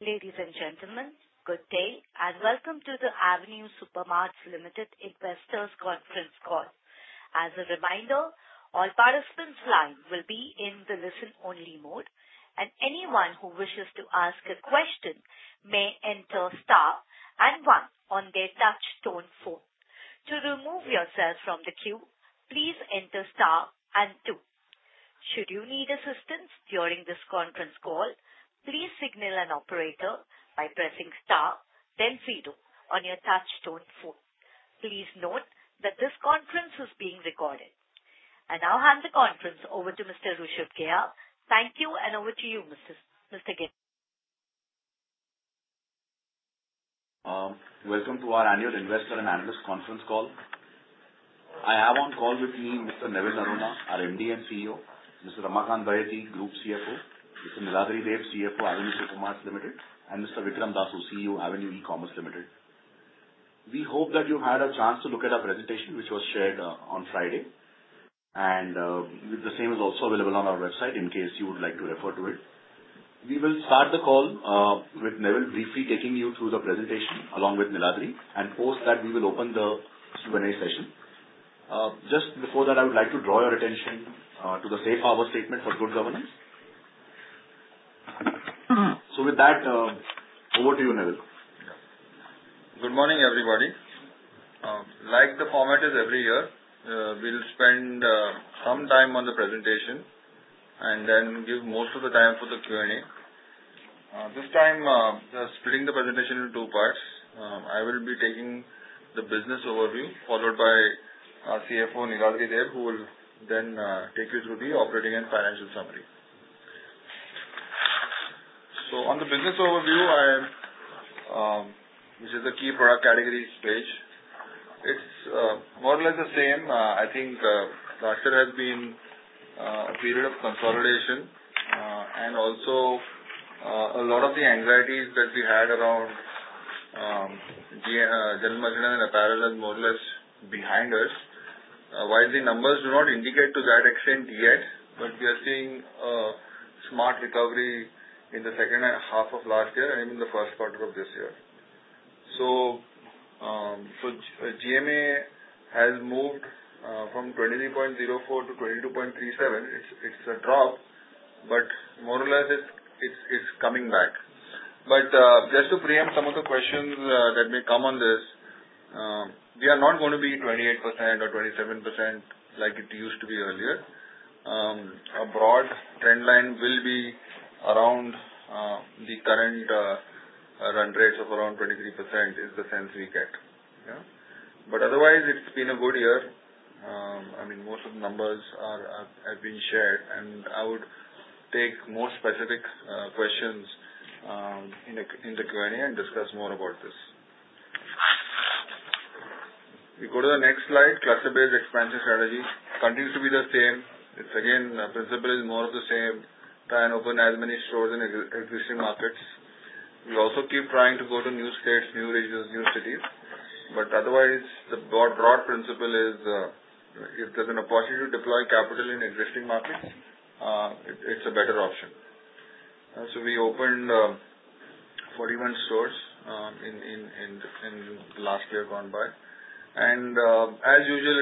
Ladies and gentlemen, good day, and welcome to the Avenue Supermarts Limited investors conference call. As a reminder, all participants' lines will be in the listen-only mode, and anyone who wishes to ask a question may enter star and one on their touch tone phone. To remove yourself from the queue, please enter star and two. Should you need assistance during this conference call, please signal an operator by pressing star, then zero on your touch-tone phone. Please note that this conference is being recorded. I now hand the conference over to Mr. Rushabh Kedia. Thank you, and over to you, Mr. Kedia. Welcome to our annual investor and analyst conference call. I have on call with me Mr. Neville Noronha, our MD and CEO; Mr. Ramakant Baheti, Group CFO; Mr. Niladri Deb, CFO, Avenue Supermarts Limited; and Mr. Vikram Das, who is CEO, Avenue E-commerce Limited. We hope that you had a chance to look at our presentation, which was shared on Friday, and the same is also available on our website in case you would like to refer to it. We will start the call with Neville briefly taking you through the presentation along with Niladri, and post that, we will open the Q&A session. Just before that, I would like to draw your attention to the safe harbor statement for good governance. With that, over to you, Neville. Good morning, everybody. Like the format is every year, we will spend some time on the presentation and then give most of the time for the Q&A. This time, splitting the presentation in two parts. I will be taking the business overview, followed by our CFO, Niladri Deb, who will then take you through the operating and financial summary. On the business overview, which is the key product categories page. It is more or less the same. I think last year has been a period of consolidation and also a lot of the anxieties that we had around general merchandise and apparel are more or less behind us. While the numbers do not indicate to that extent yet, we are seeing a smart recovery in the second half of last year and in the first quarter of this year. GMA has moved from 23.04 to 22.37. It is a drop, but more or less it is coming back. Just to preempt some of the questions that may come on this, we are not going to be 28% or 27% like it used to be earlier. A broad trend line will be around the current run rates of around 23% is the sense we get. Otherwise, it has been a good year. Most of the numbers have been shared, and I would take more specific questions in the Q&A and discuss more about this. We go to the next slide, cluster-based expansion strategy. Continues to be the same. It is again, principle is more of the same. Try and open as many stores in existing markets. We also keep trying to go to new states, new regions, new cities. Otherwise, the broad principle is if there's an opportunity to deploy capital in existing markets, it's a better option. We opened 41 stores in the last year gone by. As usual,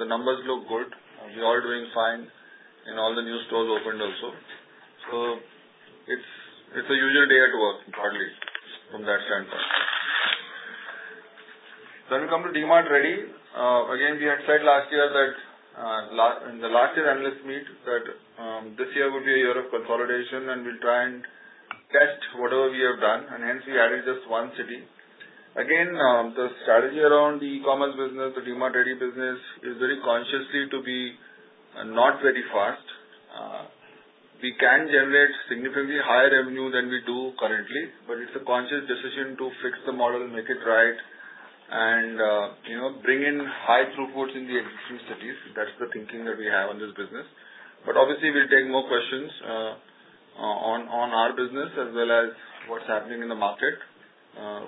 the numbers look good. We are doing fine in all the new stores opened also. It's a usual day at work broadly from that standpoint. We come to DMart Ready. Again, we had said in the last year analyst meet that this year would be a year of consolidation, we'll try and test whatever we have done, hence we added just one city. Again, the strategy around the e-commerce business, the DMart Ready business is very consciously to be not very fast. We can generate significantly higher revenue than we do currently, it's a conscious decision to fix the model, make it right, and bring in high throughputs in the existing cities. That's the thinking that we have on this business. Obviously, we'll take more questions on our business as well as what's happening in the market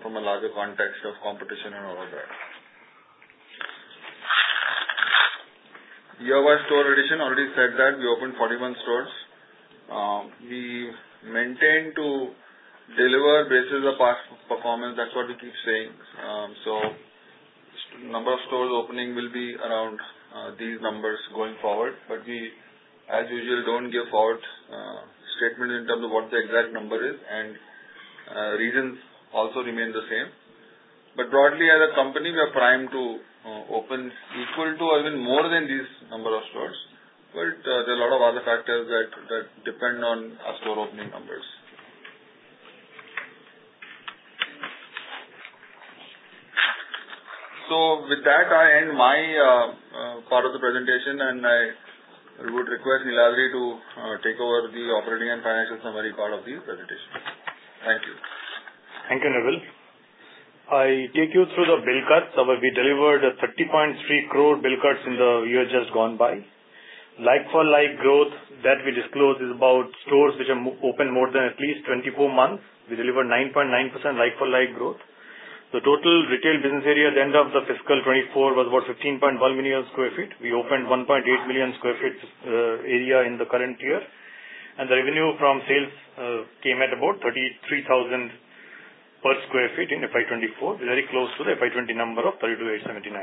from a larger context of competition and all of that. Year-wise store addition, already said that we opened 41 stores. We maintain to deliver basis of past performance. That's what we keep saying. The number of stores opening will be around these numbers going forward, we, as usual, don't give out a statement in terms of what the exact number is, and regions also remain the same. Broadly, as a company, we are primed to open equal to or even more than this number of stores. There are a lot of other factors that depend on our store opening numbers. With that, I end my part of the presentation, I would request Niladri to take over the operating and financial summary part of the presentation. Thank you. Thank you, Neville. I take you through the bill cuts. We delivered 30.3 crore bill cuts in the year just gone by. Like-for-like growth that we disclosed is about stores which are open more than at least 24 months. We delivered 9.9% like-for-like growth. The total retail business area at the end of the FY 2024 was about 15.1 million sq ft. We opened 1.8 million sq ft area in the current year, the revenue from sales came at about 33,000 per sq ft in FY 2024, very close to the FY 2020 number of 32,879.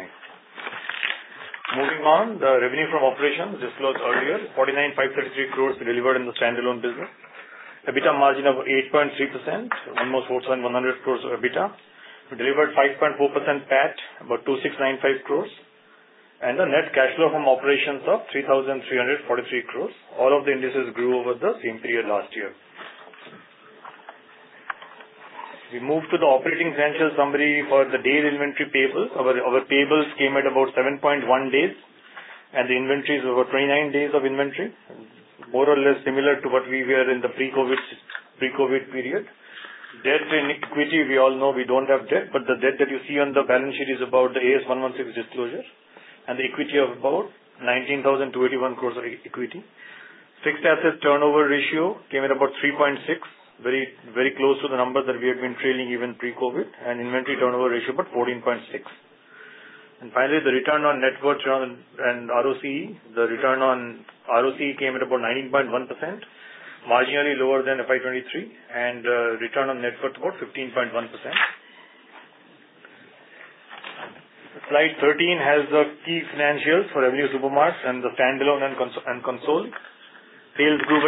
Moving on, the revenue from operations disclosed earlier 49,533 crore delivered in the standalone business. EBITDA margin of 8.3%, almost 4,100 crore of EBITDA. We delivered 5.4% PAT, about 2,695 crore, the net cash flow from operations of 3,343 crore. All of the indices grew over the same period last year. We move to the operating financial summary for the day inventory payables. Our payables came at about 7.1 days, and the inventory is over 29 days of inventory. More or less similar to what we were in the pre-COVID period. Debt and equity, we all know we don't have debt, but the debt that you see on the balance sheet is about the Ind AS 116 disclosure and the equity of about 19,021 crores of equity. Fixed asset turnover ratio came at about 3.6, very close to the number that we had been trailing even pre-COVID, and inventory turnover ratio about 14.6. Finally, the return on net worth and ROCE. The return on ROCE came at about 19.1%, marginally lower than FY 2023, and return on net worth about 15.1%. Slide 13 has the key financials for Avenue Supermarts and the standalone and consolidated. Sales grew by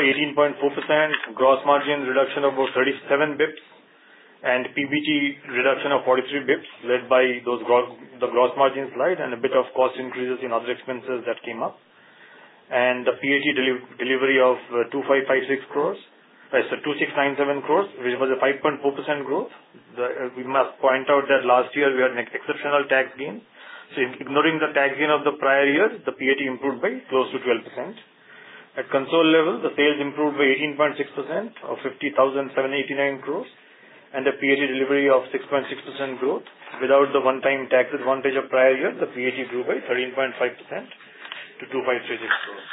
18.4%, gross margin reduction of about 37 bps, and PBT reduction of 43 bps led by the gross margin slide and a bit of cost increases in other expenses that came up. The PAT delivery of 2,697 crores, which was a 5.4% growth. We must point out that last year we had an exceptional tax gain. Ignoring the tax gain of the prior year, the PAT improved by close to 12%. At consolidated level, the sales improved by 18.6% of 50,789 crores and a PAT delivery of 6.6% growth. Without the one-time tax advantage of the prior year, the PAT grew by 13.5% to 2,536 crores.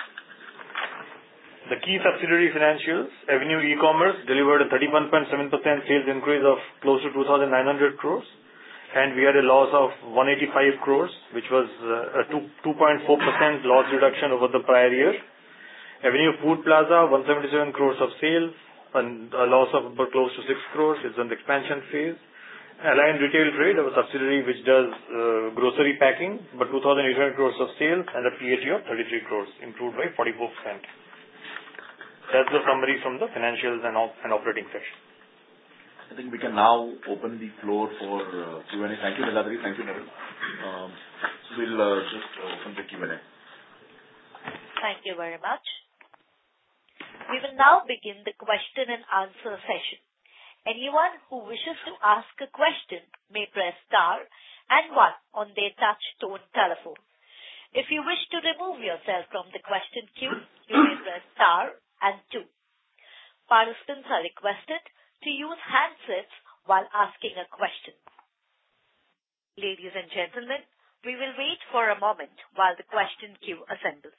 The key subsidiary financials. Avenue E-commerce delivered a 31.7% sales increase of close to 2,900 crores, and we had a loss of 185 crores, which was a 2.4% loss reduction over the prior year. Avenue Food Plaza, 177 crores of sales and a loss of about close to 6 crores. It's in the expansion phase. Align Retail Traders, a subsidiary which does grocery packing, about 2,800 crores of sales and a PAT of 33 crores, improved by 44%. That's the summary from the financials and operating section. I think we can now open the floor for Q&A. Thank you, Malathi. Thank you, Madhav. We'll just open the Q&A. Thank you very much. We will now begin the question and answer session. Anyone who wishes to ask a question may press star and one on their touch tone telephone. If you wish to remove yourself from the question queue, please press star and two. Participants are requested to use handsets while asking a question. Ladies and gentlemen, we will wait for a moment while the question queue assembles.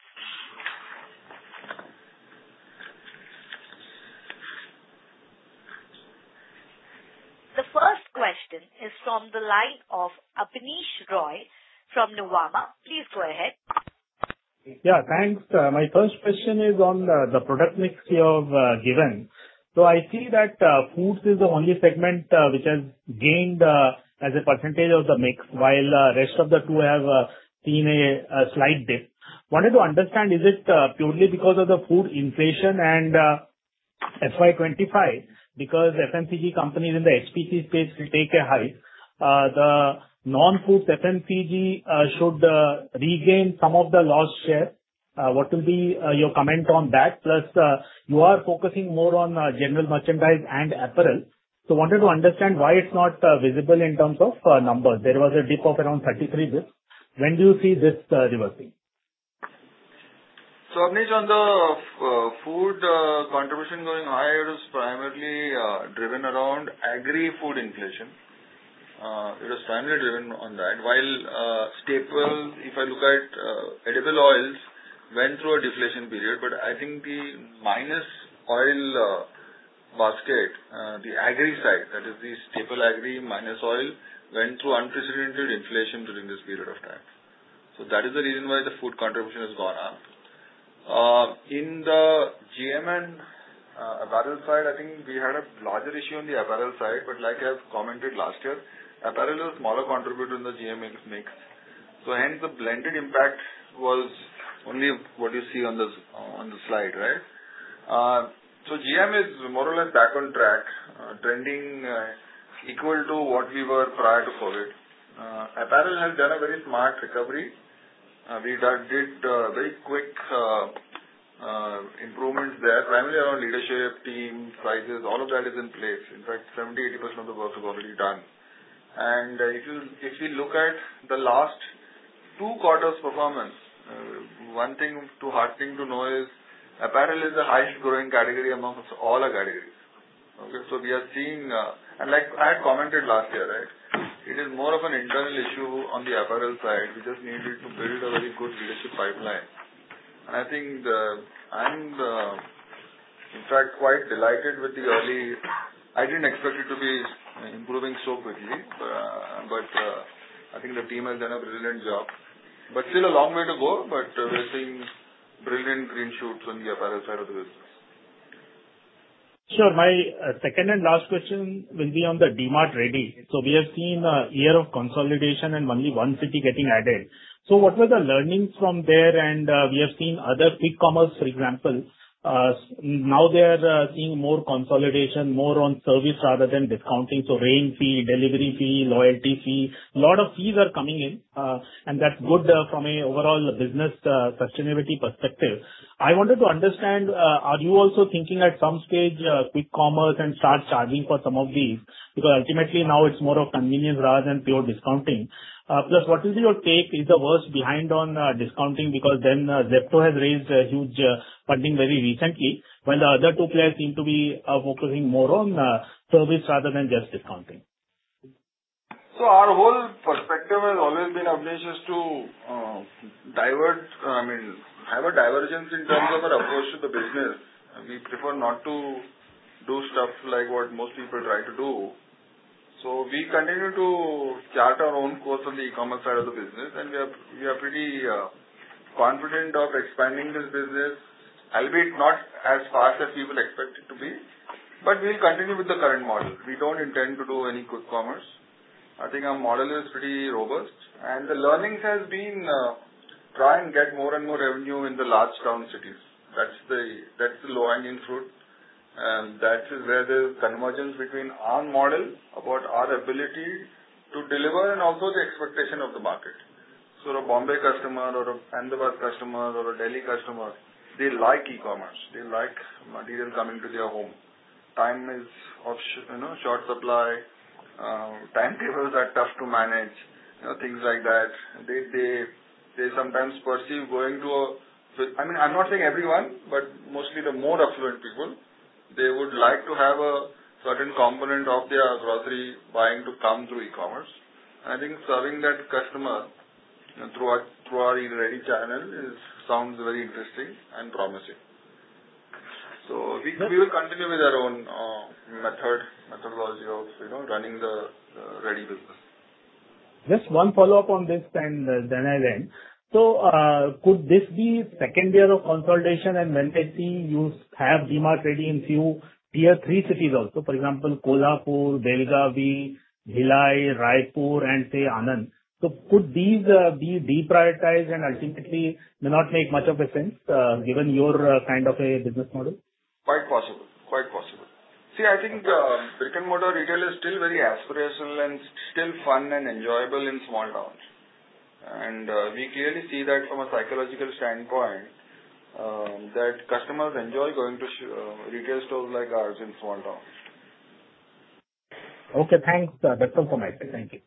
The first question is from the line of Abneesh Roy from Nuvama. Please go ahead. Yeah, thanks. My first question is on the product mix you have given. I see that foods is the only segment which has gained as a percentage of the mix while the rest of the two have seen a slight dip. Wanted to understand, is it purely because of the food inflation and FY 2025, because FMCG companies in the HPC space will take a hike. The non-food FMCG should regain some of the lost share. What will be your comment on that? You are focusing more on general merchandise and apparel. Wanted to understand why it's not visible in terms of numbers. There was a dip of around 33 basis points. When do you see this reversing? Abneesh, on the food contribution going higher is primarily driven around agri-food inflation. It is primarily driven on that. While staple, if I look at edible oils, went through a deflation period, I think the minus oil basket, the agri side, that is the staple agri minus oil, went through unprecedented inflation during this period of time. That is the reason why the food contribution has gone up. In the GM & apparel side, I think we had a larger issue on the apparel side, like I have commented last year, apparel is a smaller contributor in the GM mix. Hence the blended impact was only what you see on the slide, right? GM is more or less back on track, trending equal to what we were prior to COVID. Apparel has done a very smart recovery. We did very quick improvements there, primarily around leadership team, prices, all of that is in place. In fact, 70%-80% of the work is already done. If we look at the last two quarters' performance, one thing to know is apparel is the highest growing category amongst all our categories. Okay, we are seeing-- Like I had commented last year. It is more of an internal issue on the apparel side. We just needed to build a very good leadership pipeline. I think the In fact, quite delighted with the early. I didn't expect it to be improving so quickly. I think the team has done a brilliant job. Still a long way to go, but we're seeing brilliant green shoots on the apparel side of the business. Sure. My second and last question will be on the DMart Ready. We have seen a year of consolidation and only one city getting added. What were the learnings from there? We have seen other quick commerce, for example, now they are seeing more consolidation, more on service rather than discounting. Rain fee, delivery fee, loyalty fee, a lot of fees are coming in, and that's good from an overall business sustainability perspective. I wanted to understand, are you also thinking at some stage quick commerce and start charging for some of these? Ultimately now it's more of convenience rather than pure discounting. What is your take? Is the worst behind on discounting? Zepto has raised a huge funding very recently, when the other two players seem to be focusing more on service rather than just discounting. Our whole perspective has always been obnoxious to have a divergence in terms of an approach to the business. We prefer not to do stuff like what most people try to do. We continue to chart our own course on the e-commerce side of the business, and we're pretty confident of expanding this business, albeit not as fast as people expect it to be. We'll continue with the current model. We don't intend to do any quick commerce. I think our model is pretty robust, and the learnings has been, try and get more and more revenue in the large town cities. That's the low-hanging fruit, and that is where the convergence between our model, about our ability to deliver, and also the expectation of the market. A Bombay customer or a Ahmedabad customer or a Delhi customer, they like e-commerce. They like materials coming to their home. Time is short supply. Timetables are tough to manage, things like that. I'm not saying everyone, but mostly the more affluent people, they would like to have a certain component of their grocery buying to come through e-commerce. I think serving that customer through our Ready channel sounds very interesting and promising. We will continue with our own methodology of running the Ready business. Just one follow-up on this and then I'll end. Could this be second year of consolidation and when can we see you have DMart Ready in few tier 3 cities also? For example, Kolhapur, Belgaum, Bhilai, Raipur, and say, Anand. Could these be deprioritized and ultimately may not make much of a sense given your kind of a business model? Quite possible. I think brick-and-mortar retail is still very aspirational and still fun and enjoyable in small towns. We clearly see that from a psychological standpoint, that customers enjoy going to retail stores like ours in small towns. Thanks. That's all from my side. Thank you.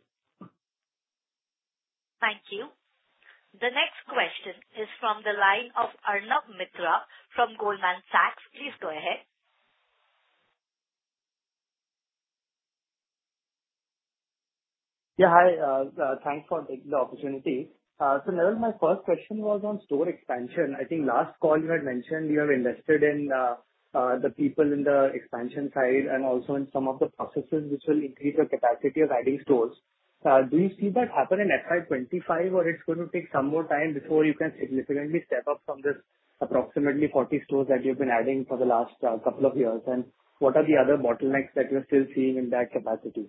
Thank you. The next question is from the line of Arnab Mitra from Goldman Sachs. Please go ahead. Yeah, hi. Thanks for the opportunity. Naval, my first question was on store expansion. I think last call you had mentioned you have invested in the people in the expansion side and also in some of the processes which will increase your capacity of adding stores. Do you see that happen in FY 2025 or it's going to take some more time before you can significantly step up from this approximately 40 stores that you've been adding for the last couple of years? What are the other bottlenecks that you're still seeing in that capacity?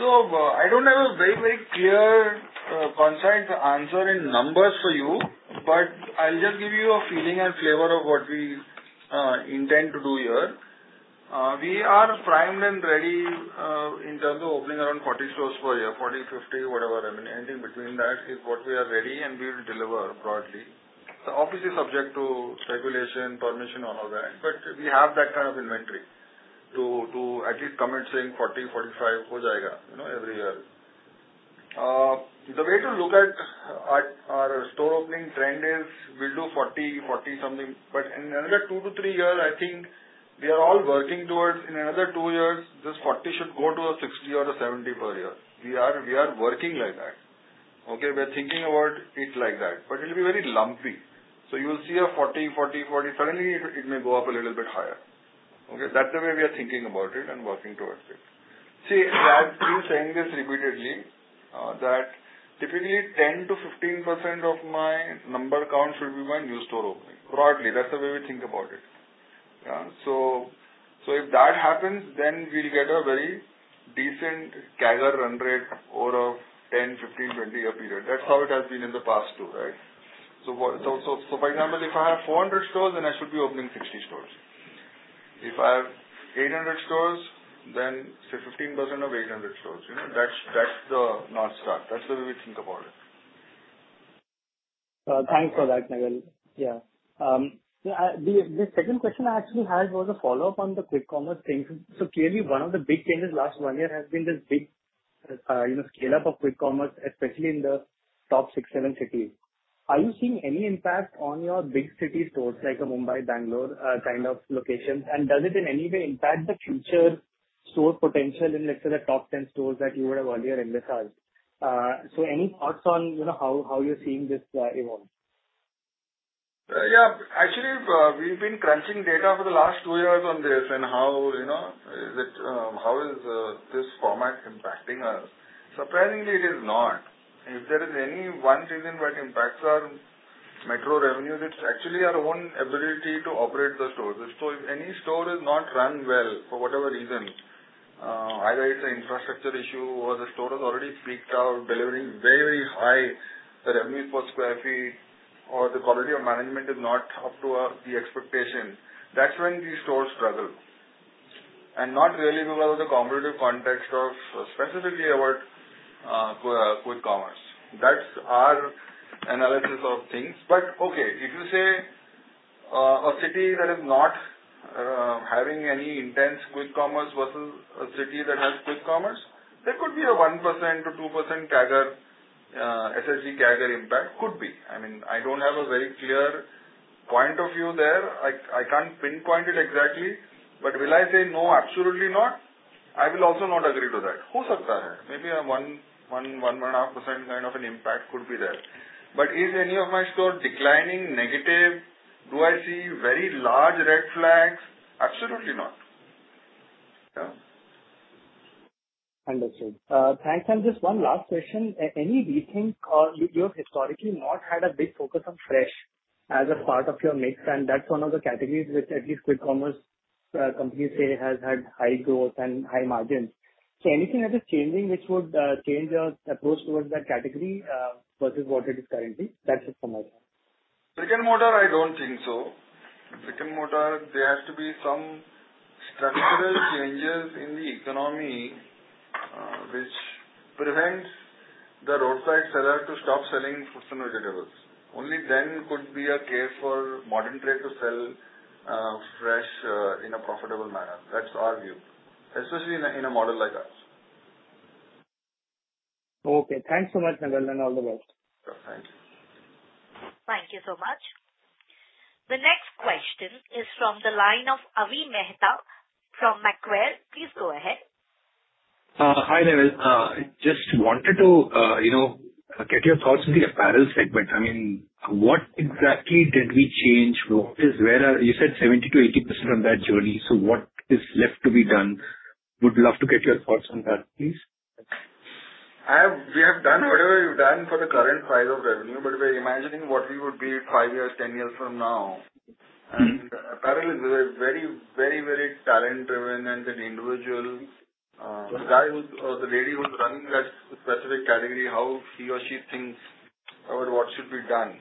I don't have a very clear, concise answer in numbers for you, but I'll just give you a feeling and flavor of what we intend to do here. We are primed and ready in terms of opening around 40 stores per year, 40, 50, whatever, anything between that is what we are ready and we will deliver broadly. Obviously subject to regulation, permission, all of that. We have that kind of inventory to at least commit saying 40, 45 every year. The way to look at our store opening trend is we'll do 40 something, but in another two to three years, I think we are all working towards, in another two years, this 40 should go to a 60 or a 70 per year. We are working like that. Okay, we're thinking about it like that. It'll be very lumpy. You will see a 40. Suddenly it may go up a little bit higher. Okay, that's the way we are thinking about it and working towards it. I've been saying this repeatedly, that typically 10%-15% of my number count should be my new store opening. Broadly, that's the way we think about it. If that happens, then we'll get a very decent CAGR run rate over a 10, 15, 20 year period. That's how it has been in the past too, right? For example, if I have 400 stores, then I should be opening 60 stores. If I have 800 stores, then say 15% of 800 stores. That's the North Star. That's the way we think about it. Thanks for that, Naval. Yeah. The second question I actually had was a follow-up on the quick commerce thing. Clearly one of the big changes last one year has been this big scale-up of quick commerce, especially in the top six, seven cities. Are you seeing any impact on your big city stores, like a Mumbai, Bangalore kind of locations? Does it in any way impact the future Store potential in, let's say, the top 10 stores that you would have earlier in this Yeah. Actually, we've been crunching data over the last two years on this, how is this format impacting us? Surprisingly, it is not. If there is any one reason what impacts our metro revenues, it's actually our own ability to operate the stores. If any store is not run well for whatever reason, either it's an infrastructure issue or the store has already peaked out delivering very high revenue per square feet, or the quality of management is not up to the expectation, that's when these stores struggle. Not really because of the competitive context of specifically about quick commerce. That's our analysis of things. Okay, if you say a city that is not having any intense quick commerce versus a city that has quick commerce, there could be a 1%-2% SSG CAGR impact. Could be. I don't have a very clear point of view there. I can't pinpoint it exactly. Will I say no, absolutely not? I will also not agree to that. Understood. Thanks. Just one last question. Any rethink or you have historically not had a big focus on fresh as a part of your mix, and that's one of the categories which at least quick commerce companies say has had high growth and high margins. Anything that is changing which would change your approach towards that category versus what it is currently? That's it from my side. Brick and Mortar, I don't think so. Brick and Mortar, there has to be some structural changes in the economy, which prevents the roadside seller to stop selling fruits and vegetables. Only then could be a case for modern trade to sell fresh in a profitable manner. That's our view, especially in a model like ours. Okay. Thanks so much, Neville, and all the best. Okay, thank you. Thank you so much. The next question is from the line of Avi Mehta from Macquarie. Please go ahead. Hi, Neville. Just wanted to get your thoughts on the apparel segment. What exactly did we change? You said 70%-80% on that journey, what is left to be done? Would love to get your thoughts on that, please. We have done whatever we've done for the current size of revenue, we're imagining what we would be five years, 10 years from now. Apparel is very talent-driven. The guy or the lady who's running that specific category, how he or she thinks about what should be done.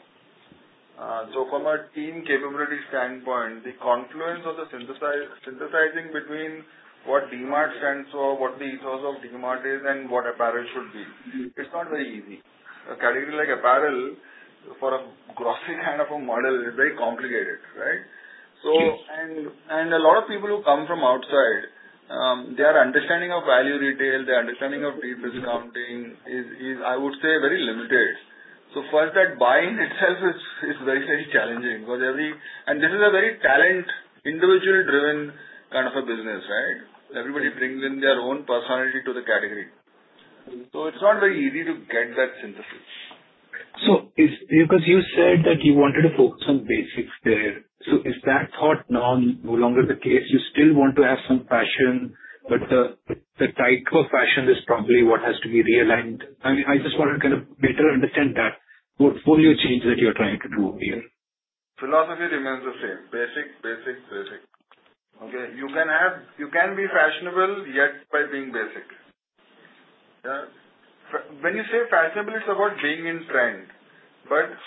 From a team capability standpoint, the confluence of the synthesizing between what DMart stands for, what the ethos of DMart is, and what apparel should be, it's not very easy. A category like apparel for a grocery kind of a model is very complicated, right? Yes. A lot of people who come from outside, their understanding of value retail, their understanding of deep discount thing is, I would say, very limited. First, that buying itself is very challenging. This is a very talent, individual-driven kind of a business. Everybody brings in their own personality to the category. It's not very easy to get that synthesis. You said that you wanted to focus on basics there. Is that thought no longer the case? You still want to have some fashion, but the type of fashion is probably what has to be realigned. I just want to better understand that portfolio change that you're trying to do here. Philosophy remains the same. Basic. You can be fashionable, yet by being basic. When you say fashionable, it's about being in trend.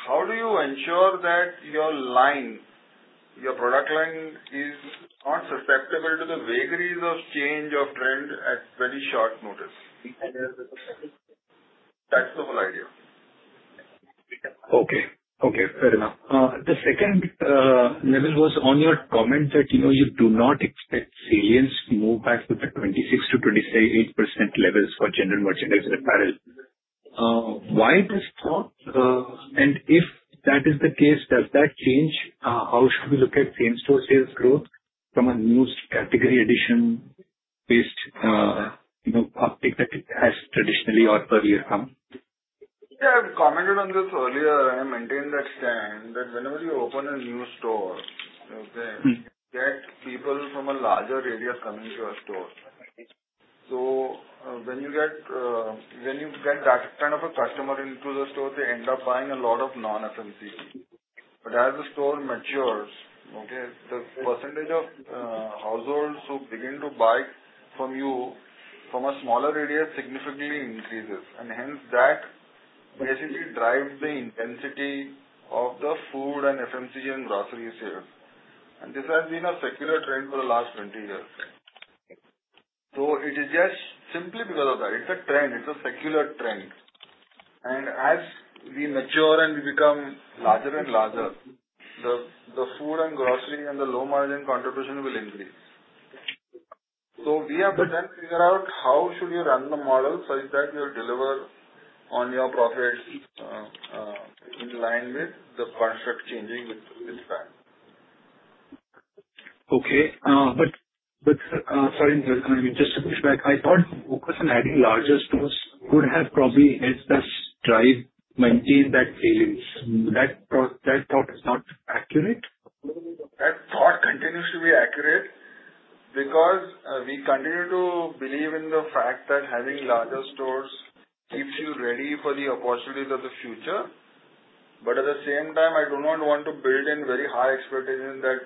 How do you ensure that your product line is not susceptible to the vagaries of change of trend at very short notice? That's the whole idea. Okay. Fair enough. The second, Neville, was on your comment that you do not expect salience to move back to the 26%-28% levels for general merchandise apparel. Why this thought? If that is the case, does that change how should we look at same-store sales growth from a new category addition based, uptick that has traditionally or per year come? I've commented on this earlier. I maintain that stand. You get people from a larger radius coming to your store. When you get that kind of a customer into the store, they end up buying a lot of non-FMCG. As the store matures, the percentage of households who begin to buy from you from a smaller radius significantly increases. Hence that basically drives the intensity of the food and FMCG and grocery sales. This has been a secular trend for the last 20 years. It is just simply because of that. It's a trend, it's a secular trend. As we mature and we become larger and larger, the food and grocery and the low-margin contribution will increase. We have to then figure out how should we run the model such that we deliver on your profits in line with the construct changing with time. Okay. Sorry to interrupt you. Just to push back, I thought focus on adding larger stores would have probably helped us drive maintain that failings. That thought is not accurate? That thought continues to be accurate because we continue to believe in the fact that having larger stores keeps you ready for the opportunities of the future. At the same time, I do not want to build in very high expectations that,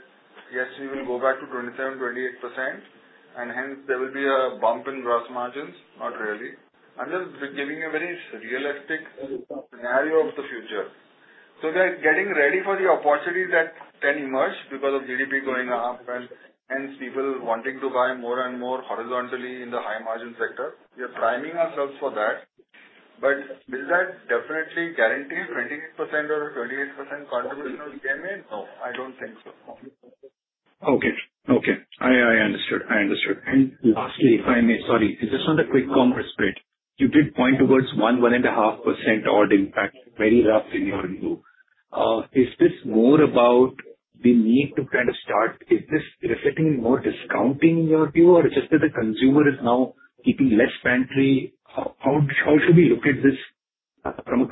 yes, we will go back to 27%, 28%, and hence there will be a bump in gross margins. Not really. I'm just giving a very realistic scenario of the future. They're getting ready for the opportunities that can emerge because of GDP going up and hence people wanting to buy more and more horizontally in the high margin sector. We are priming ourselves for that. Will that definitely guarantee 28% or a 38% contribution of GMAs? No, I don't think so. Okay. I understood. Lastly, if I may. Sorry, just on the quick commerce bit, you did point towards 1.5% odd impact very rough in your view. Is this reflecting more discounting in your view, or just that the consumer is now keeping less pantry? How should we look at this from-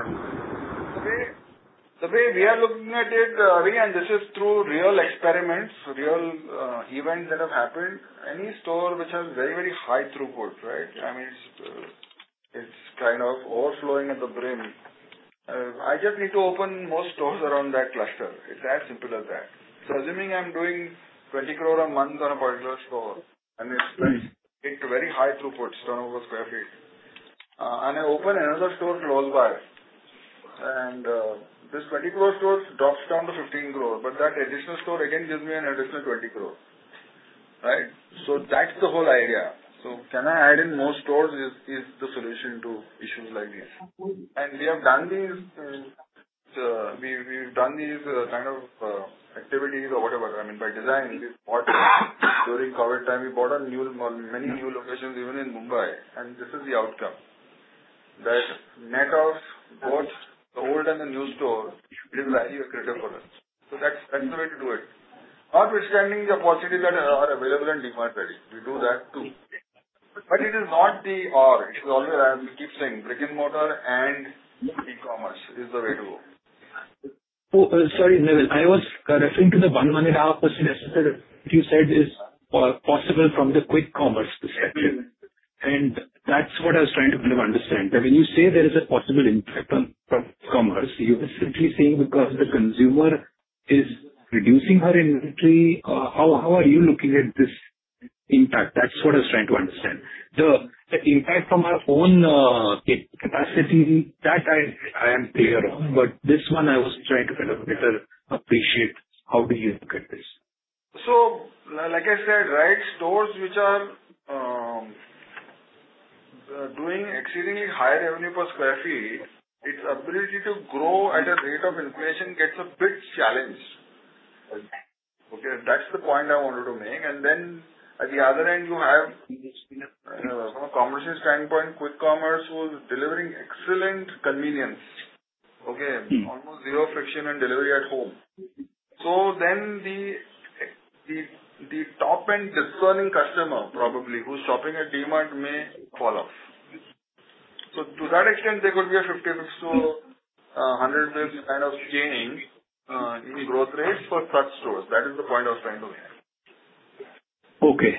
The way we are looking at it, and this is through real experiments, real events that have happened. Any store which has very high throughput, I mean, it's kind of overflowing at the brim. I just need to open more stores around that cluster. It's as simple as that. Assuming I'm doing 20 crore a month on a particular store and it's very high throughput turnover square feet. I open another store close by and this 20 crore store drops down to 15 crore. That additional store again gives me an additional 20 crore, right? That's the whole idea. Can I add in more stores? Is the solution to issues like this. We have done these kind of activities or whatever. I mean, by design during COVID time we bought on many new locations even in Mumbai and this is the outcome. That net of both the old and the new store is value accretive for us. That's the way to do it. Apart from standing the opportunities that are available in DMart Ready. We do that too. It is not the or, it should always, I keep saying brick-and-mortar and e-commerce is the way to go. Sorry, Neville. I was referring to the 1.5% you said is possible from the quick commerce perspective. That's what I was trying to kind of understand. When you say there is a possible impact on quick commerce, you're simply saying because the consumer is reducing her inventory. How are you looking at this impact? That's what I was trying to understand. The impact from our own capacity, that I am clear on, but this one I was trying to kind of better appreciate how do you look at this. Like I said, stores which are exceeding higher revenue per square feet, its ability to grow at a rate of inflation gets a bit challenged. Okay? That's the point I wanted to make. At the other end you have from a commerce standpoint, quick commerce was delivering excellent convenience. Almost zero friction and delivery at home. The top and discerning customer probably who's shopping at DMart may fall off. To that extent there could be a 50 to 100 basis point kind of change in growth rates for such stores. That is the point I was trying to make. Okay.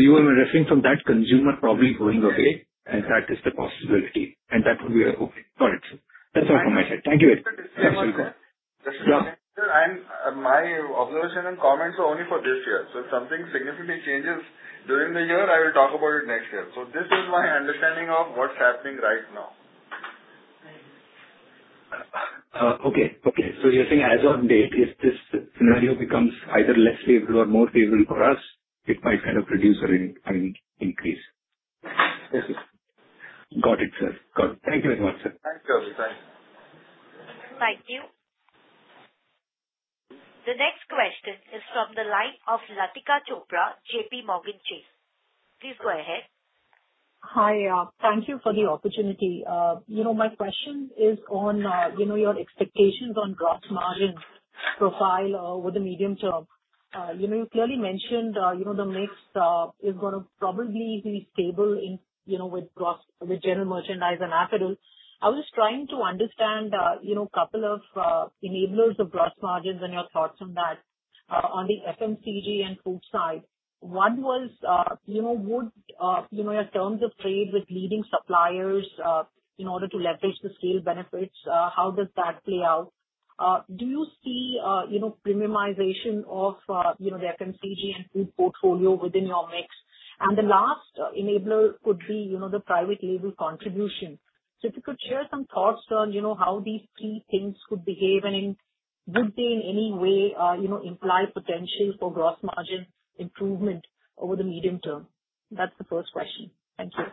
You were referring from that consumer probably going away and that is the possibility and that would be appropriate. Got it. That's all from my side. Thank you. My observation and comments are only for this year. If something significantly changes during the year I will talk about it next year. This is my understanding of what's happening right now. Okay. You're saying as of date, if this scenario becomes either less favorable or more favorable for us, it might kind of reduce or increase. Yes, sir. Got it, sir. Good. Thank you very much, sir. Thank you. Thank you. The next question is from the line of Latika Chopra, JPMorgan Chase. Please go ahead. Hi. Thank you for the opportunity. My question is on your expectations on gross margin profile over the medium term. You clearly mentioned the mix is going to probably be stable with general merchandise and apparel. I was trying to understand couple of enablers of gross margins and your thoughts on that on the FMCG and food side. One was your terms of trade with leading suppliers in order to leverage the scale benefits, how does that play out? Do you see premiumization of the FMCG and food portfolio within your mix? The last enabler could be the private label contribution. If you could share some thoughts on how these three things could behave and would they in any way imply potential for gross margin improvement over the medium term? That's the first question. Thank you.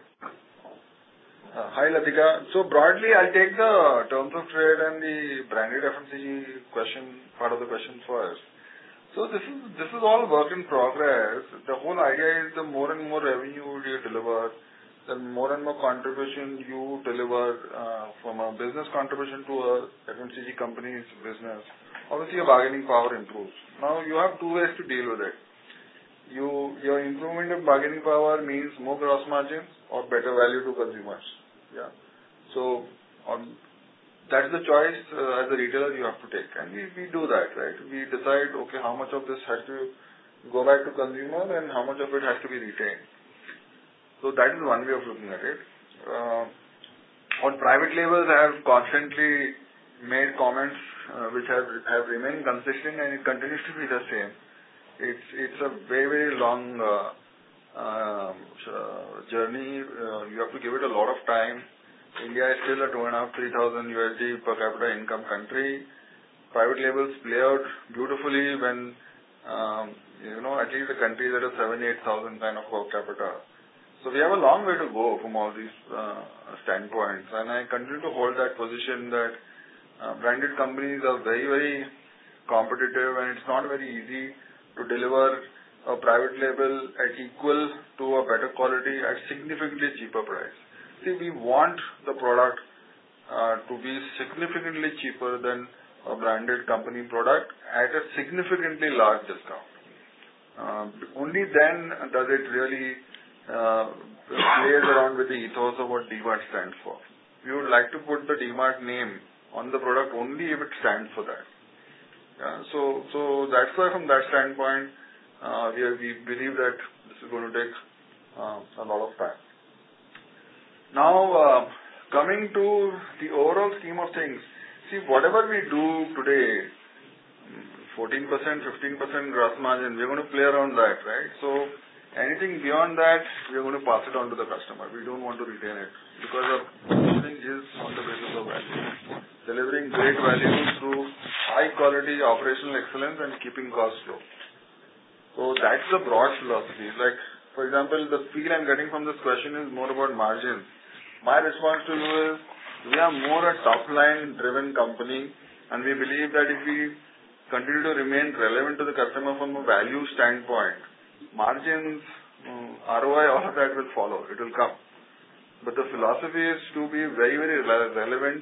Hi, Latika. Broadly, I'll take the terms of trade and the branded FMCG part of the question first. This is all work in progress. The whole idea is the more and more revenue we deliver, the more and more contribution you deliver from a business contribution to an FMCG company's business, obviously your bargaining power improves. Now you have two ways to deal with it. Your improvement of bargaining power means more gross margins or better value to consumers. That's the choice as a retailer you have to take. We do that. We decide, okay, how much of this has to go back to consumers and how much of it has to be retained. That is one way of looking at it. On private labels, I have constantly made comments which have remained consistent, and it continues to be the same. It's a very long journey. You have to give it a lot of time. India is still a $2,500, $3,000 USD per capita income country. Private labels play out beautifully when, at least a country that is $7,000, $8,000 kind of per capita. We have a long way to go from all these standpoints, and I continue to hold that position that branded companies are very competitive, and it's not very easy to deliver a private label at equal to a better quality at a significantly cheaper price. See, we want the product to be significantly cheaper than a branded company product at a significantly larger discount. Only then does it really play around with the ethos of what DMart stands for. We would like to put the DMart name on the product only if it stands for that. That's why from that standpoint, we believe that this is going to take a lot of time. Now, coming to the overall scheme of things. See, whatever we do today, 14%-15% gross margin, we're going to play around that. Anything beyond that, we are going to pass it on to the customer. We don't want to retain it because our business is on the basis of value. Delivering great value through high-quality operational excellence and keeping costs low. That's the broad philosophy. For example, the feel I'm getting from this question is more about margin. My response to you is, we are more a top-line driven company, and we believe that if we continue to remain relevant to the customer from a value standpoint, margins, ROI, all of that will follow. It will come. The philosophy is to be very relevant,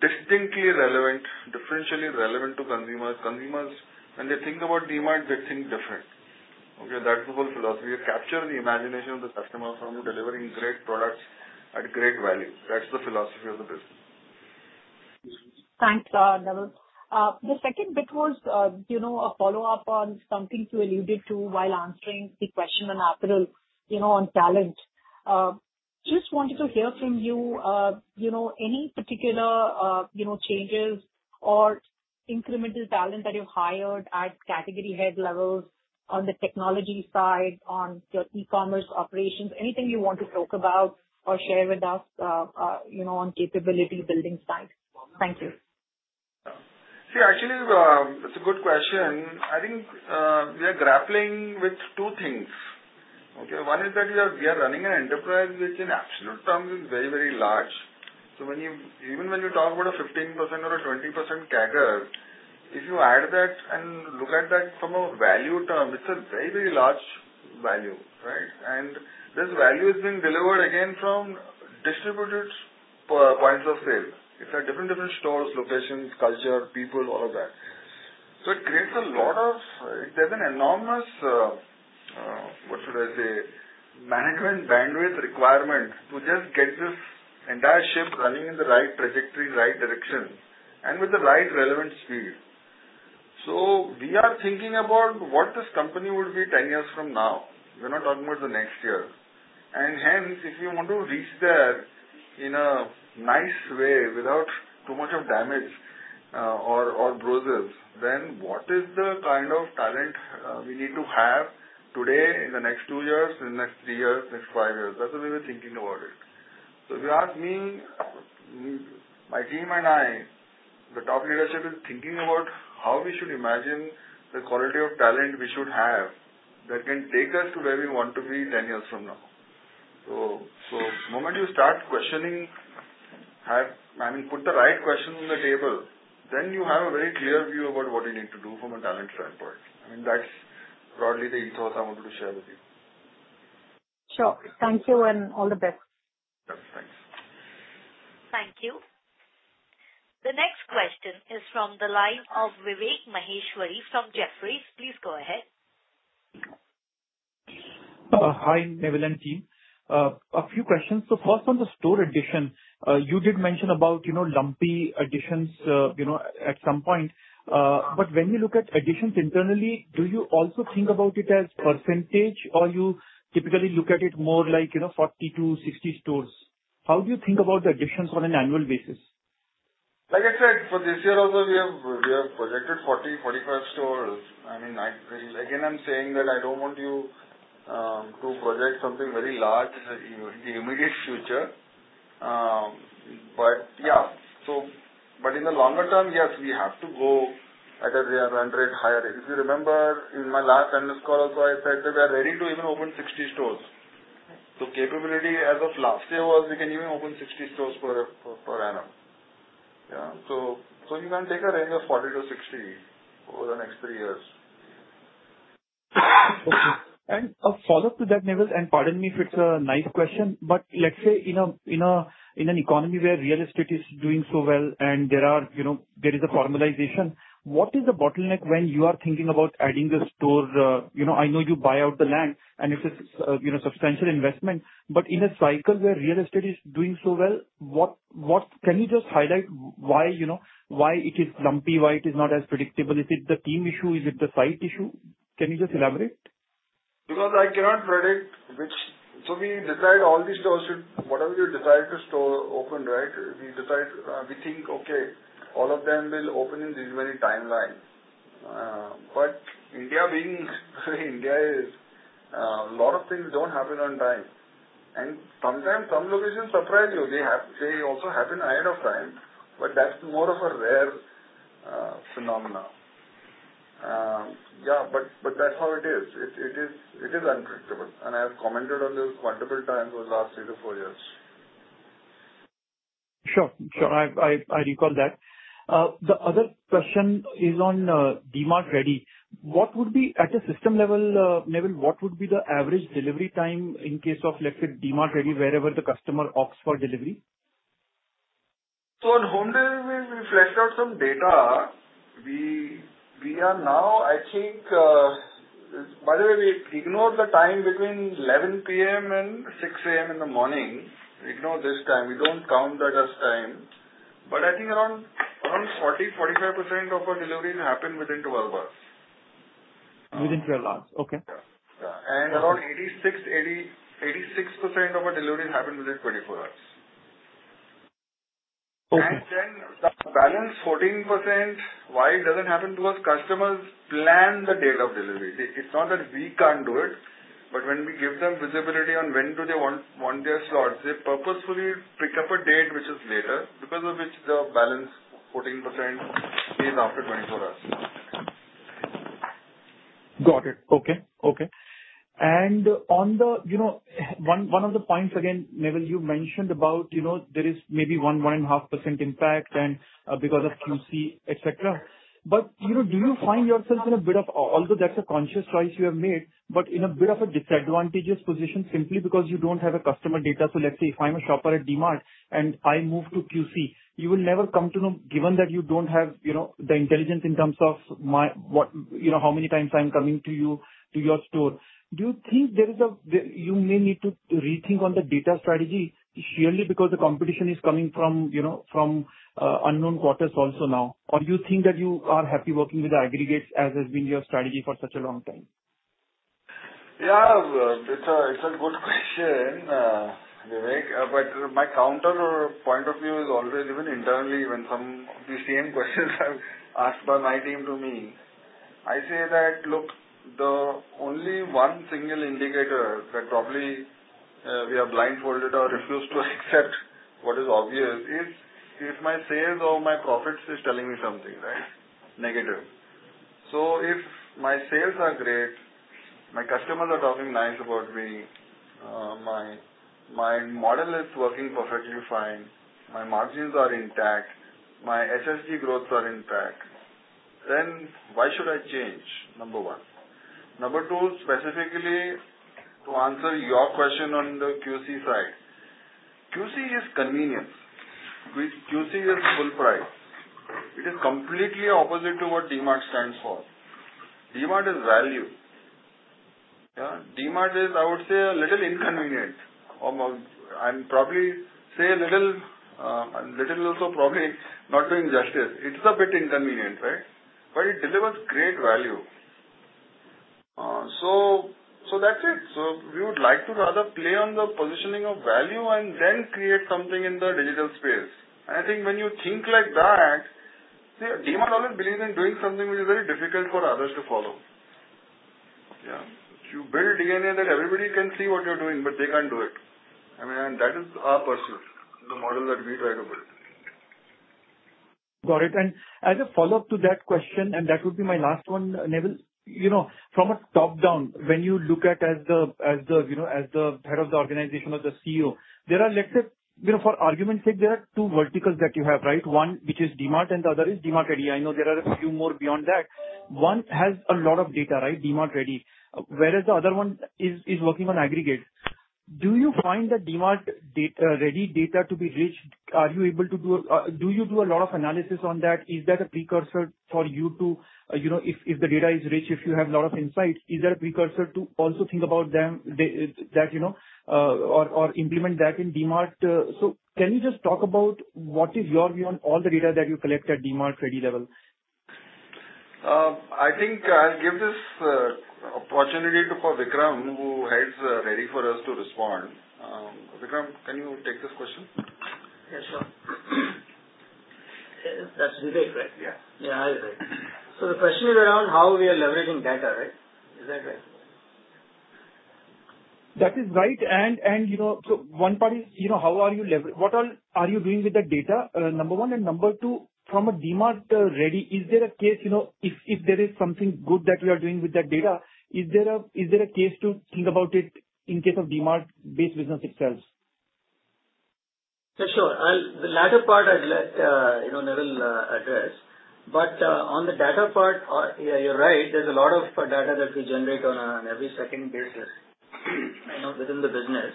distinctly relevant, differentially relevant to consumers. Consumers, when they think about DMart, they think different. That's the whole philosophy. Capture the imagination of the customer from delivering great products at great value. That's the philosophy of the business. Thanks, Naval. The second bit was a follow-up on something you alluded to while answering the question on apparel, on talent. Just wanted to hear from you any particular changes or incremental talent that you've hired at category head levels on the technology side, on your e-commerce operations, anything you want to talk about or share with us on capability building side. Thank you. See, actually, it's a good question. I think we are grappling with two things. One is that we are running an enterprise which in absolute terms is very large. Even when you talk about a 15% or a 20% CAGR, if you add that and look at that from a value term, it's a very large value. This value is being delivered again from distributed points of sale. It's at different stores, locations, culture, people, all of that. There's an enormous, what should I say, management bandwidth requirement to just get this entire ship running in the right trajectory, right direction, and with the right relevant speed. We are thinking about what this company will be 10 years from now. We're not talking about the next year. Hence, if you want to reach there in a nice way without too much of damage or bruises, then what is the kind of talent we need to have today, in the next two years, in the next three years, next five years? That's the way we're thinking about it. If you ask me, my team and I, the top leadership is thinking about how we should imagine the quality of talent we should have that can take us to where we want to be 10 years from now. The moment you start questioning, put the right questions on the table, then you have a very clear view about what you need to do from a talent standpoint. That's broadly the ethos I wanted to share with you. Sure. Thank you and all the best. Yeah, thanks. Thank you. The next question is from the line of Vivek Maheshwari from Jefferies. Please go ahead. Hi, Naval and team. A few questions. First on the store addition, you did mention about lumpy additions at some point. When you look at additions internally, do you also think about it as percentage or you typically look at it more like 40 to 60 stores? How do you think about the additions on an annual basis? Like I said, for this year also, we have projected 40, 45 stores. Again, I'm saying that I don't want you to project something very large in the immediate future. In the longer term, yes, we have to go at a higher rate. If you remember in my last earnings call also, I said that we are ready to even open 60 stores. Capability as of last year was we can even open 60 stores per annum. You can take a range of 40 to 60 over the next three years A follow-up to that, Neville, and pardon me if it's a naive question, let's say in an economy where real estate is doing so well and there is a formalization, what is the bottleneck when you are thinking about adding the stores? I know you buy out the land and it is substantial investment, in a cycle where real estate is doing so well, can you just highlight why it is lumpy, why it is not as predictable? Is it the team issue? Is it the site issue? Can you just elaborate? I cannot predict which. We decide all the stores, whatever we decide the store open, right? We think, okay, all of them will open in this many timeline. India is a lot of things don't happen on time, and sometimes some locations surprise you. They also happen ahead of time, that's more of a rare phenomenon. Yeah. That's how it is. It is unpredictable, and I have commented on this multiple times over the last three to four years. Sure. I recall that. The other question is on DMart Ready. At a system level, Neville, what would be the average delivery time in case of, let's say, DMart Ready, wherever the customer opts for delivery? On home delivery, we fleshed out some data. By the way, we ignore the time between 11:00 P.M. and 6:00 A.M. in the morning. We ignore this time. We don't count that as time. I think around 40%-45% of our deliveries happen within 12 hours. Within 12 hours. Okay. Yeah. Around 86% of our deliveries happen within 24 hours. Okay. The balance 14%, why it doesn't happen to us, customers plan the date of delivery. It's not that we can't do it, but when we give them visibility on when do they want their slots, they purposefully pick up a date which is later, because of which the balance 14% is after 24 hours. Got it. Okay. One of the points again, Neville, you mentioned about, there is maybe 1%, 1.5% impact because of QC, et cetera. Although that's a conscious choice you have made, but in a bit of a disadvantageous position simply because you don't have a customer data. Let's say if I'm a shopper at DMart and I move to QC, you will never come to know, given that you don't have the intelligence in terms of how many times I'm coming to your store. Do you think you may need to rethink on the data strategy sheerly because the competition is coming from unknown quarters also now? Do you think that you are happy working with the aggregates as has been your strategy for such a long time? It's a good question, Vivek. My counterpoint of view is always even internally when some of the same questions are asked by my team to me, I say that, look, the only one single indicator that probably we are blindfolded or refuse to accept what is obvious is, if my sales or my profits is telling me something, right? Negative. If my sales are great, my customers are talking nice about me, my model is working perfectly fine, my margins are intact, my SSG growths are intact, then why should I change? Number one. Number two, specifically to answer your question on the QC side. QC is convenience, QC is full price. It is completely opposite to what DMart stands for. DMart is value. DMart is, I would say, a little inconvenient. Probably say a little is also probably not doing justice. It's a bit inconvenient, right? It delivers great value. That's it. We would like to rather play on the positioning of value and then create something in the digital space. I think when you think like that, DMart always believes in doing something which is very difficult for others to follow. You build DNA that everybody can see what you're doing, but they can't do it. That is our pursuit, the model that we try to build. Got it. As a follow-up to that question, that would be my last one, Neville. From a top-down, when you look at as the head of the organization or the CEO, for argument's sake, there are two verticals that you have, right? One which is DMart and the other is DMart Ready. I know there are a few more beyond that. One has a lot of data, DMart Ready, whereas the other one is working on aggregate. Do you find the DMart Ready data to be rich? Do you do a lot of analysis on that? If the data is rich, if you have a lot of insight, is that a precursor to also think about them or implement that in DMart? Can you just talk about what is your view on all the data that you collect at DMart Ready level? I think I'll give this opportunity for Vikram, who heads Ready for us to respond. Vikram, can you take this question? Yeah, sure. That's Vivek, right? Yeah. Yeah. Hi, Vivek. The question is around how we are leveraging data, right? Is that right? That is right. One part is, what all are you doing with that data? Number one, and number two, from a DMart Ready, if there is something good that we are doing with that data, is there a case to think about it in case of DMart base business itself? Yeah, sure. The latter part, Neville will address, but on the data part, you're right, there's a lot of data that we generate on an every second basis within the business.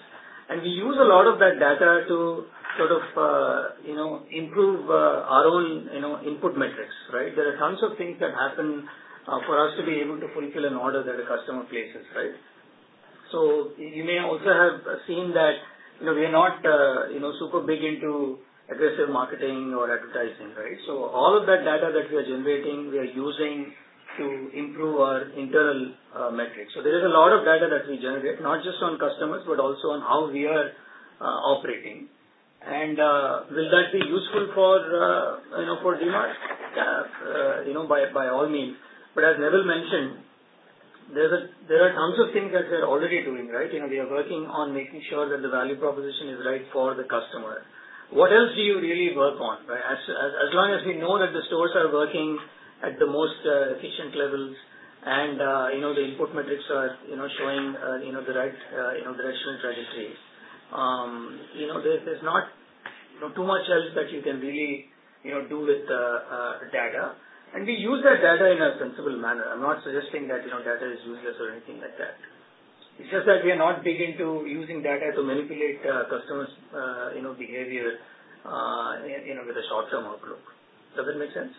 We use a lot of that data to improve our own input metrics. There are tons of things that happen for us to be able to fulfill an order that a customer places. You may also have seen that we are not super big into aggressive marketing or advertising. All of that data that we are generating, we are using to improve our internal metrics. There is a lot of data that we generate, not just on customers, but also on how we are operating. Will that be useful for DMart? By all means. As Neville mentioned, there are tons of things that they're already doing. We are working on making sure that the value proposition is right for the customer. What else do you really work on? As long as we know that the stores are working at the most efficient levels and the input metrics are showing the right trajectory. There's not too much else that you can really do with data, and we use that data in a sensible manner. I'm not suggesting that data is useless or anything like that. It's just that we are not big into using data to manipulate customers' behavior with a short-term outlook. Does that make sense?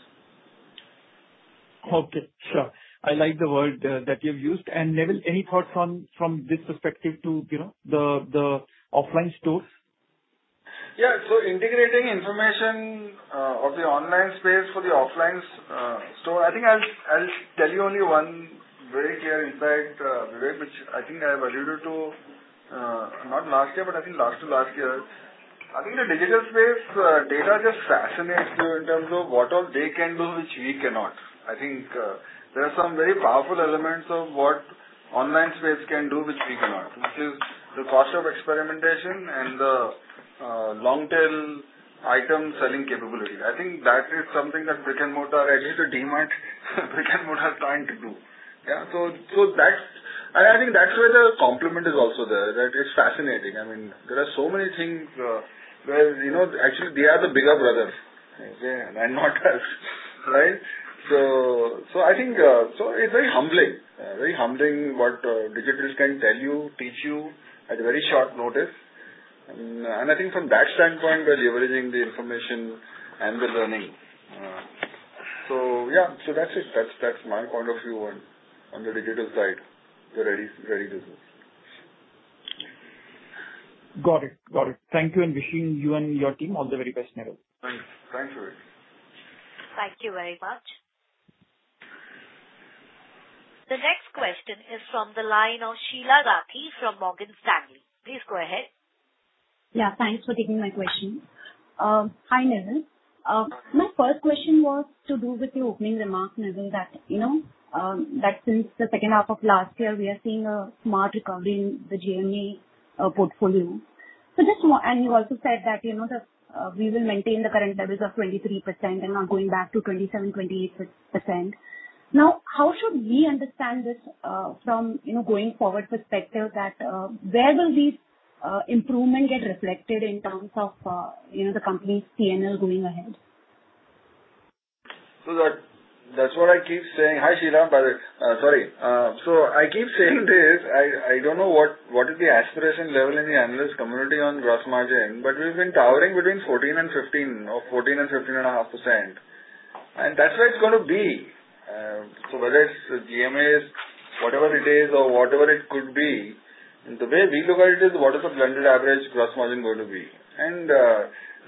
Okay, sure. I like the word that you've used. Neville, any thoughts from this perspective to the offline stores? Yeah. Integrating information of the online space for the offline store, I think I'll tell you only one very clear impact, Vivek, which I think I've alluded to, not last year, but I think last to last year. I think the digital space data just fascinates you in terms of what all they can do, which we cannot. I think there are some very powerful elements of what online space can do, which we cannot, which is the cost of experimentation and the long-tail item selling capability. I think that is something that Brick and Mortar, at least the DMart Brick and Mortar are trying to do. I think that's where the complement is also there, that it's fascinating. There are so many things where actually they are the bigger brothers and not us. It's very humbling, what digital can tell you, teach you at a very short notice. I think from that standpoint, we're leveraging the information and the learning. That's it. That's my point of view on the digital side, the ready business. Got it. Thank you, and wishing you and your team all the very best, Neville. Thanks. Thank you, Vivek. Thank you very much. The next question is from the line of Sheela Rathi from Morgan Stanley. Please go ahead. Yeah, thanks for taking my question. Hi, Neville. My first question was to do with your opening remarks, Neville, that since the second half of last year, we are seeing a smart recovery in the GME portfolio. You also said that we will maintain the current levels of 23% and not going back to 27%, 28%. How should we understand this from going forward perspective that where will this improvement get reflected in terms of the company's P&L going ahead? That is what I keep saying. Hi, Sheila, by the way. Sorry. I keep saying this. I do not know what is the aspiration level in the analyst community on gross margin, but we have been towering between 14% and 15% or 14.5%. That is where it is going to be. Whether it is GMAs, whatever it is or whatever it could be, the way we look at it is what is the blended average gross margin going to be?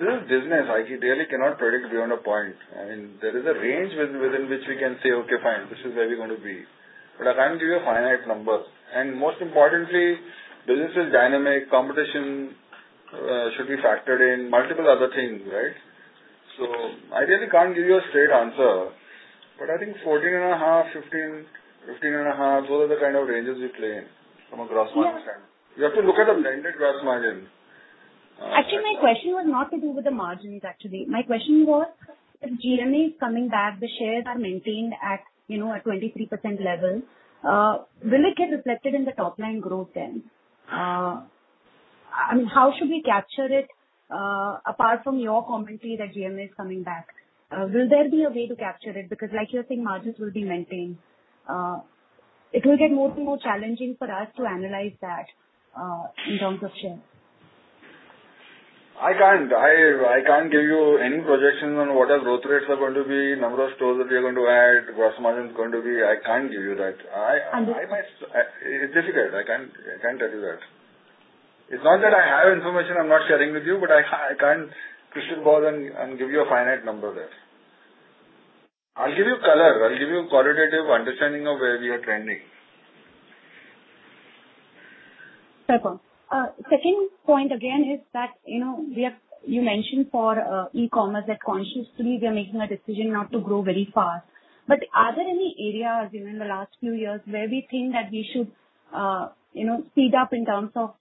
This is business. I really cannot predict beyond a point. There is a range within which we can say, "Okay, fine, this is where we are going to be." I cannot give you a finite number. Most importantly, business is dynamic. Competition should be factored in multiple other things. I really cannot give you a straight answer. I think 14.5%, 15%, 15.5%, those are the kind of ranges we play in from a gross margin standpoint. You have to look at the blended gross margin. My question was not to do with the margins. My question was, if GMA is coming back, the shares are maintained at 23% level, will it get reflected in the top-line growth? How should we capture it apart from your commentary that GMA is coming back? Will there be a way to capture it? Like you are saying, margins will be maintained. It will get more and more challenging for us to analyze that in terms of share. I cannot give you any projections on what our growth rates are going to be, number of stores that we are going to add, gross margin is going to be. I cannot give you that. Understood. It is difficult. I can't tell you that. It's not that I have information I'm not sharing with you, but I can't crystal ball and give you a finite number there. I'll give you color. I'll give you qualitative understanding of where we are trending. Fair point. Second point again is that you mentioned for e-commerce that consciously we are making a decision not to grow very fast. Are there any areas within the last few years where we think that we should speed up in terms of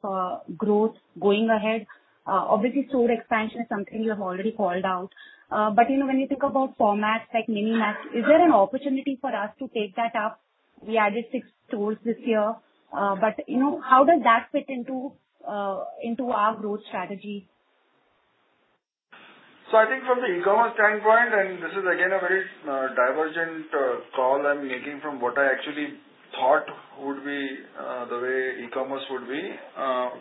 growth going ahead? Obviously, store expansion is something you have already called out. When you think about formats like MiniMarts, is there an opportunity for us to take that up? We added six stores this year. How does that fit into our growth strategy? I think from the e-commerce standpoint, and this is again a very divergent call I'm making from what I actually thought would be the way e-commerce would be.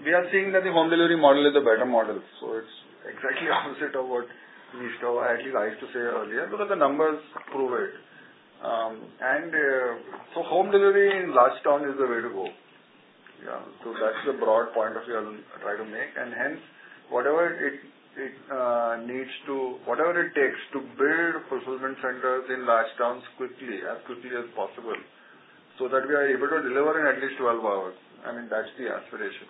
We are seeing that the home delivery model is the better model. It's exactly opposite of what we used to, or at least I used to say earlier, because the numbers prove it. Home delivery in large town is the way to go. Yeah. That's the broad point of view I'm trying to make, and hence whatever it takes to build fulfillment centers in large towns quickly, as quickly as possible, so that we are able to deliver in at least 12 hours. I mean, that's the aspiration.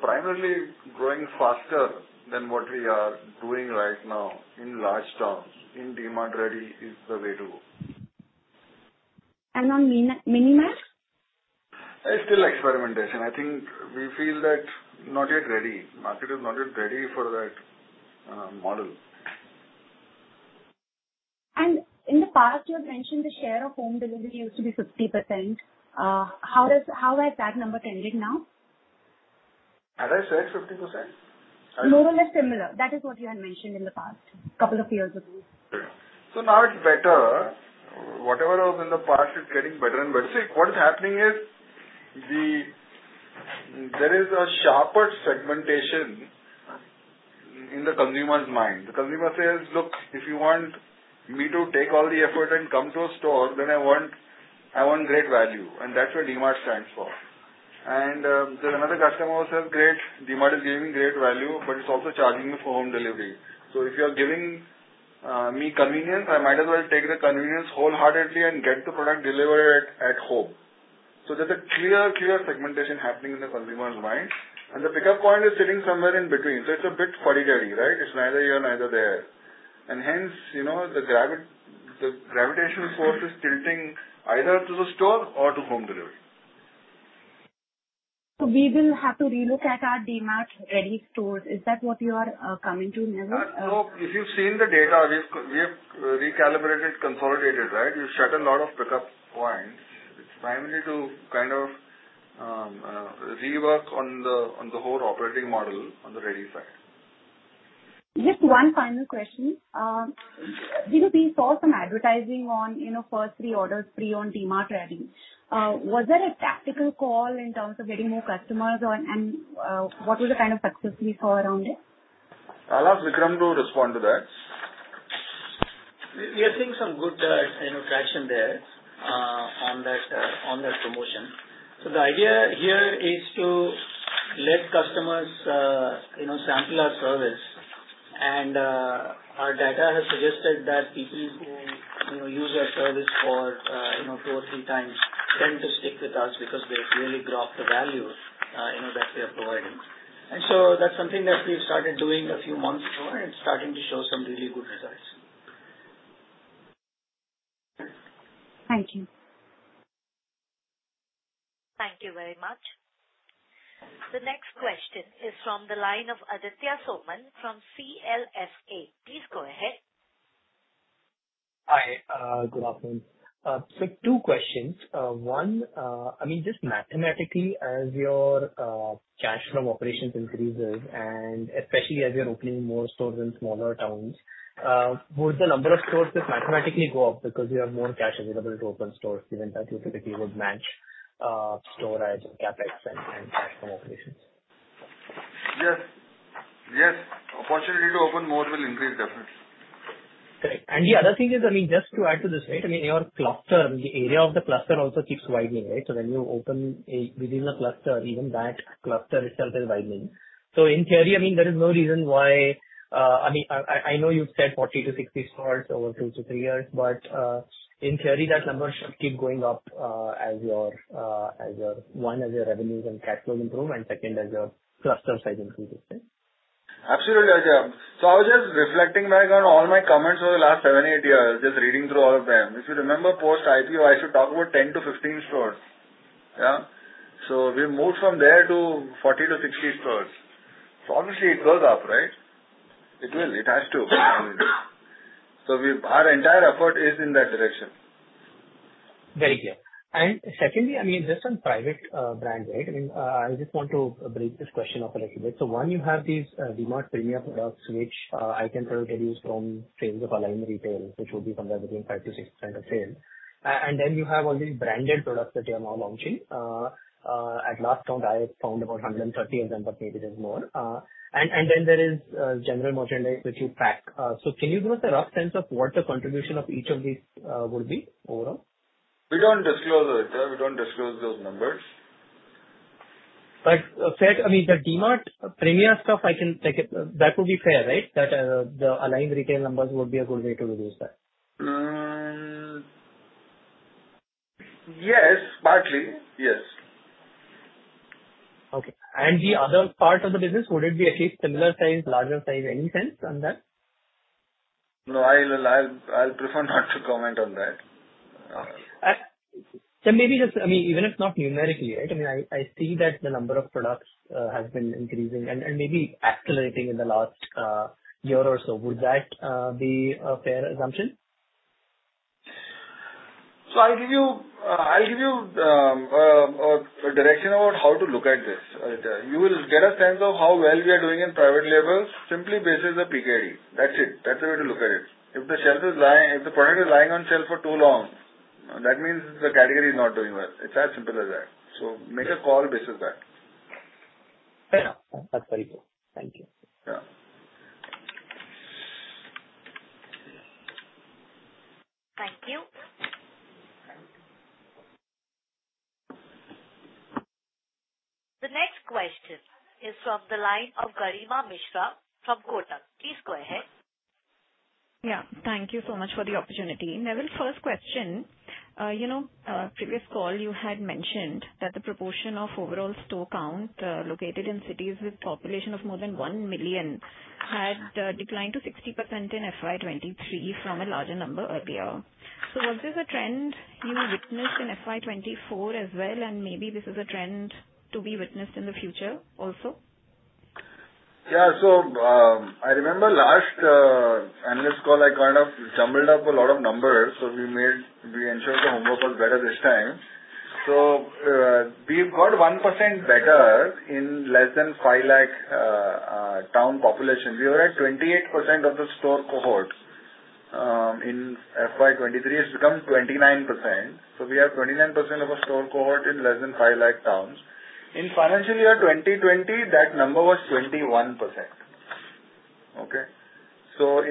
Primarily growing faster than what we are doing right now in large towns in DMart Ready is the way to go. On Mini-Mart? It's still experimentation. I think we feel that not yet ready. Market is not yet ready for that model. In the past, you had mentioned the share of home delivery used to be 50%. How has that number tended now? Had I said 50%? Sorry. More or less similar. That is what you had mentioned in the past, couple of years ago. Now it's better. Whatever was in the past, it's getting better. See, what is happening is there is a sharper segmentation in the consumer's mind. The consumer says, "Look, if you want me to take all the effort and come to a store, then I want great value." That's what DMart stands for. Another customer will say, "Great, DMart is giving great value, but it's also charging me for home delivery. If you're giving me convenience, I might as well take the convenience wholeheartedly and get the product delivered at home." There's a clear segmentation happening in the consumer's mind, and the pickup point is sitting somewhere in between. It's a bit fuddy-duddy, right? It's neither here nor there. Hence, the gravitational force is tilting either to the store or to home delivery. We will have to relook at our DMart Ready stores. Is that what you are coming to, Neville? No. If you've seen the data, we have recalibrated, consolidated. We've shut a lot of pickup points. It's primarily to kind of rework on the whole operating model on the Ready side. Just one final question. We saw some advertising on first three orders free on DMart Ready. Was that a tactical call in terms of getting more customers, and what was the kind of success we saw around it? I'll ask Vikram to respond to that. We are seeing some good traction there on that promotion. The idea here is to let customers sample our service. Our data has suggested that people who use our service for two or three times tend to stick with us because they've really grasped the value that we are providing. That's something that we've started doing a few months ago, and it's starting to show some really good results. Thank you. Thank you very much. The next question is from the line of Aditya Soman from CLSA. Please go ahead. Hi. Good afternoon. 2 questions. One, mathematically, as your cash from operations increases, and especially as you're opening more stores in smaller towns, would the number of stores mathematically go up because you have more cash available to open stores, given that you typically would match store as CapEx and cash from operations? Yes. Opportunity to open more will increase, definitely. Correct. The other thing is, to add to this, your cluster, the area of the cluster also keeps widening. When you open within a cluster, even that cluster itself is widening. In theory, there is no reason why I know you've said 40-60 stores over 2-3 years, in theory, that number should keep going up, one, as your revenues and cash flow improve, and second, as your cluster size increases. Absolutely, Aditya. I was reflecting back on all my comments over the last 7-8 years, reading through all of them. If you remember post-IPO, I used to talk about 10-15 stores. We've moved from there to 40-60 stores. Obviously it goes up. It will. It has to. Our entire effort is in that direction. Very clear. Secondly, just on private brand. I just want to break this question up a little bit. One, you have these DMart Premia products, which I can probably deduce from trends of aligned retail, which would be somewhere between 5%-6% of sales. Then you have all these branded products that you're now launching. At last count, I found about 130, then perhaps a little more. Then there is general merchandise which you pack. Can you give us a rough sense of what the contribution of each of these would be overall? We don't disclose those numbers. Fair. The DMart Premia stuff, that would be fair, right? That the aligned retail numbers would be a good way to deduce that. Yes. Partly. Yes. Okay. The other part of the business, would it be at least similar size, larger size? Any sense on that? No, I'll prefer not to comment on that. Okay, maybe just, even if not numerically, I see that the number of products has been increasing and maybe accelerating in the last year or so. Would that be a fair assumption? I'll give you a direction about how to look at this. You will get a sense of how well we are doing in private labels simply basis of PKI. That's it. That's the way to look at it. If the product is lying on shelf for too long, that means the category is not doing well. It's as simple as that. Make a call basis that. Fair enough. That's very cool. Thank you. Yeah. Thank you. The next question is from the line of Garima Mishra from Kotak. Please go ahead. Yeah. Thank you so much for the opportunity. Neville, first question. Previous call, you had mentioned that the proportion of overall store count, located in cities with population of more than 1 million had declined to 60% in FY 2023 from a larger number earlier. Was this a trend you witnessed in FY 2024 as well, and maybe this is a trend to be witnessed in the future also? Yeah. I remember last analyst call, I kind of jumbled up a lot of numbers. We ensured the homework was better this time. We've got 1% better in less than 5 lakh town population. We were at 28% of the store cohort, in FY 2023. It's become 29%. We have 29% of our store cohort in less than 5 lakh towns. In financial year 2020, that number was 21%. Okay.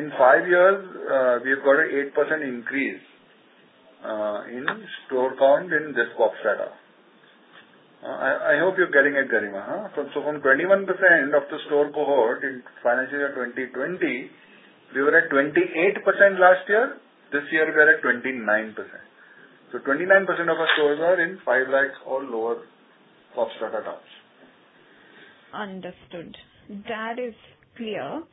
In 5 years, we have got an 8% increase in store count in this COPS data. I hope you're getting it, Garima. From 21% of the store cohort in financial year 2020, we were at 28% last year. This year, we are at 29%. 29% of our stores are in 5 lakhs or lower COPS data towns. Understood. That is clear.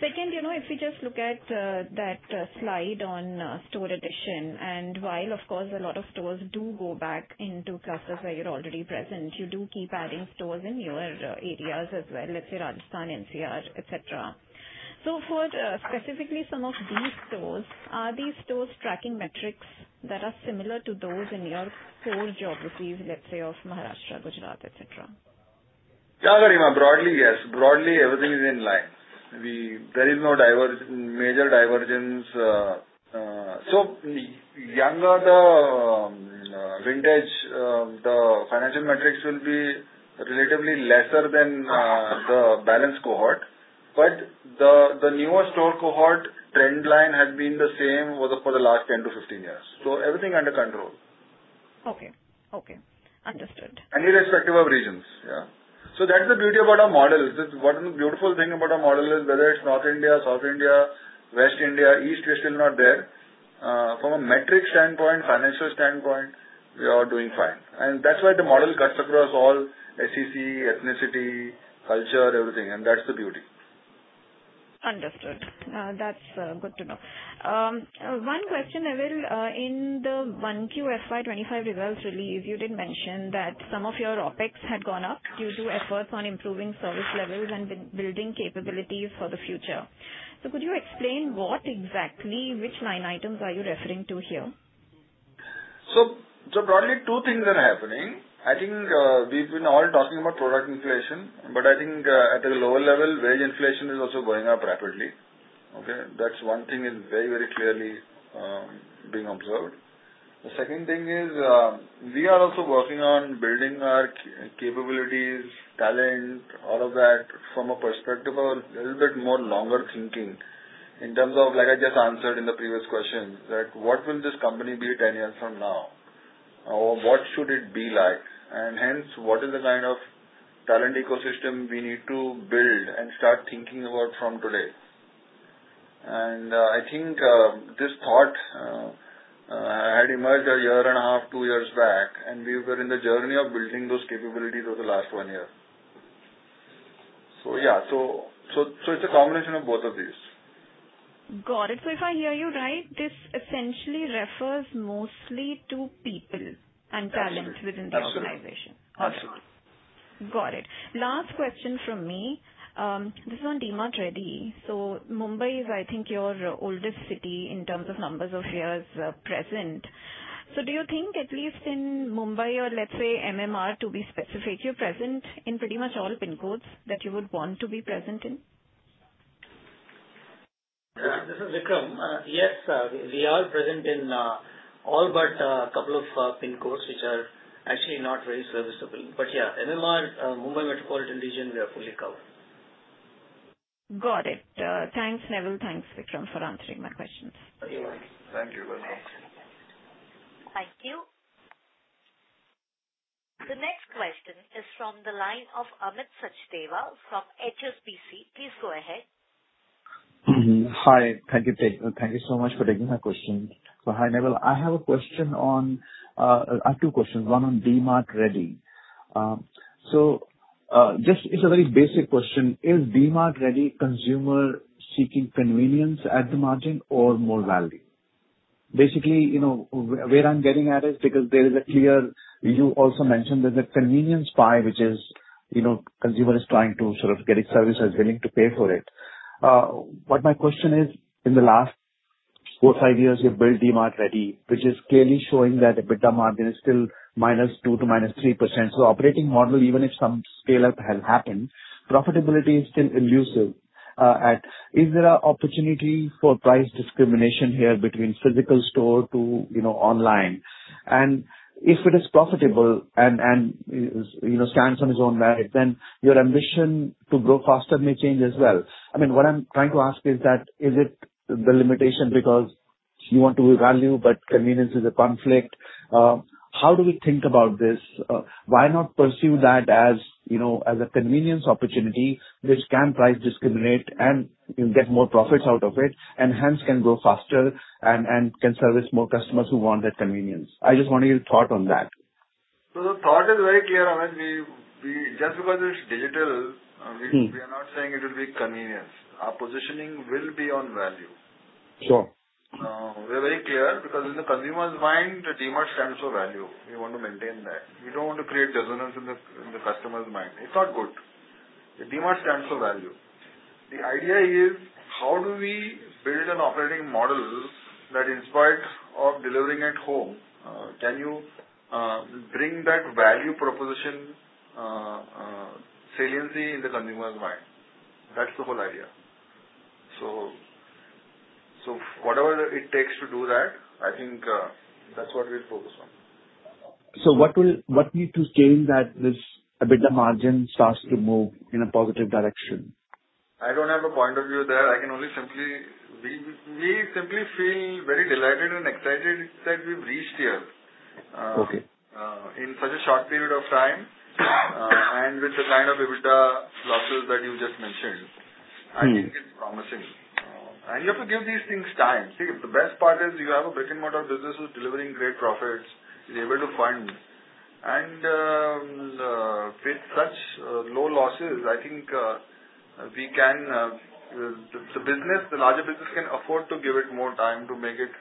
Second, if we just look at that slide on store addition, while of course, a lot of stores do go back into clusters where you're already present, you do keep adding stores in your areas as well, let's say Rajasthan, NCR, et cetera. For specifically some of these stores, are these stores tracking metrics that are similar to those in your core geographies, let's say of Maharashtra, Gujarat, et cetera? Yeah, Garima. Broadly, yes. Broadly, everything is in line. There is no major divergence. The younger the vintage, the financial metrics will be relatively lesser than the balance cohort. The newer store cohort trend line has been the same for the last 10 to 15 years. Everything under control. Okay. Understood. Irrespective of regions. Yeah. That's the beauty about our model. One of the beautiful thing about our model is whether it's North India, South India, West India, East, we're still not there. From a metric standpoint, financial standpoint, we are doing fine. That's why the model cuts across all SEC, ethnicity, culture, everything, and that's the beauty. Understood. That's good to know. One question, Neville. In the 1Q FY 2025 results release, you did mention that some of your OpEx had gone up due to efforts on improving service levels and building capabilities for the future. Could you explain what exactly, which line items are you referring to here? Broadly, two things are happening. I think we've been all talking about product inflation, but I think at a lower level, wage inflation is also going up rapidly. Okay? That's one thing is very clearly being observed. The second thing is we are also working on building our capabilities, talent, all of that from a perspective of a little bit more longer thinking in terms of, like I just answered in the previous question, that what will this company be 10 years from now? Or what should it be like? And hence, what is the kind of talent ecosystem we need to build and start thinking about from today. And I think this thought had emerged a year and a half, two years back, and we were in the journey of building those capabilities over the last one year. Yeah, it's a combination of both of these. Got it. If I hear you right, this essentially refers mostly to people and talent within the organization. Absolutely. Got it. Last question from me. This is on DMart Ready. Mumbai is, I think, your oldest city in terms of numbers of years present. Do you think at least in Mumbai or let's say MMR to be specific, you're present in pretty much all PIN codes that you would want to be present in? This is Vikram. Yes, we are present in all but a couple of PIN codes, which are actually not very serviceable. Yeah, MMR, Mumbai Metropolitan Region, we are fully covered. Got it. Thanks, Neville. Thanks, Vikram, for answering my questions. Thank you. Thank you. Thank you. The next question is from the line of Amit Sachdeva from HSBC. Please go ahead. Hi. Thank you so much for taking my question. Hi, Neville. I have two questions, one on DMart Ready. This is a very basic question. Is DMart Ready consumer seeking convenience at the margin or more value? Basically, where I'm getting at is because there is a clear, you also mentioned that the convenience buy, which is consumer is trying to sort of get a service and willing to pay for it. What my question is, in the last four, five years, you've built DMart Ready, which is clearly showing that EBITDA margin is still -2% to -3%. Operating model, even if some scale-up has happened, profitability is still elusive. Is there an opportunity for price discrimination here between physical store to online? If it is profitable and stands on its own merit, then your ambition to grow faster may change as well. What I'm trying to ask is that, is it the limitation because you want to give value, but convenience is a conflict? How do we think about this? Why not pursue that as a convenience opportunity which can price discriminate and you get more profits out of it, and hence can grow faster and can service more customers who want that convenience? I just want your thought on that. The thought is very clear, Amit. Just because it's digital- We are not saying it will be convenience. Our positioning will be on value. Sure. We're very clear because in the consumer's mind, DMart stands for value. We want to maintain that. We don't want to create dissonance in the customer's mind. It's not good. DMart stands for value. The idea is, how do we build an operating model that in spite of delivering at home, can you bring that value proposition saliency in the consumer's mind? That's the whole idea. Whatever it takes to do that, I think that's what we'll focus on. What needs to change that this EBITDA margin starts to move in a positive direction? I don't have a point of view there. We simply feel very delighted and excited that we've reached here. Okay in such a short period of time, and with the kind of EBITDA losses that you just mentioned. I think it's promising. You have to give these things time. See, the best part is you have a brick-and-mortar business who's delivering great profits, is able to fund. With such low losses, I think the larger business can afford to give it more time to make it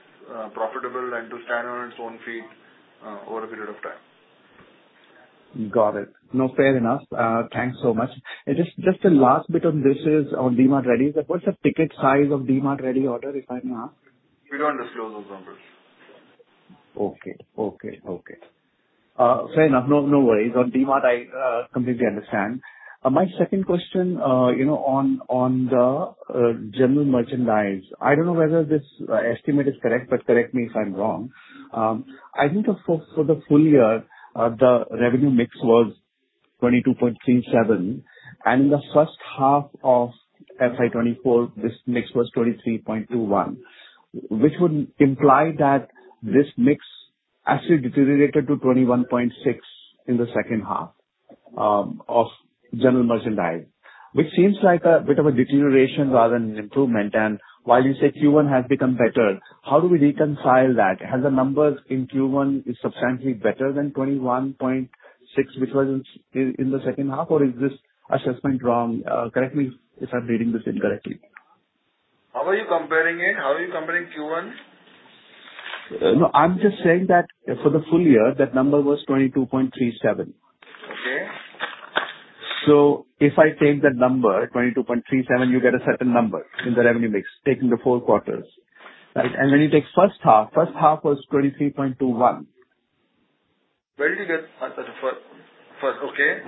profitable and to stand on its own feet over a period of time. Got it. No, fair enough. Thanks so much. Just a last bit on this is on DMart Ready. What's the ticket size of DMart Ready order, if I may ask? We don't disclose those numbers. Okay. Fair enough. No worries. On DMart, I completely understand. My second question on the general merchandise. I don't know whether this estimate is correct, but correct me if I'm wrong. I think for the full year, the revenue mix was 22.37, and in the first half of FY 2024, this mix was 23.21, which would imply that this mix actually deteriorated to 21.6 in the second half of general merchandise, which seems like a bit of a deterioration rather than an improvement. While you say Q1 has become better, how do we reconcile that? Has the numbers in Q1 is substantially better than 21.6, which was in the second half? Or is this assessment wrong? Correct me if I'm reading this incorrectly. How are you comparing it? How are you comparing Q1? I'm just saying that for the full year, that number was 22.37. Okay. If I take that number, 22.37, you get a certain number in the revenue mix, taking the four quarters, right? When you take first half, first half was 23.21. Where did you get Okay.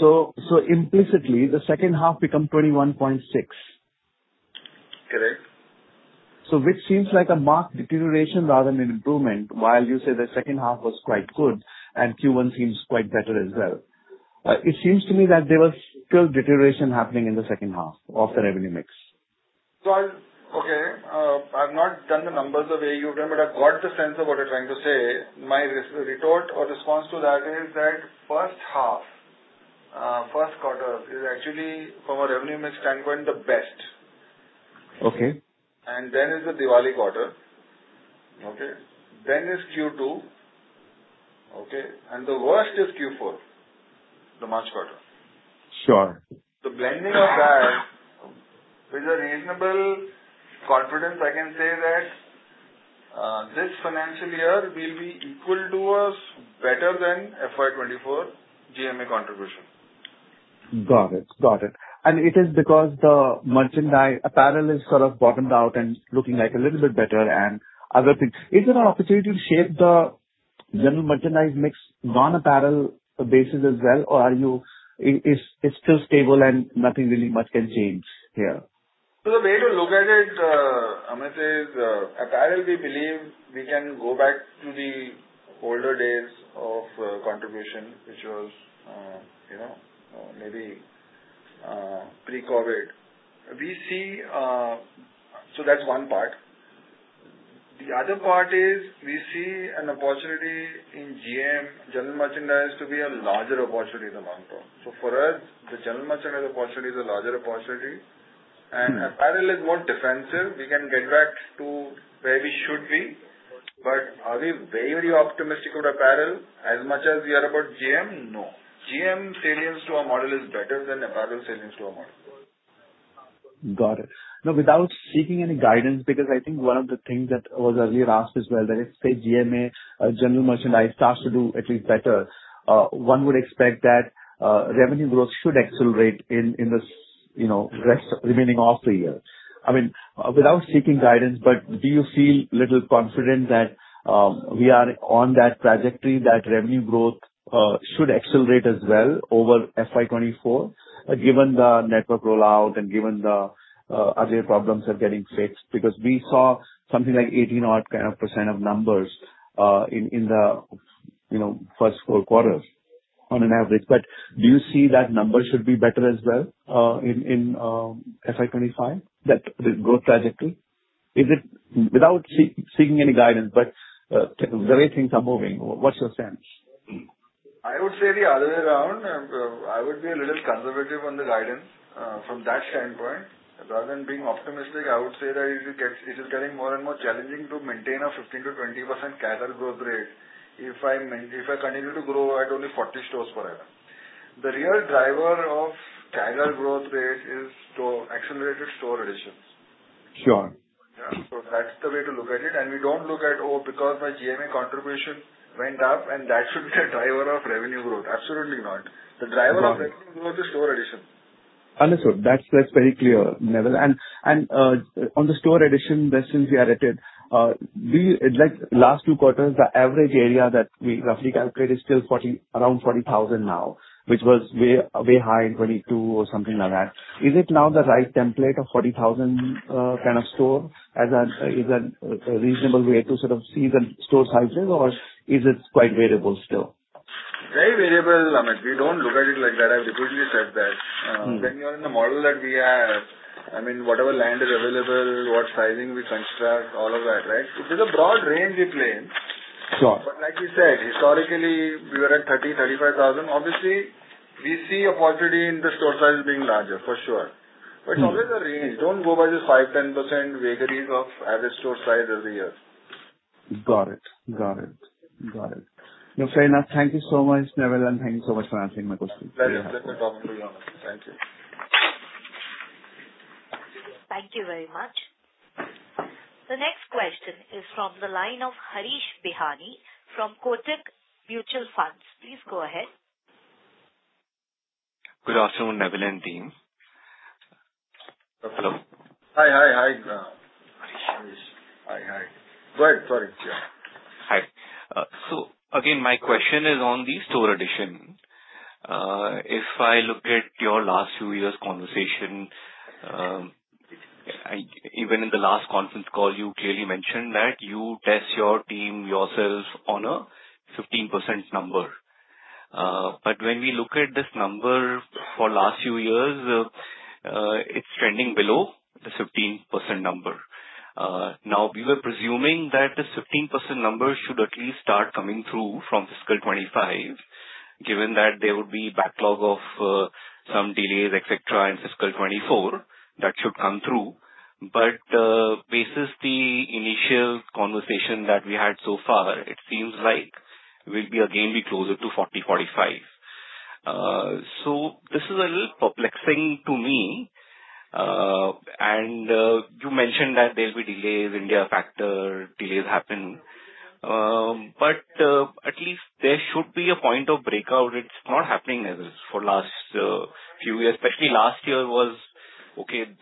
Sorry, yeah. Implicitly, the second half become 21.6. Correct. Which seems like a marked deterioration rather than improvement, while you say the second half was quite good and Q1 seems quite better as well. It seems to me that there was still deterioration happening in the second half of the revenue mix. Okay. I've not done the numbers the way you've done, I've got the sense of what you're trying to say. My retort or response to that is that first half, first quarter, is actually from a revenue mix standpoint, the best. Okay. Is the Diwali quarter. Is Q2. The worst is Q4. The March quarter. Sure. The blending of that with a reasonable confidence, I can say that this financial year will be equal to us, better than FY 2024 GMA contribution. Got it. It is because the apparel is sort of bottomed out and looking like a little bit better and other things. Is there an opportunity to shape the general merchandise mix, non-apparel basis as well? It's still stable and nothing really much can change here? The way to look at it, Amit, is apparel, we believe we can go back to the older days of contribution, which was maybe pre-COVID. That's one part. The other part is we see an opportunity in GM, general merchandise, to be a larger opportunity in the long term. For us, the general merchandise opportunity is a larger opportunity apparel is more defensive. We can get back to where we should be. Are we very optimistic about apparel as much as we are about GM? No. GM salience to our model is better than apparel salience to our model. Got it. Without seeking any guidance, I think one of the things that was earlier asked as well, that if, say, GMA, general merchandise, starts to do at least better, one would expect that revenue growth should accelerate in the remaining half of the year. Without seeking guidance, do you feel a little confident that we are on that trajectory, that revenue growth should accelerate as well over FY 2024, given the network rollout and given the other problems are getting fixed? We saw something like 18% of numbers in the first four quarters on an average. Do you see that number should be better as well in FY 2025, that growth trajectory? Without seeking any guidance, the way things are moving, what's your sense? I would say the other way around. I would be a little conservative on the guidance from that standpoint. Rather than being optimistic, I would say that it is getting more and more challenging to maintain a 15%-20% CAGR growth rate if I continue to grow at only 40 stores per annum. The real driver of CAGR growth rate is accelerated store additions. Sure. Yeah. That's the way to look at it. We don't look at, oh, my GMA contribution went up, that should be the driver of revenue growth. Absolutely not. The driver of revenue growth is store addition. Understood. That's very clear, Neville. On the store addition, that since we are at it, last two quarters, the average area that we roughly calculate is still around 40,000 now, which was way high in 2022 or something like that. Is it now the right template of 40,000 kind of store? Is that a reasonable way to sort of see the store sizes, or is it quite variable still? Very variable, Amit. We don't look at it like that. I've repeatedly said that. When you're in the model that we have, whatever land is available, what sizing we can start, all of that, right? It is a broad range we play in. Sure. Like you said, historically, we were at 30,000, 35,000. Obviously, we see a positivity in the store size being larger, for sure. It's always a range. Don't go by just 5%, 10% vagaries of average store size every year. Got it. Fair enough. Thank you so much, Neville, and thank you so much for answering my question. Very pleasant talking to you, Amit. Thank you. Thank you very much. The next question is from the line of Harish Bihani from Kotak Mutual Fund. Please go ahead. Good afternoon, Neville and team. Hello. Hi. Harish. Hi. Go ahead. Hi. Again, my question is on the store addition. If I look at your last few years' conversation, even in the last conference call, you clearly mentioned that you test your team, yourselves on a 15% number. When we look at this number for last few years, it is trending below the 15% number. We were presuming that the 15% number should at least start coming through from fiscal 2025, given that there would be backlog of some delays, et cetera, in fiscal 2024, that should come through. Basis the initial conversation that we had so far, it seems like we will be again be closer to 40, 45. This is a little perplexing to me. You mentioned that there will be delays, India factor delays happen, but at least there should be a point of breakout. It's not happening, Neville, for last few years, especially last year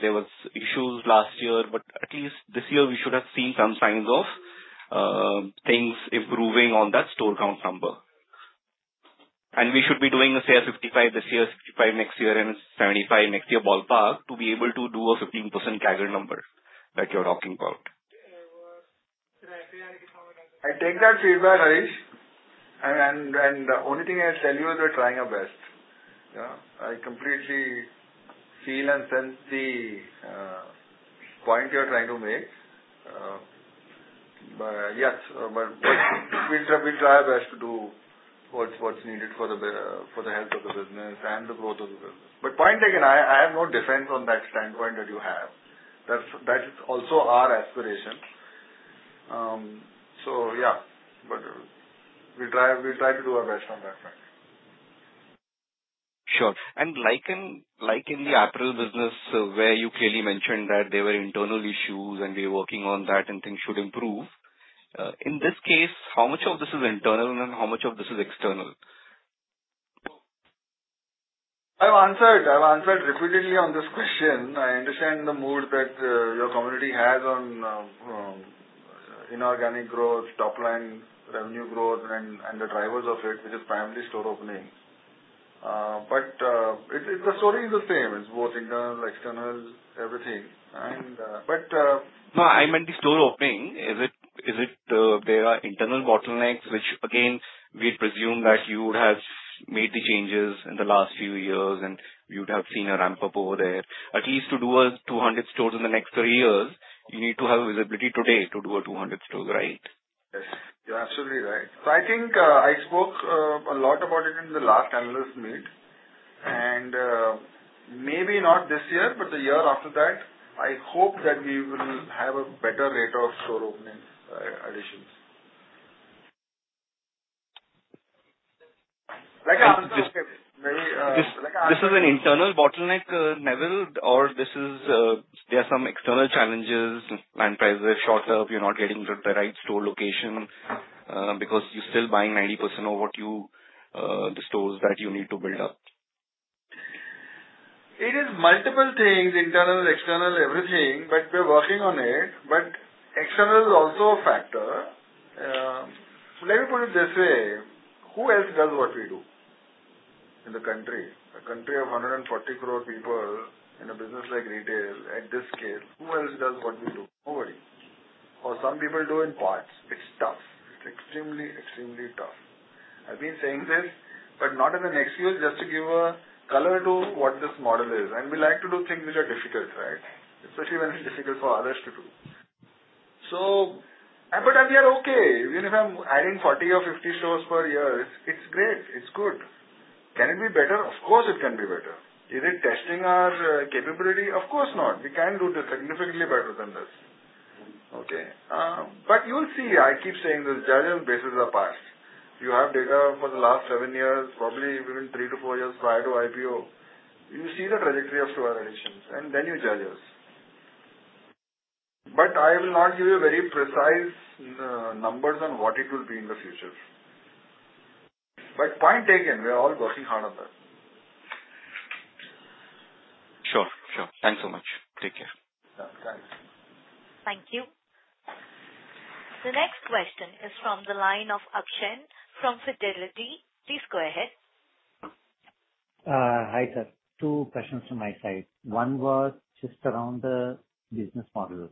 there was issues last year, but at least this year, we should have seen some signs of things improving on that store count number. We should be doing a, say, a 65 this year, 65 next year, and 75 next year ballpark to be able to do a 15% CAGR number that you're talking about. I take that feedback, Harish, the only thing I'll tell you is we're trying our best. I completely feel and sense the point you're trying to make. Yes, we try our best to do what's needed for the health of the business and the growth of the business. Point taken, I have no defense on that standpoint that you have. That is also our aspiration. Yeah. We try to do our best on that front. Sure. Like in the apparel business, where you clearly mentioned that there were internal issues and we are working on that and things should improve. In this case, how much of this is internal and how much of this is external? I've answered repeatedly on this question. I understand the mood that your community has on inorganic growth, top-line revenue growth, and the drivers of it, which is primarily store openings. The story is the same. It's both internal, external, everything. No, I meant the store opening. Is it there are internal bottlenecks, which again, we'd presume that you would have made the changes in the last few years and you'd have seen a ramp-up over there. At least to do a 200 stores in the next 3 years, you need to have visibility today to do a 200 stores, right? Yeah, absolutely right. I think I spoke a lot about it in the last analyst meet, maybe not this year, but the year after that, I hope that we will have a better rate of store openings additions. This is an internal bottleneck, Neville, or there are some external challenges, land prices have shot up, you're not getting the right store location because you're still buying 90% of the stores that you need to build up? It is multiple things, internal, external, everything, but we're working on it. External is also a factor. Let me put it this way. Who else does what we do in the country? A country of 140 crore people in a business like retail at this scale, who else does what we do? Nobody. Some people do in parts. It's tough. It's extremely tough. I've been saying this, but not as an excuse, just to give a color to what this model is. We like to do things which are difficult. Especially when it's difficult for others to do. I'm yet okay. Even if I'm adding 40 or 50 stores per year, it's great. It's good. Can it be better? Of course, it can be better. Is it testing our capability? Of course not. We can do significantly better than this. Okay. You'll see, I keep saying this, judge us basis our past. You have data for the last 7 years, probably even 3 to 4 years prior to IPO. You see the trajectory of store additions, and then you judge us. I will not give you very precise numbers on what it will be in the future. Point taken, we are all working hard on that. Sure. Thanks so much. Take care. Yeah, thanks. Thank you. The next question is from the line of Abshan from Fidelity. Please go ahead. Hi, sir. Two questions from my side. One was just around the business model.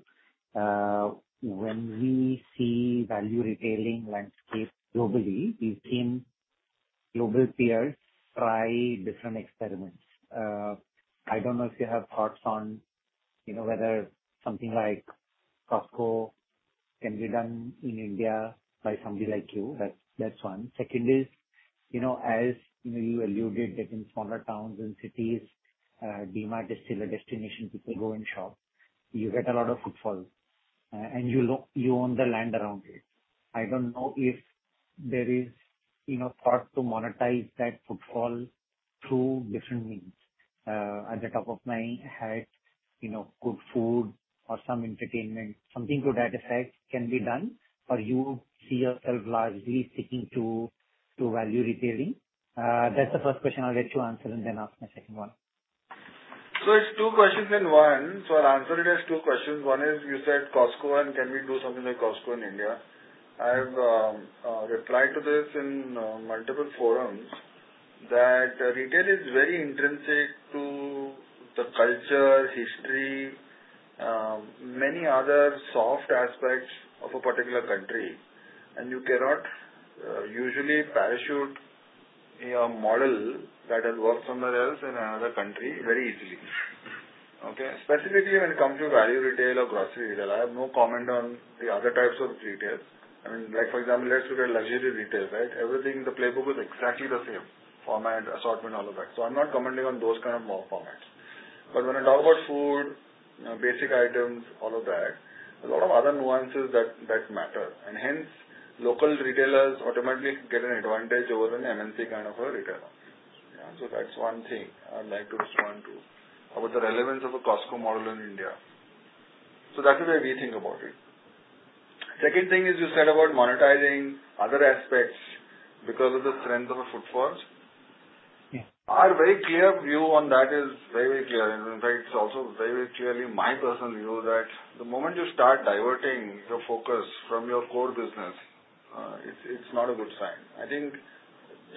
When we see value retailing landscape globally, we've seen global peers try different experiments. I don't know if you have thoughts on whether something like Costco can be done in India by somebody like you. That's one. Second is, as you alluded that in smaller towns and cities, DMart is still a destination people go and shop. You get a lot of footfall, and you own the land around it. I don't know if there is thought to monetize that footfall through different means. At the top of my head, good food or some entertainment, something to that effect can be done, or you see yourself largely sticking to value retailing. That's the first question. I'll let you answer and then ask my second one. It's two questions in one. I'll answer it as two questions. One is you said Costco, can we do something like Costco in India? I've replied to this in multiple forums that retail is very intrinsic to the culture, history, many other soft aspects of a particular country, you cannot usually parachute your model that has worked somewhere else in another country very easily. Okay? Specifically when it comes to value retail or grocery retail. I have no comment on the other types of retailers. For example, let's look at luxury retail. The playbook is exactly the same. Format, assortment, all of that. I'm not commenting on those kind of formats. When I talk about food, basic items, all of that, a lot of other nuances that matter, and hence, local retailers automatically get an advantage over an MNC kind of a retailer. That's one thing I'd like to respond to about the relevance of a Costco model in India. That is the way we think about it. Second thing is you said about monetizing other aspects because of the strength of a footfall. Yeah. Our very clear view on that is very clear, in fact, it's also very clearly my personal view that the moment you start diverting your focus from your core business, it's not a good sign. I think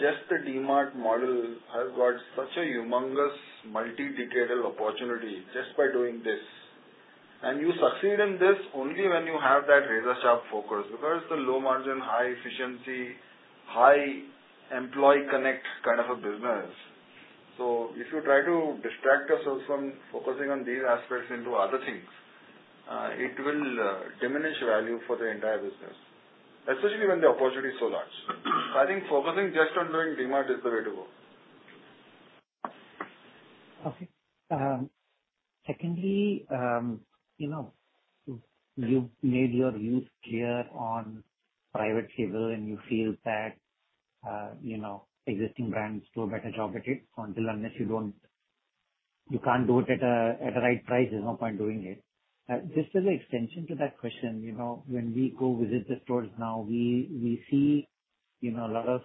just the DMart model has got such a humongous multi-decadal opportunity just by doing this. You succeed in this only when you have that razor-sharp focus because it's a low margin, high efficiency, high employee connect kind of a business. If you try to distract yourselves from focusing on these aspects into other things, it will diminish value for the entire business, especially when the opportunity is so large. I think focusing just on doing DMart is the way to go. Okay. Secondly, you've made your views clear on private label, and you feel that existing brands do a better job at it, so until unless you can't do it at the right price, there's no point doing it. Just as an extension to that question, when we go visit the stores now, we see a lot of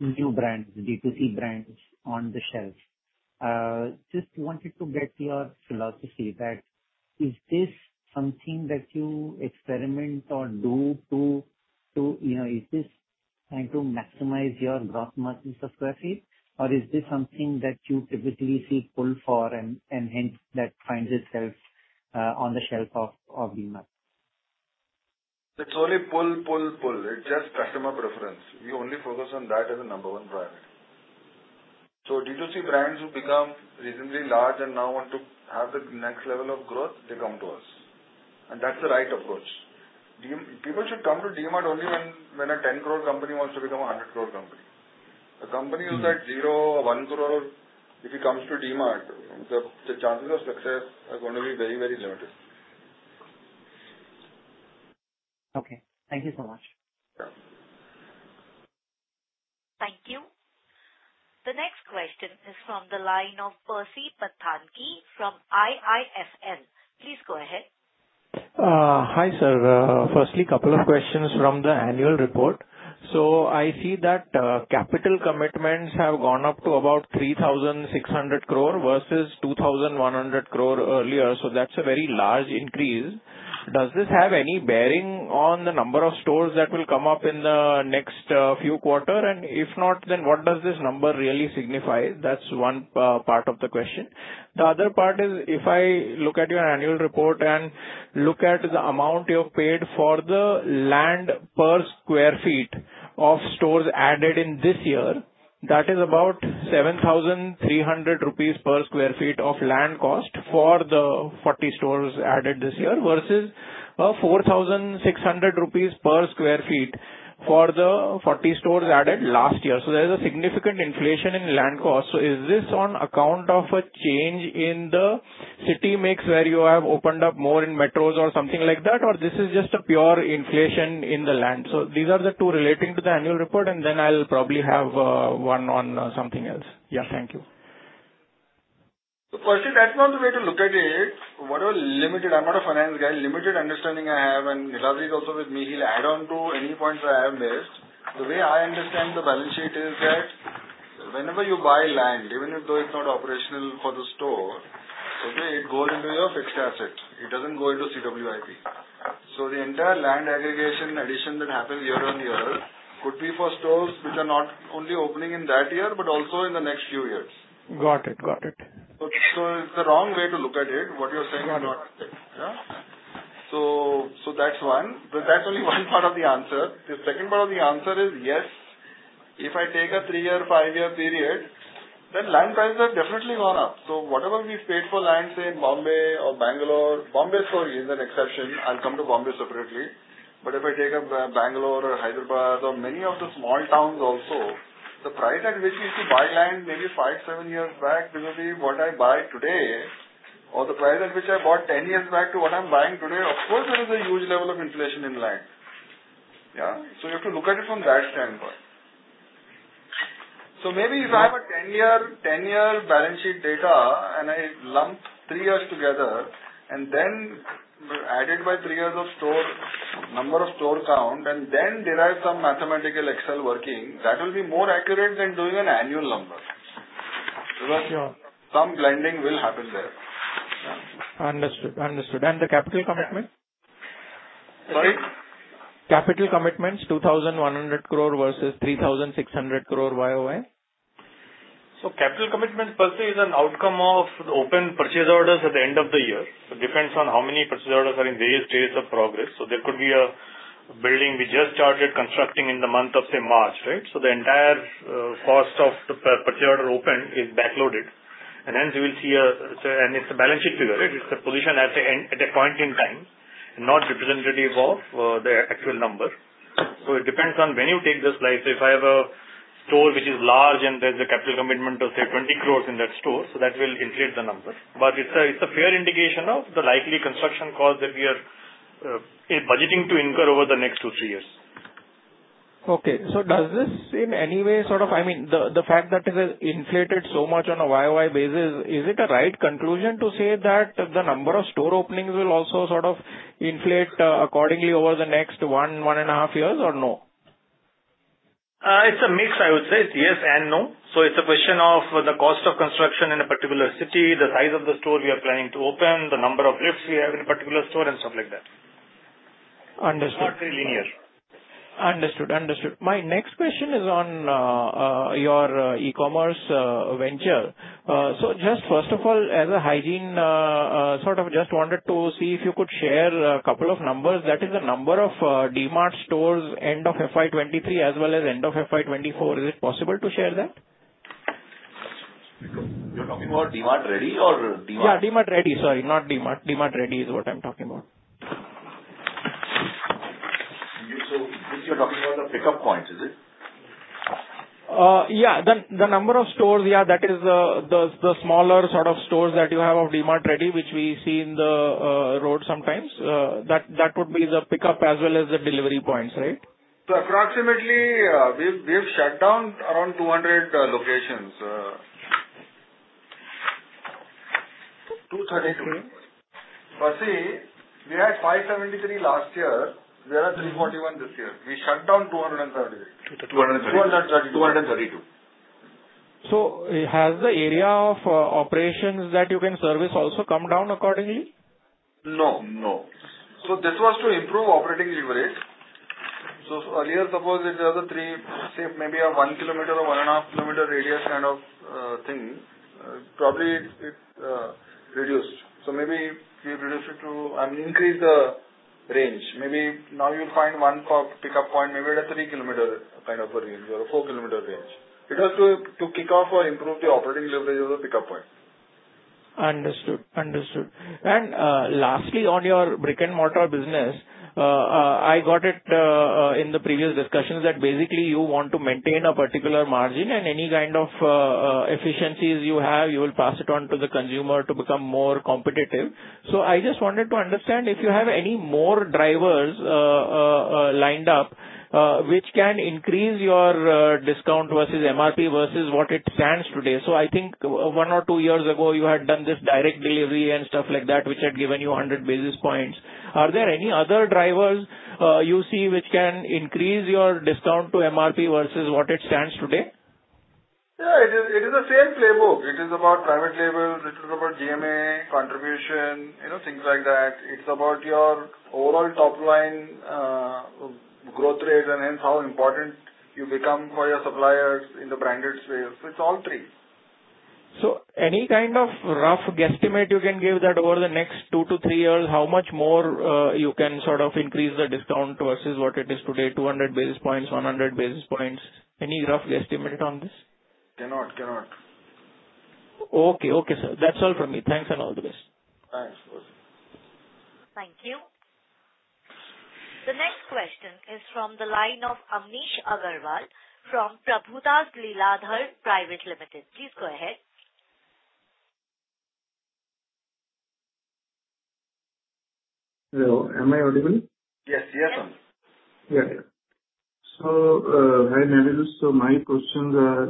new brands, D2C brands on the shelves. Just wanted to get your philosophy that is this something that you experiment or do to maximize your gross margins of square feet, or is this something that you typically see pull for and hence that finds itself on the shelf of DMart? It's only pull. It's just customer preference. We only focus on that as a number one priority. D2C brands who become reasonably large and now want to have the next level of growth, they come to us, and that's the right approach. People should come to DMart only when a 10 crore company wants to become 100 crore company. A company who's at zero or 1 crore, if he comes to DMart, the chances of success are going to be very limited. Okay. Thank you so much. Sure. Thank you. The next question is from the line of Percy Panthaki from IIFL. Please go ahead. Hi, sir. Firstly, a couple of questions from the annual report. I see that capital commitments have gone up to about 3,600 crore versus 2,100 crore earlier. That's a very large increase. Does this have any bearing on the number of stores that will come up in the next few quarter? If not, what does this number really signify? That's one part of the question. The other part is, if I look at your annual report and look at the amount you have paid for the land per sq ft of stores added in this year, that is about 7,300 rupees per sq ft of land cost for the 40 stores added this year versus 4,600 rupees per sq ft for the 40 stores added last year. There is a significant inflation in land cost. Is this on account of a change in the city mix where you have opened up more in metros or something like that, or this is just a pure inflation in the land? These are the two relating to the annual report, I'll probably have one on something else. Yeah, thank you. Firstly, that's not the way to look at it. Whatever limited understanding I have, I'm not a finance guy, and Nitaz is also with me. He'll add on to any points that I have missed. The way I understand the balance sheet is that whenever you buy land, even if though it's not operational for the store, it goes into your fixed asset. It doesn't go into CWIP. The entire land aggregation addition that happens year-on-year could be for stores which are not only opening in that year, but also in the next few years. Got it. It's the wrong way to look at it, what you're saying. Got it. That's one. That's only one part of the answer. The second part of the answer is, yes, if I take a three-year, five-year period, then land prices have definitely gone up. Whatever we paid for land, say in Bombay or Bangalore. Bombay story is an exception. I'll come to Bombay separately. If I take up Bangalore or Hyderabad or many of the small towns also, the price at which we see buy land maybe five, seven years back vis-à-vis what I buy today, or the price at which I bought 10 years back to what I'm buying today, of course, there is a huge level of inflation in land. You have to look at it from that standpoint. Maybe if I have a 10-year balance sheet data and I lump three years together and then add it by three years of number of store count, and then derive some mathematical Excel working, that will be more accurate than doing an annual number. Sure. Because some blending will happen there. Understood. The capital commitment? Sorry? Capital commitments, 2,100 crore versus 3,600 crore YOY. Capital commitment per se is an outcome of the open purchase orders at the end of the year. It depends on how many purchase orders are in various stages of progress. There could be a building we just started constructing in the month of, say, March, right? The entire cost of the purchase order opened is backloaded. It's a balance sheet figure. It's a position at a point in time and not representative of the actual number. It depends on when you take the slice. If I have a store which is large and there's a capital commitment of, say, 20 crores in that store, that will inflate the number. It's a fair indication of the likely construction cost that we are budgeting to incur over the next two, three years. Does this in any way sort of, I mean, the fact that it is inflated so much on a year-over-year basis, is it a right conclusion to say that the number of store openings will also sort of inflate accordingly over the next one and a half years, or no? It's a mix, I would say. It's yes and no. It's a question of the cost of construction in a particular city, the size of the store we are planning to open, the number of lifts we have in a particular store, and stuff like that. Understood. It's not very linear. Understood. My next question is on your e-commerce venture. Just first of all, as a hygiene sort of just wanted to see if you could share a couple of numbers. That is the number of DMart stores end of FY 2023 as well as end of FY 2024. Is it possible to share that? You're talking about DMart Ready or DMart? Yeah, DMart Ready. Sorry, not DMart. DMart Ready is what I'm talking about. I guess you're talking about the pickup points, is it? Yeah. The number of stores, that is the smaller sort of stores that you have of DMart Ready, which we see in the road sometimes. That would be the pickup as well as the delivery points, right? Approximately, we've shut down around 200 locations. 232. Percy, we had 573 last year. There are 341 this year. We shut down 230. 232. 232. Has the area of operations that you can service also come down accordingly? No. This was to improve operating leverage. Earlier, suppose if the other three, say maybe a one kilometer or one and a half kilometer radius kind of thing, probably it reduced. Maybe we I mean, increased the range. Maybe now you'll find one pickup point, maybe at a three-kilometer kind of a range or a four-kilometer range. It was to kick off or improve the operating leverage of the pickup point. Understood. Lastly, on your brick-and-mortar business, I got it in the previous discussions that basically you want to maintain a particular margin and any kind of efficiencies you have, you will pass it on to the consumer to become more competitive. I just wanted to understand if you have any more drivers lined up, which can increase your discount versus MRP versus what it stands today. I think one or two years ago, you had done this direct delivery and stuff like that, which had given you 100 basis points. Are there any other drivers you see which can increase your discount to MRP versus what it stands today? Yeah, it is the same playbook. It is about private label, it is about GMA contribution, things like that. It's about your overall top-line growth rate and hence how important you become for your suppliers in the branded space. It's all three. Any kind of rough guesstimate you can give that over the next two to three years, how much more you can sort of increase the discount versus what it is today, 200 basis points, 100 basis points? Any rough estimate on this? Cannot. Okay, sir. That's all from me. Thanks and all the best. Thanks. Thank you. The next question is from the line of Amnesh Agarwal from Prabhudas Lilladher Private Limited. Please go ahead. Hello, am I audible? Yes. Yeah. Hi, Navin. My questions are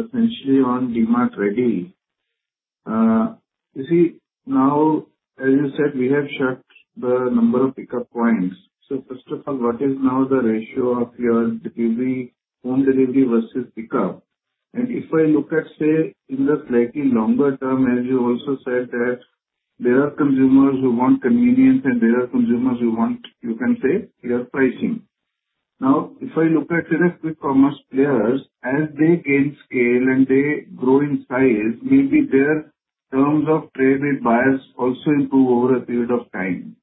essentially on DMart Ready. You see, now, as you said, we have shut the number of pickup points. First of all, what is now the ratio of your home delivery versus pickup? If I look at, say, in the slightly longer term, as you also said that there are consumers who want convenience and there are consumers who want, you can say, your pricing. Now, if I look at it as quick commerce players, as they gain scale and they grow in size, maybe their terms of trade with buyers also improve over a period of time.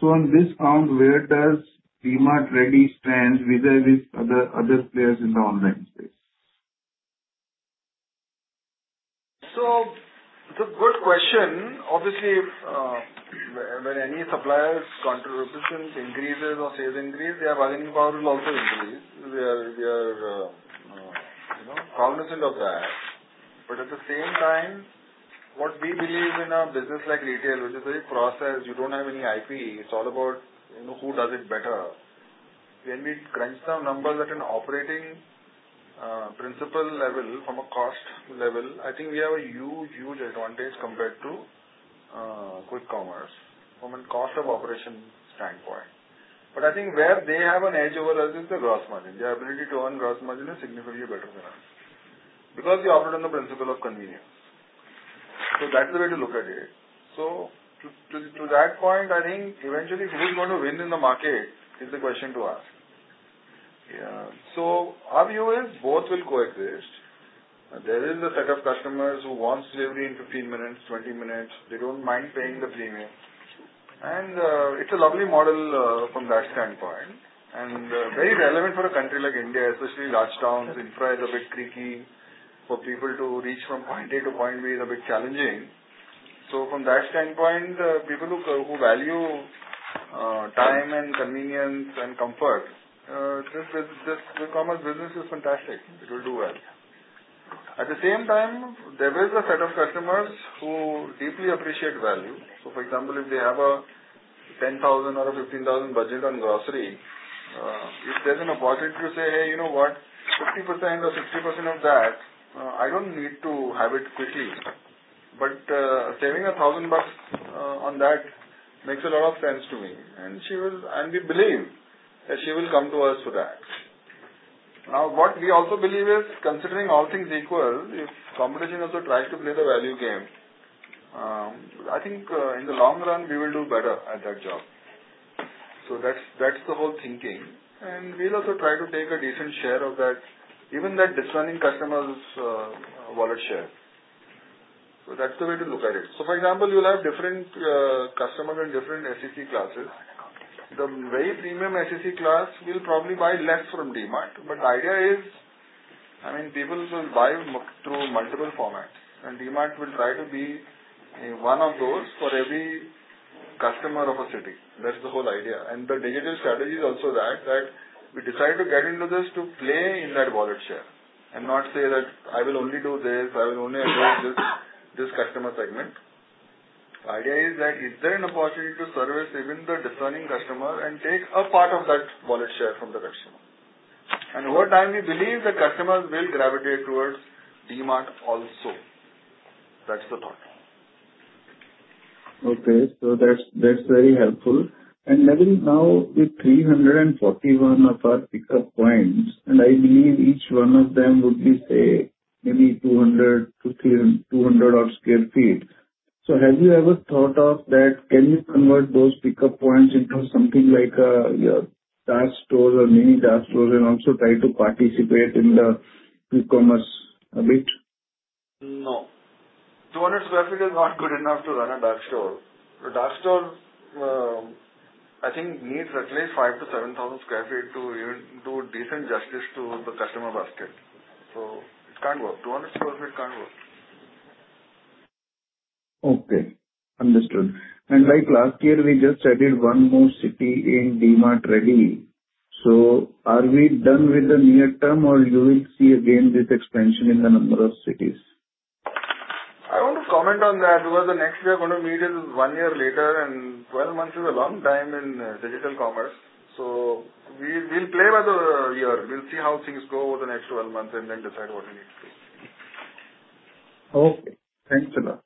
On this count, where does DMart Ready stand vis-a-vis other players in the online space? It's a good question. Obviously, when any supplier's contribution increases or sales increase, their bargaining power will also increase. We are cognizant of that. At the same time, what we believe in a business like retail, which is very process, you don't have any IP, it's all about who does it better. When we crunch some numbers at an operating principle level from a cost level, I think we have a huge advantage compared to quick commerce from a cost of operation standpoint. I think where they have an edge over us is the gross margin. Their ability to earn gross margin is significantly better than us because they operate on the principle of convenience. That's the way to look at it. To that point, I think eventually who is going to win in the market is the question to ask. Our view is both will coexist. There is a set of customers who want delivery in 15 minutes, 20 minutes. They don't mind paying the premium. It's a lovely model from that standpoint, and very relevant for a country like India, especially large towns. Infra is a bit tricky. For people to reach from point A to point B is a bit challenging. From that standpoint, people who value time and convenience and comfort, this quick commerce business is fantastic. It will do well. At the same time, there is a set of customers who deeply appreciate value. For example, if they have an 10,000 or an 15,000 budget on grocery, if there's an opportunity to say, "Hey, you know what? 50% or 60% of that, I don't need to have it quickly, but saving INR 1,000 on that makes a lot of sense to me." We believe that she will come to us for that. What we also believe is considering all things equal, if competition also tries to play the value game, I think in the long run, we will do better at that job. That's the whole thinking. We'll also try to take a decent share of that, even that discerning customer's wallet share. That's the way to look at it. For example, you'll have different customers and different SEC classes. The very premium SEC class will probably buy less from DMart. The idea is, people will buy through multiple formats, and DMart will try to be one of those for every customer of a city. That's the whole idea. The digital strategy is also that we decide to get into this to play in that wallet share, and not say that, "I will only do this, I will only address this customer segment." The idea is that is there an opportunity to service even the discerning customer and take a part of that wallet share from the customer. Over time, we believe the customers will gravitate towards DMart also. That's the thought. Okay. That's very helpful. Navin, now with 341 of our pickup points, and I believe each one of them would be, say, maybe 200 odd sq ft. Have you ever thought of that, can you convert those pickup points into something like your dark stores or mini dark stores and also try to participate in the quick commerce a bit? No 200 sq ft is not good enough to run a dark store. A dark store, I think, needs at least 5,000 to 7,000 sq ft to even do decent justice to the customer basket. It can't work. 200 sq ft can't work. Okay. Understood. Like last year, we just added one more city in DMart Ready. Are we done with the near term, or you will see again this expansion in the number of cities? I don't want to comment on that because the next we are going to meet is one year later, and 12 months is a long time in digital commerce. We'll play by the ear. We'll see how things go over the next 12 months and then decide what we need to do. Okay. Thanks a lot.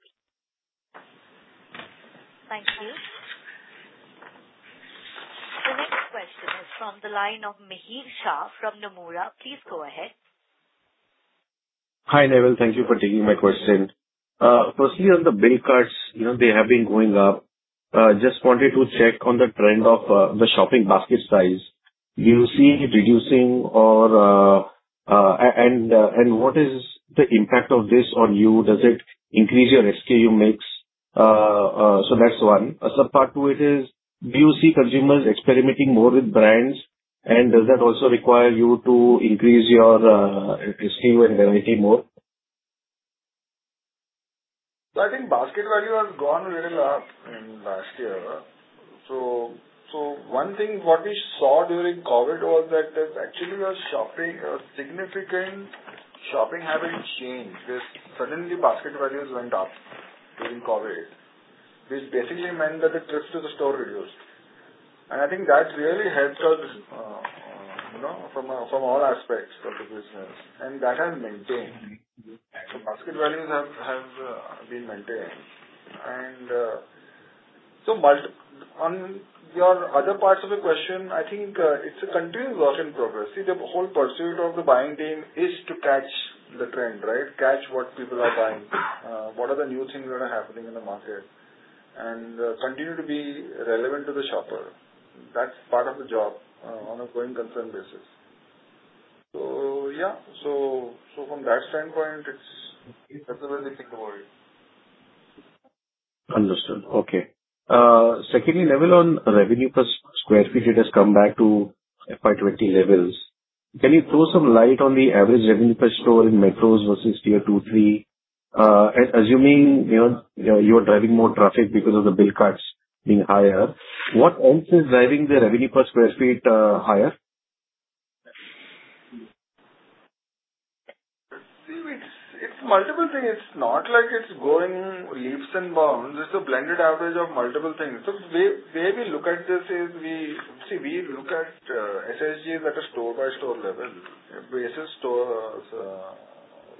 Thank you. The next question is from the line of Mihir Shah from Nomura. Please go ahead. Hi, Neville. Thank you for taking my question. Firstly, on the big cards, they have been going up. Just wanted to check on the trend of the shopping basket size. Do you see it reducing, and what is the impact of this on you? Does it increase your SKU mix? That's one. Sub-part two is, do you see consumers experimenting more with brands, and does that also require you to increase your SKU and variety more? I think basket value has gone really up in the last year. One thing, what we saw during COVID was that there's actually a significant shopping habit change, because suddenly basket values went up during COVID, which basically meant that the trips to the store reduced. I think that really helped us from all aspects of the business, and that has maintained. Basket values have been maintained. On your other parts of the question, I think it's a continuous work in progress. The whole pursuit of the buying team is to catch the trend, right? Catch what people are buying, what are the new things that are happening in the market, and continue to be relevant to the shopper. That's part of the job on a going concern basis. Yeah. From that standpoint, it's the way they think about it. Understood. Okay. Secondly, Neville, on revenue per square feet, it has come back to FY 2020 levels. Can you throw some light on the average revenue per store in metros versus tier 2, 3? Assuming you're driving more traffic because of the big cards being higher, what else is driving the revenue per square feet higher? It's multiple things. It's not like it's going leaps and bounds. It's a blended average of multiple things. The way we look at this is we look at SSGs at a store-by-store level, basis store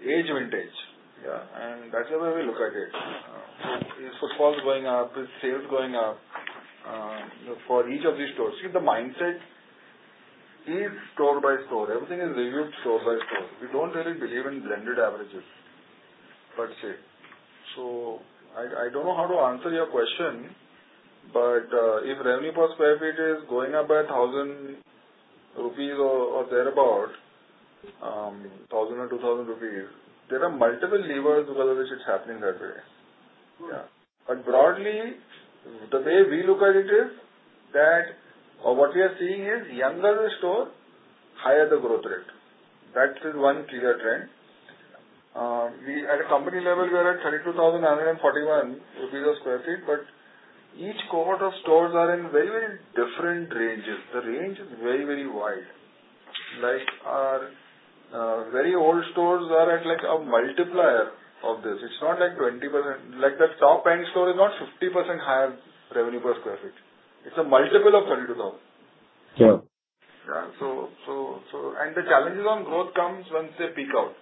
age vintage. That's the way we look at it. Is footfalls going up? Is sales going up for each of these stores? The mindset is store by store. Everything is reviewed store by store. We don't really believe in blended averages, per se. I don't know how to answer your question, but if revenue per square feet is going up by 1,000 rupees or thereabout, 1,000 or 2,000 rupees, there are multiple levers because of which it's happening that way. Broadly, the way we look at it is that what we are seeing is younger the store, higher the growth rate. That is one clear trend. At a company level, we are at 32,941 rupees per square feet, but each cohort of stores are in very different ranges. The range is very wide. Like our very old stores are at like a multiplier of this. It's not like 20%. Like the top-end store is not 50% higher revenue per square feet. It's a multiple of 32,000. Yeah. The challenges on growth comes once they peak out.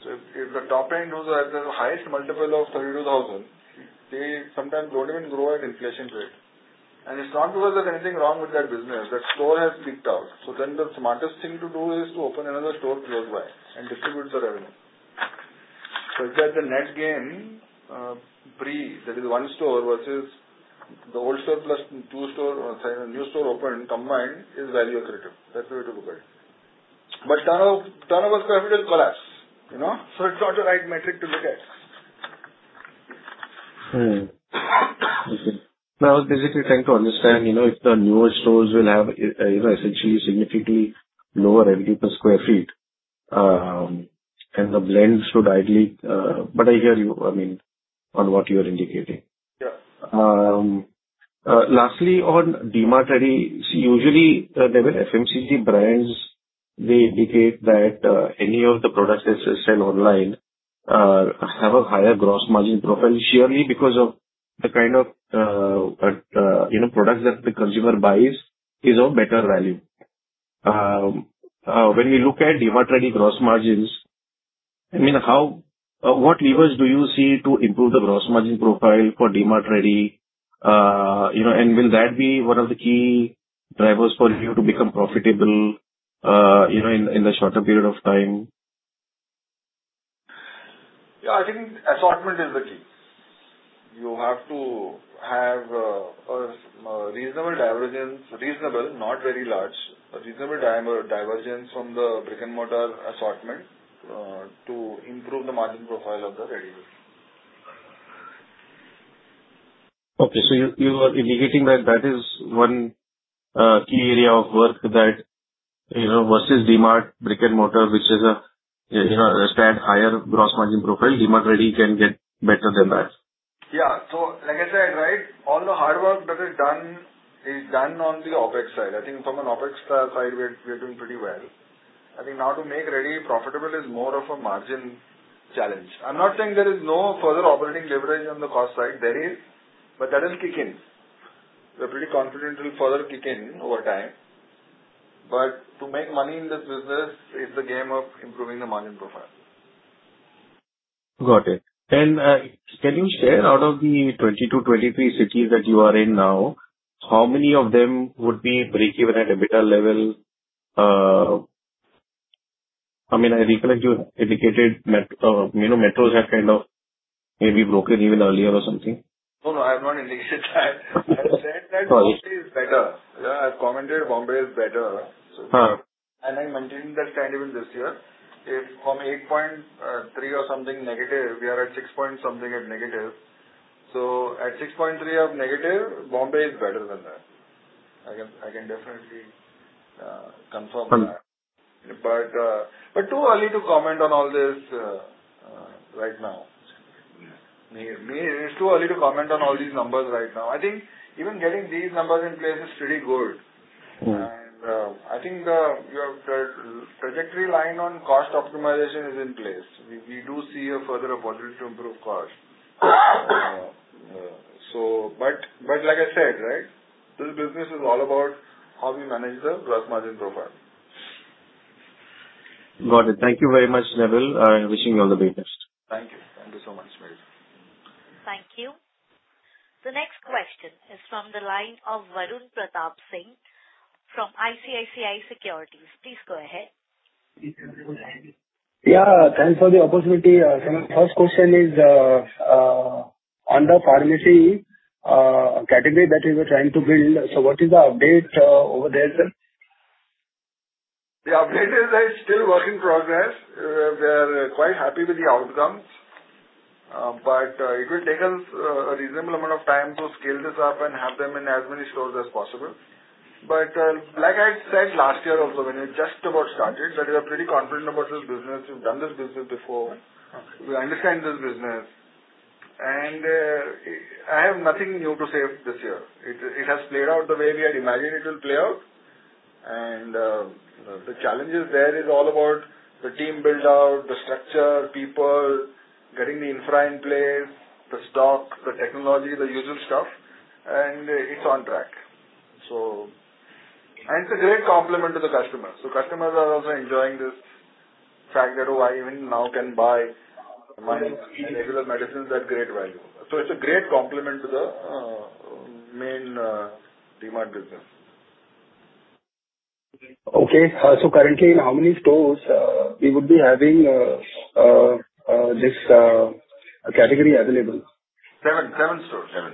If the top-end stores are at the highest multiple of 32,000, they sometimes don't even grow at inflation rate. It's not because there's anything wrong with that business. That store has peaked out. The smartest thing to do is to open another store nearby and distribute the revenue, such that the net gain, pre, that is one store versus the old store plus new store opened combined, is value accretive. That's the way to look at it. Turnover per square feet will collapse. It's not the right metric to look at. I was basically trying to understand if the newer stores will have essentially significantly lower revenue per square feet. I hear you, I mean, on what you're indicating. Yeah. Lastly, on DMart Ready. See, usually, Neville, FMCG brands, they indicate that any of the products that sell online have a higher gross margin profile, surely because of the kind of product that the consumer buys is of better value. When we look at DMart Ready gross margins, what levers do you see to improve the gross margin profile for DMart Ready? Will that be one of the key drivers for you to become profitable in the shorter period of time? I think assortment is the key. You have to have a reasonable divergence, reasonable, not very large, a reasonable divergence from the Brick and Mortar assortment to improve the margin profile of the Ready. You are indicating that is one key area of work that versus DMart Brick and Mortar, which has a standard higher gross margin profile, DMart Ready can get better than that. Like I said, all the hard work that is done is done on the OpEx side. I think from an OpEx side, we're doing pretty well. I think now to make Ready profitable is more of a margin challenge. I'm not saying there is no further operating leverage on the cost side. There is, but that is kick in. We're pretty confident it'll further kick in over time. To make money in this business, it's a game of improving the margin profile. Got it. Can you share, out of the 22, 23 cities that you are in now, how many of them would be break-even at EBITDA level? I recollect you indicated metros have maybe broken even earlier or something. No, I have not indicated that. Sorry. I said that Bombay is better. I commented Bombay is better. Huh. I'm maintaining that kind of even this year. If from 8.3 or something negative, we are at 6 point something at negative. At 6.3 of negative, Bombay is better than that. I can definitely confirm that. Huh. Too early to comment on all this right now. It's too early to comment on all these numbers right now. I think even getting these numbers in place is pretty good. I think your trajectory line on cost optimization is in place. We do see a further opportunity to improve cost. Like I said, this business is all about how we manage the gross margin profile. Got it. Thank you very much, Neville. Wishing you all the best. Thank you. Thank you so much, Mario. Thank you. The next question is from the line of Varun Pratap Singh from ICICI Securities. Please go ahead. Yes. Can you hear me? Yeah. Thanks for the opportunity. My first question is on the pharmacy category that you were trying to build. What is the update over there, sir? The update is it's still work in progress. We're quite happy with the outcomes. It will take us a reasonable amount of time to scale this up and have them in as many stores as possible. Like I said, last year also, when we just about started, that we are pretty confident about this business. We've done this business before. Okay. We understand this business, I have nothing new to say this year. It has played out the way we had imagined it will play out. The challenges there is all about the team build-out, the structure, people, getting the infra in place, the stock, the technology, the usual stuff, it's on track. It's a great complement to the customer. Customers are also enjoying this fact that, "Oh, I even now can buy my regular medicines at great value." It's a great complement to the main DMart business. Okay. Currently, in how many stores you would be having this category available? Seven stores.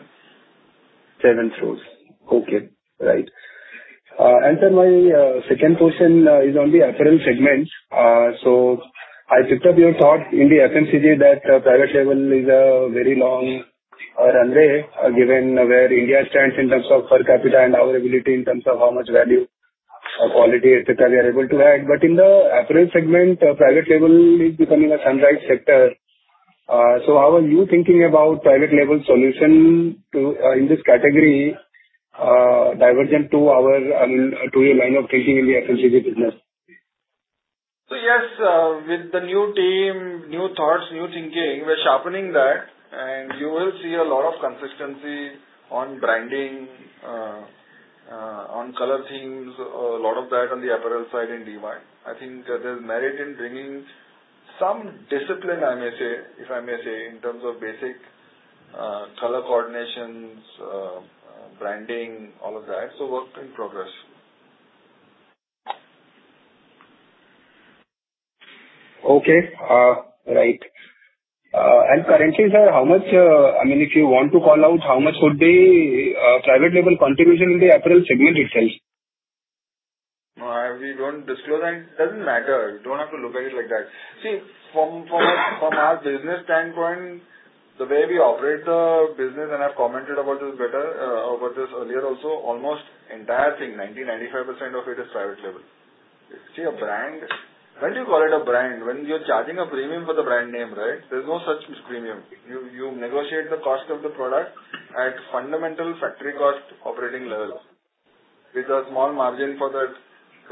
Seven stores. Okay. Right. Sir, my second question is on the apparel segment. I picked up your thought in the FMCG that private label is a very long runway, given where India stands in terms of per capita and our ability in terms of how much value or quality, et cetera, we are able to add. In the apparel segment, private label is becoming a sunrise sector. How are you thinking about private label solution in this category divergent to your line of thinking in the FMCG business? Yes, with the new team, new thoughts, new thinking, we're sharpening that, you will see a lot of consistency on branding, on color themes, a lot of that on the apparel side in DMart. I think there's merit in bringing some discipline, if I may say, in terms of basic color coordinations, branding, all of that. Work in progress. Okay. Right. Currently, sir, if you want to call out, how much would be private label contribution in the apparel segment itself? We don't disclose. It doesn't matter. You don't have to look at it like that. From our business standpoint, the way we operate the business, and I've commented about this earlier also, almost entire thing, 90, 95% of it is private label. When do you call it a brand? When you're charging a premium for the brand name, right? There's no such premium. You negotiate the cost of the product at fundamental factory cost operating levels with a small margin for the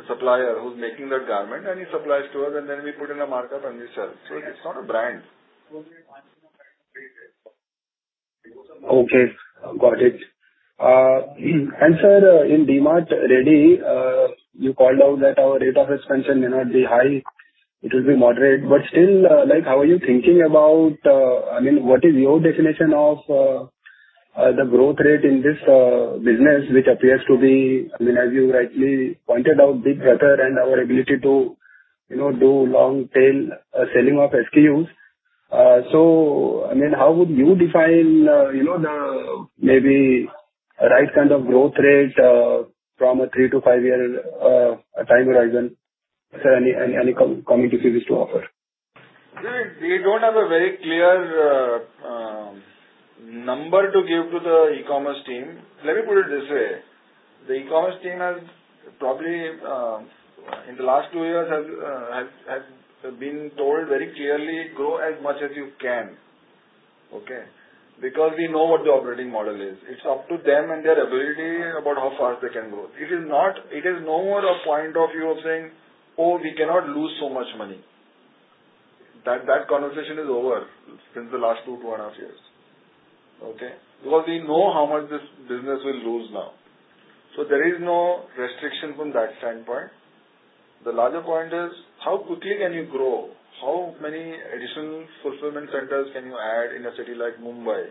supplier who's making that garment, and he supplies to us, and then we put in a markup, and we sell. It's not a brand. Okay. Got it. Sir, in DMart Ready, you called out that our rate of expansion may not be high, it will be moderate, still, what is your definition of- The growth rate in this business, which appears to be, as you rightly pointed out, bit better and our ability to do long tail selling of SKUs. How would you define maybe the right kind of growth rate from a three to five year time horizon? Sir, any comment you wish to offer? We don't have a very clear number to give to the e-commerce team. Let me put it this way. The e-commerce team has probably, in the last two years, has been told very clearly, "Grow as much as you can." Okay? We know what the operating model is. It's up to them and their ability about how fast they can grow. It is no more a point of view of saying, "Oh, we cannot lose so much money." That conversation is over since the last two and a half years. Okay? We know how much this business will lose now. There is no restriction from that standpoint. The larger point is how quickly can you grow? How many additional fulfillment centers can you add in a city like Mumbai,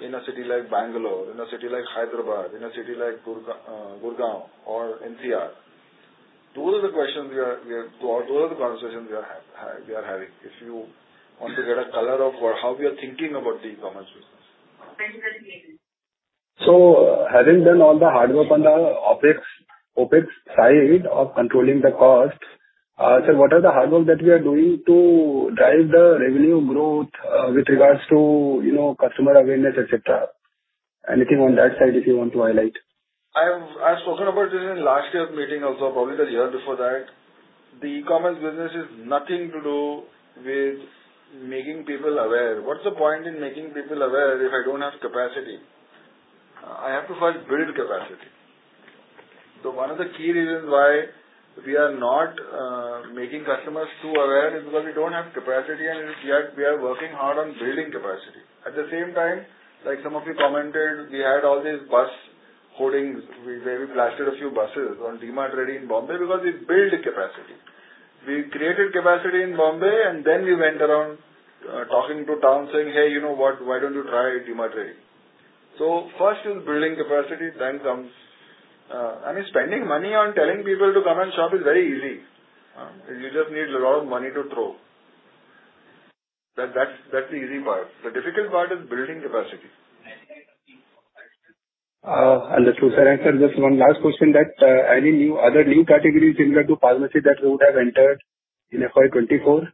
in a city like Bangalore, in a city like Hyderabad, in a city like Gurgaon or NCR? Those are the questions, those are the conversations we are having. If you want to get a color of how we are thinking about the e-commerce business. Having done all the hard work on the OpEx side of controlling the costs. Sir, what are the hard work that we are doing to drive the revenue growth, with regards to customer awareness, et cetera? Anything on that side, if you want to highlight. I've spoken about this in last year's meeting also, probably the year before that. The e-commerce business is nothing to do with making people aware. What's the point in making people aware if I don't have capacity? I have to first build capacity. One of the key reasons why we are not making customers too aware is because we don't have capacity, and we are working hard on building capacity. At the same time, like some of you commented, we had all these bus holdings. We maybe plastered a few buses on DMart Ready in Bombay because we build capacity. We created capacity in Bombay, and then we went around talking to town saying, "Hey, you know what? Why don't you try DMart Ready?" First is building capacity, then comes spending money on telling people to come and shop is very easy. You just need a lot of money to throw. That's the easy part. The difficult part is building capacity. Understood, sir. Sir, just one last question that any other new categories similar to pharmacy that you would have entered in FY 2024?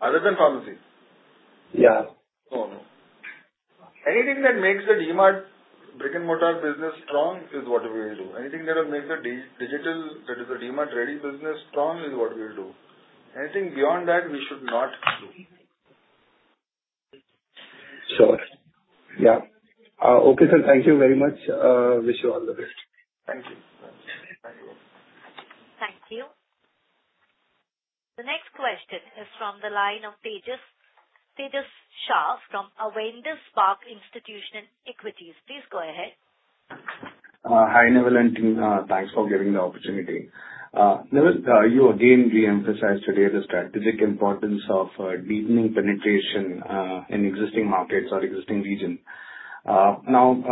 Other than pharmacy? Yeah. No. Anything that makes the DMart brick-and-mortar business strong is what we will do. Anything that will make the digital, that is the DMart Ready business strong is what we'll do. Anything beyond that, we should not do. Sure. Yeah. Okay, sir. Thank you very much. Wish you all the best. Thank you. Thank you. The next question is from the line of Tejas Shah from Avendus Spark Institutional Equities. Please go ahead. Hi, Neville and team. Thanks for giving the opportunity. Neville, you again re-emphasized today the strategic importance of deepening penetration, in existing markets or existing regions. Now,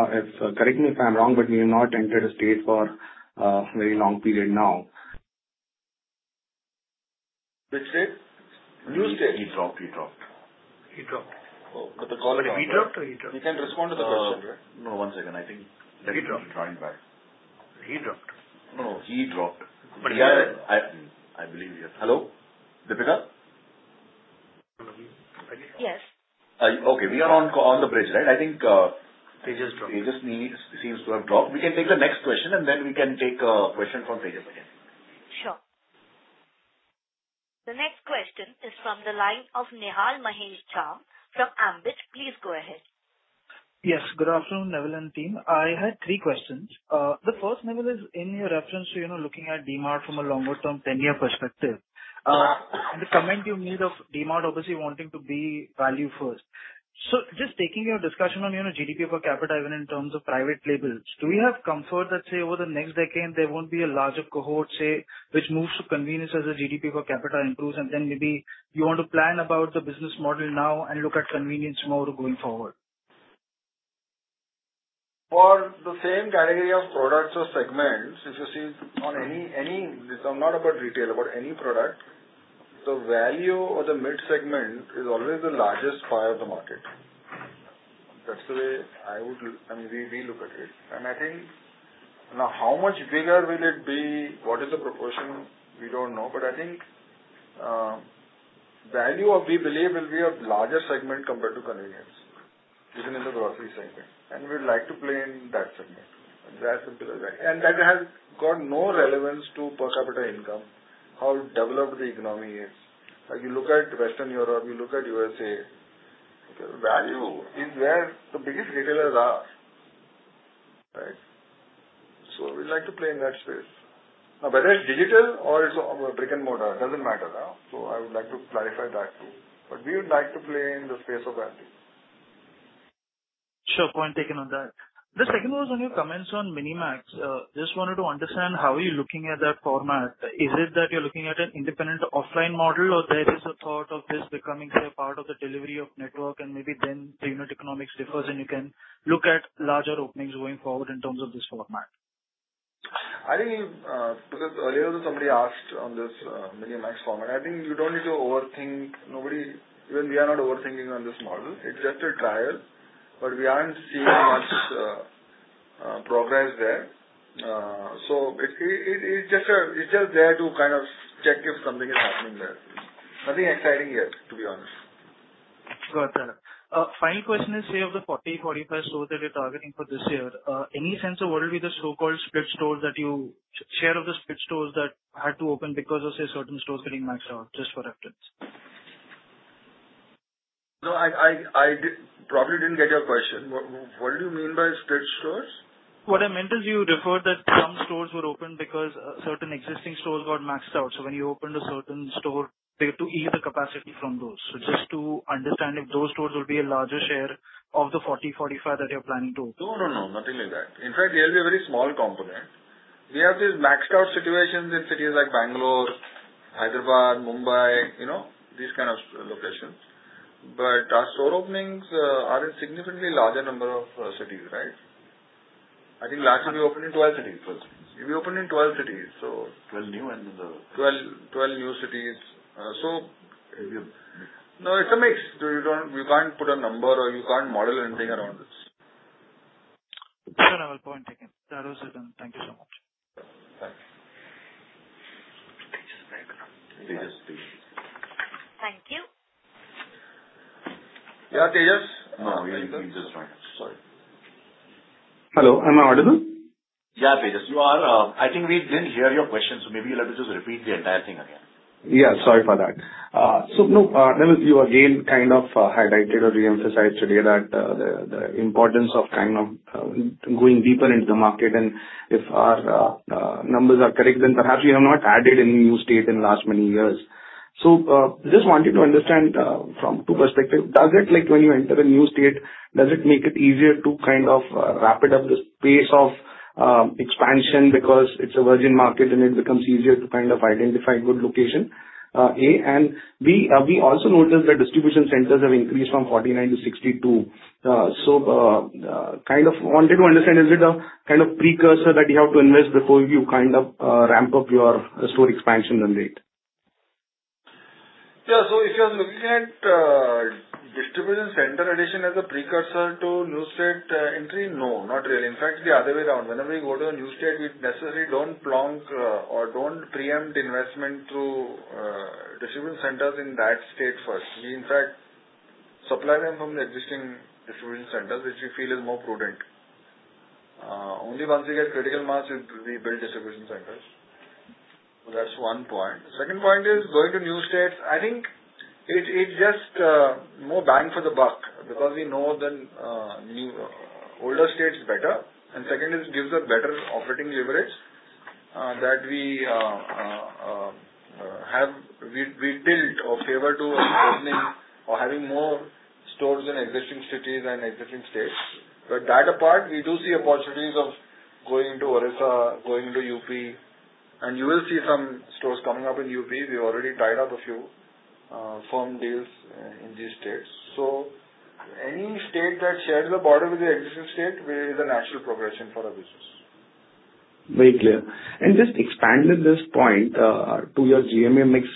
correct me if I'm wrong, but you've not entered a state for a very long period now. Which state? New state. He dropped. He dropped. Oh, the call- He dropped or you dropped? We can respond to the question, right? No, one second. He dropped trying back. He dropped. No. He dropped. But we are- I believe. Hello, Deepika? Yes. Okay. We are on the bridge. Right? Tejas dropped Tejas seems to have dropped. We can take the next question, and then we can take a question from Tejas again. Sure. The next question is from the line of Nihal Mahesh Jham from Ambit Capital. Please go ahead. Yes. Good afternoon, Neville and team. I had three questions. The first, Neville, is in your reference to looking at DMart from a longer term 10-year perspective. The comment you made of DMart obviously wanting to be value first. Just taking your discussion on GDP per capita even in terms of private labels, do we have comfort that say, over the next decade, there won't be a larger cohort, say, which moves to convenience as the GDP per capita improves, and then maybe you want to plan about the business model now and look at convenience more going forward? For the same category of products or segments, if you see on any, this is not about retail, about any product, the value or the mid-segment is always the largest pie of the market. That's the way we look at it. I think now, how much bigger will it be? What is the proportion? We don't know. I think, value of we believe will be a larger segment compared to convenience, even in the grocery segment. We'd like to play in that segment. That simple as that. That has got no relevance to per capita income, how developed the economy is. You look at Western Europe, you look at U.S.A. Value is where the biggest retailers are, right? We'd like to play in that space. Now, whether it's digital or it's a brick-and-mortar, doesn't matter now. I would like to clarify that, too. We would like to play in the space of value. Sure. Point taken on that. The second was on your comments on MiniMax. Just wanted to understand how you're looking at that format. Is it that you're looking at an independent offline model, or there is a thought of this becoming, say, a part of the delivery of network and maybe then the unit economics differs, and you can look at larger openings going forward in terms of this format? I think because earlier somebody asked on this DMart MiniMax format, I think you don't need to overthink. Even we are not overthinking on this model. It's just a trial, but we aren't seeing much progress there. It's just there to kind of check if something is happening there. Nothing exciting yet, to be honest. Got that. Final question is, say of the 40, 45 stores that you're targeting for this year, any sense of what will be the share of the split stores that had to open because of, say, certain stores getting maxed out? Just for reference. No, I probably didn't get your question. What do you mean by split stores? What I meant is, you referred that some stores were opened because certain existing stores got maxed out. When you opened a certain store there to ease the capacity from those. Just to understand if those stores will be a larger share of the 40, 45 that you're planning to open. No, nothing like that. In fact, they'll be a very small component. We have these maxed-out situations in cities like Bangalore, Hyderabad, Mumbai, these kind of locations. Our store openings are in a significantly larger number of cities. Right? I think last year we opened in 12 cities. We opened in 12 cities. 12 new. 12 new cities. No, it's a mix. We can't put a number or you can't model anything around this. Sure. No problem. Thank you so much. Thanks. Tejas is back. Tejas is still here. Thank you. Yeah, Tejas. He's just joined. Sorry. Hello, am I audible? Yeah, Tejas, you are. I think we didn't hear your question, maybe let us just repeat the entire thing again. Yeah, sorry for that. Naval, you again kind of highlighted or reemphasized today the importance of kind of going deeper into the market, and if our numbers are correct, then perhaps we have not added any new state in last many years. Just wanted to understand from two perspective. One, when you enter a new state, does it make it easier to kind of ramp up the pace of expansion because it’s a virgin market and it becomes easier to kind of identify good location? A, and B, we also noticed that distribution centers have increased from 49 to 62. Kind of wanted to understand, is it a kind of precursor that you have to invest before you kind of ramp up your store expansion run rate? Yeah. If you are looking at distribution center addition as a precursor to new state entry, no, not really. In fact, it's the other way around. Whenever we go to a new state, we necessarily don't plonk or don't preempt investment through distribution centers in that state first. We, in fact, supply them from the existing distribution centers, which we feel is more prudent. Only once we get critical mass we build distribution centers. That's one point. Second point is going to new states, I think it's just more bang for the buck because we know the older state is better, and second, it gives us better operating leverage that we built or favor to opening or having more stores in existing cities and existing states. That apart, we do see opportunities of going to Orissa, going to UP. You will see some stores coming up in UP. We already tied up a few firm deals in these states. Any state that shares a border with the existing state is a natural progression for our business. Very clear. Just expanding this point to your GMA mix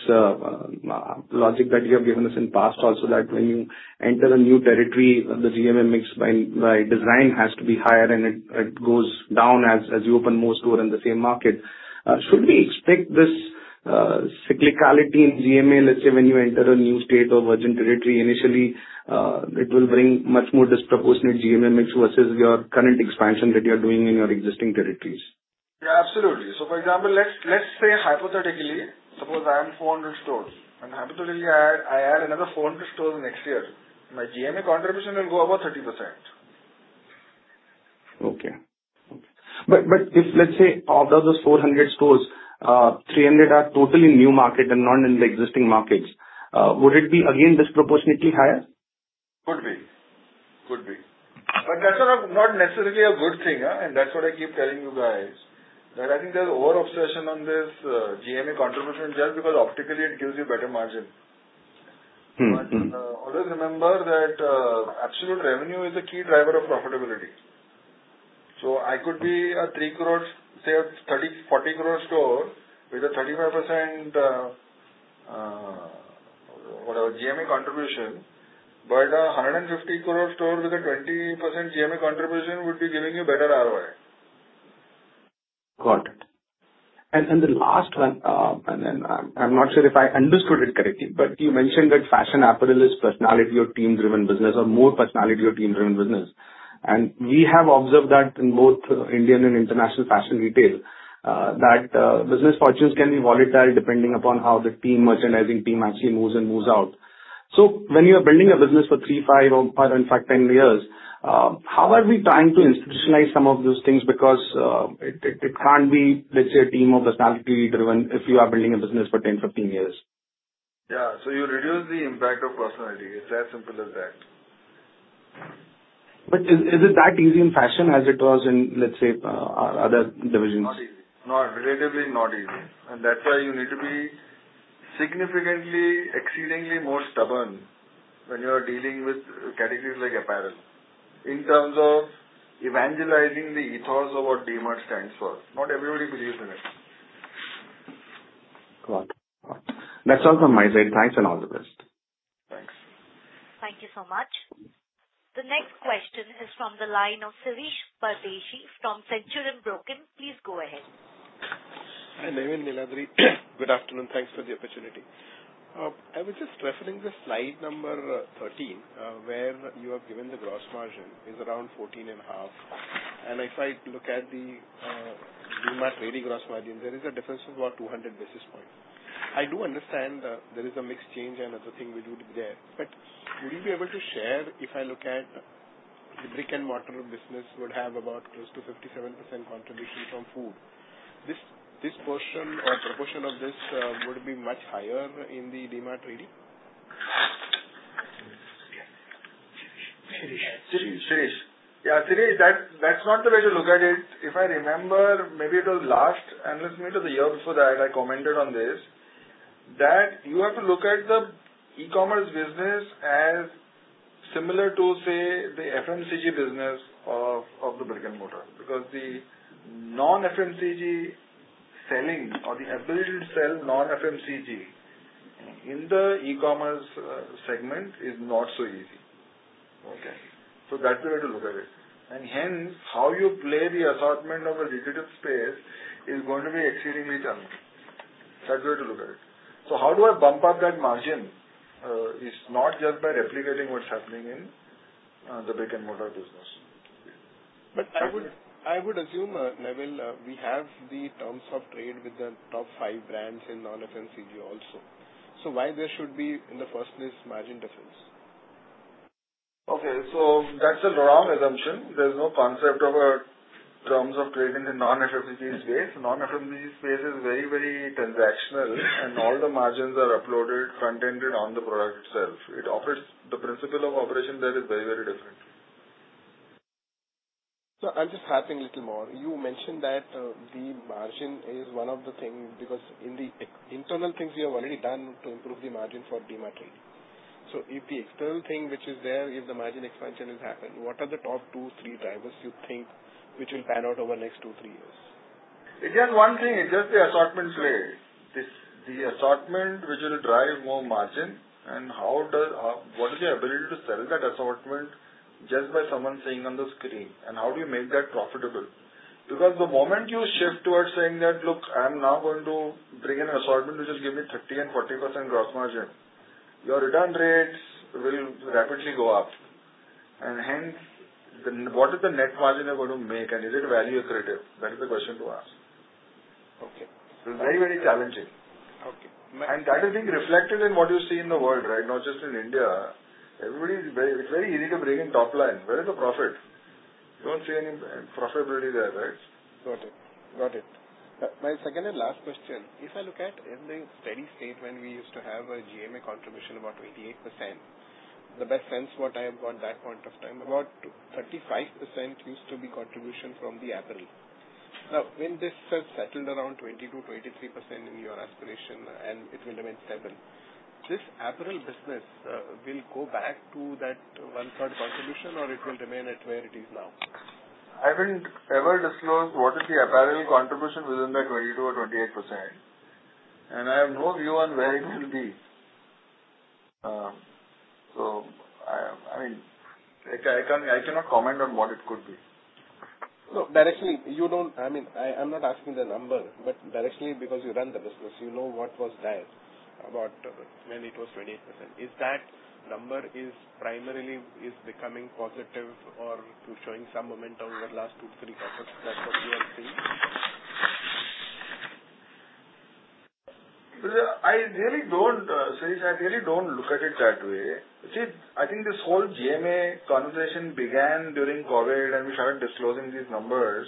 logic that you have given us in past also that when you enter a new territory, the GMA mix by design has to be higher and it goes down as you open more store in the same market. Should we expect this cyclicality in GMA, let's say, when you enter a new state or virgin territory, initially it will bring much more disproportionate GMA mix versus your current expansion that you're doing in your existing territories? Yeah, absolutely. For example, let's say hypothetically, suppose I have 400 stores. Hypothetically, I add another 400 stores next year, my GMA contribution will go above 30%. Okay. If, let's say, out of those 400 stores, 300 are totally new market and not in the existing markets, would it be again disproportionately higher? Could be. That's not necessarily a good thing. That's what I keep telling you guys, that I think there's over-obsession on this GMA contribution just because optically it gives you better margin. Always remember that absolute revenue is a key driver of profitability. I could be a 30, 40 crore store with a 35% GMA contribution, but a 150 crore store with a 20% GMA contribution would be giving you better ROI. Got it. The last one, and I'm not sure if I understood it correctly, but you mentioned that fashion apparel is personality or team-driven business, or more personality or team-driven business. We have observed that in both Indian and international fashion retail, that business fortunes can be volatile depending upon how the merchandising team actually moves in, moves out. When you are building a business for three, five, or in fact 10 years, how are we trying to institutionalize some of those things? It can't be, let's say, a team of personality-driven if you are building a business for 10, 15 years. Yeah. You reduce the impact of personality. It's as simple as that. Is it that easy in fashion as it was in, let's say, our other divisions? Not easy. Relatively not easy. That's why you need to be significantly exceedingly more stubborn when you're dealing with categories like apparel. In terms of evangelizing the ethos of what DMart stands for, not everybody believes in it. Got it. That's all from my side. Thanks, and all the best. Thanks. Thank you so much. The next question is from the line of Shirish Pardeshi from Centrum Broking. Please go ahead. Hi, Neville, Niladri. Good afternoon. Thanks for the opportunity. I was just referencing the slide number 13, where you have given the gross margin is around 14 and a half. If I look at the DMart Ready gross margin, there is a difference of about 200 basis points. I do understand there is a mix change and other thing we do there. Would you be able to share, if I look at the brick-and-mortar business would have about close to 57% contribution from food. This portion or proportion of this would be much higher in the DMart Ready? Shirish. Yeah, Shirish, that's not the way to look at it. If I remember, maybe it was last analyst meet or the year before that, I commented on this, that you have to look at the e-commerce business as similar to, say, the FMCG business of the brick-and-mortar, because the non-FMCG selling or the ability to sell non-FMCG in the e-commerce segment is not so easy. Okay? That's the way to look at it. Hence, how you play the assortment of a digital space is going to be exceedingly challenging. That's the way to look at it. How do I bump up that margin is not just by replicating what's happening in the brick-and-mortar business. I would assume, Neville, we have the terms of trade with the top five brands in non-FMCG also. Why there should be, in the first place, margin difference? Okay. That's a wrong assumption. There's no concept of terms of trade in the non-FMCG space. Non-FMCG space is very transactional, and all the margins are uploaded, front-ended on the product itself. The principle of operation there is very different. No, I'm just harping a little more. You mentioned that the margin is one of the things, because in the internal things you have already done to improve the margin for DMart Ready. If the external thing which is there, if the margin expansion is happening, what are the top two, three drivers you think which will pan out over next two, three years? Again, one thing, it's just the assortment play. The assortment which will drive more margin and what is the ability to sell that assortment just by someone seeing on the screen, and how do you make that profitable? The moment you shift towards saying that, "Look, I'm now going to bring an assortment which will give me 30 and 40% gross margin," your return rates will rapidly go up. Hence, what is the net margin you're going to make and is it value accretive? That is the question to ask. Okay. It's very challenging. Okay. That is being reflected in what you see in the world right now, just in India. It's very easy to bring in top line. Where is the profit? You don't see any profitability there, right? Got it. My second and last question, if I look at in the steady state, when we used to have a GMA contribution about 28%, the best sense what I have got that point of time, about 35% used to be contribution from the apparel. Now, when this has settled around 22%-23% in your aspiration, and it will remain stable, this apparel business will go back to that one-third contribution, or it will remain at where it is now? I haven't ever disclosed what is the apparel contribution within that 22% or 28%. I have no view on where it will be. I cannot comment on what it could be. Directly, I'm not asking the number, directly because you run the business, you know what was there when it was 28%. Is that number is primarily becoming positive or showing some momentum over last two, three quarters? That's what we are seeing. Shirish, I really don't look at it that way. I think this whole GMA conversation began during COVID, we started disclosing these numbers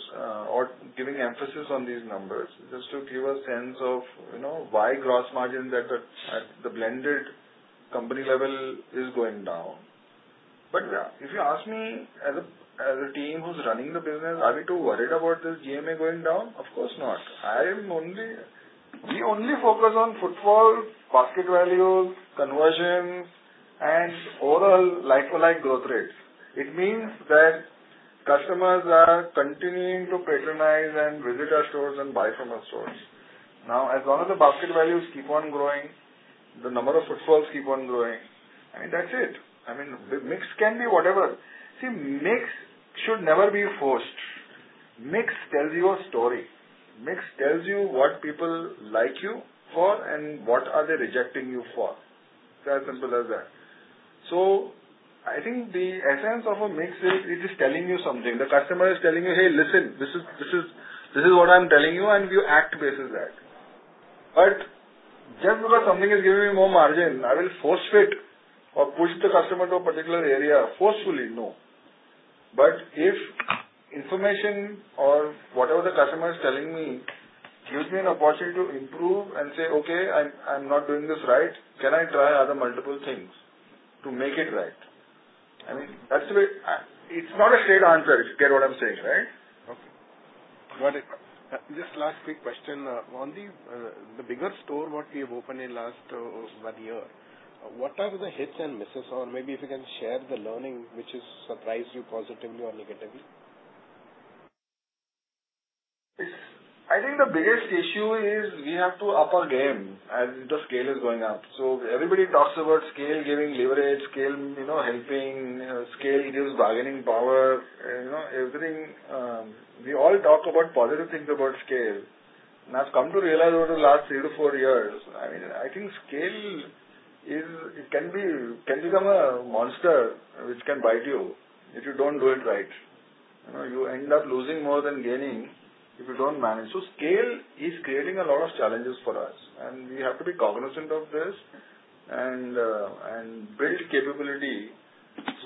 or giving emphasis on these numbers just to give a sense of why gross margin at the blended company level is going down. If you ask me as a team who's running the business, are we too worried about this GMA going down? Of course not. We only focus on footfall, basket values, conversions, and overall like-to-like growth rates. It means that customers are continuing to patronize and visit our stores and buy from our stores. As long as the basket values keep on growing, the number of footfalls keep on growing, I mean, that's it. I mean, the mix can be whatever. Mix should never be forced. Mix tells you a story. Mix tells you what people like you for and what are they rejecting you for. It's as simple as that. I think the essence of a mix is it is telling you something. The customer is telling you, "Hey, listen, this is what I'm telling you," you act basis that. Just because something is giving me more margin, I will force fit or push the customer to a particular area forcefully. No. If information or whatever the customer is telling me gives me an opportunity to improve and say, "Okay, I'm not doing this right. Can I try other multiple things to make it right?" I mean, it's not a straight answer, if you get what I'm saying, right? Got it. Just last quick question. On the bigger store what we have opened in last one year, what are the hits and misses? Maybe if you can share the learning, which has surprised you positively or negatively. I think the biggest issue is we have to up our game as the scale is going up. Everybody talks about scale giving leverage, scale helping, scale gives bargaining power. We all talk about positive things about scale. I've come to realize over the last three to four years, I think scale can become a monster which can bite you if you don't do it right. You end up losing more than gaining if you don't manage. Scale is creating a lot of challenges for us, and we have to be cognizant of this and build capability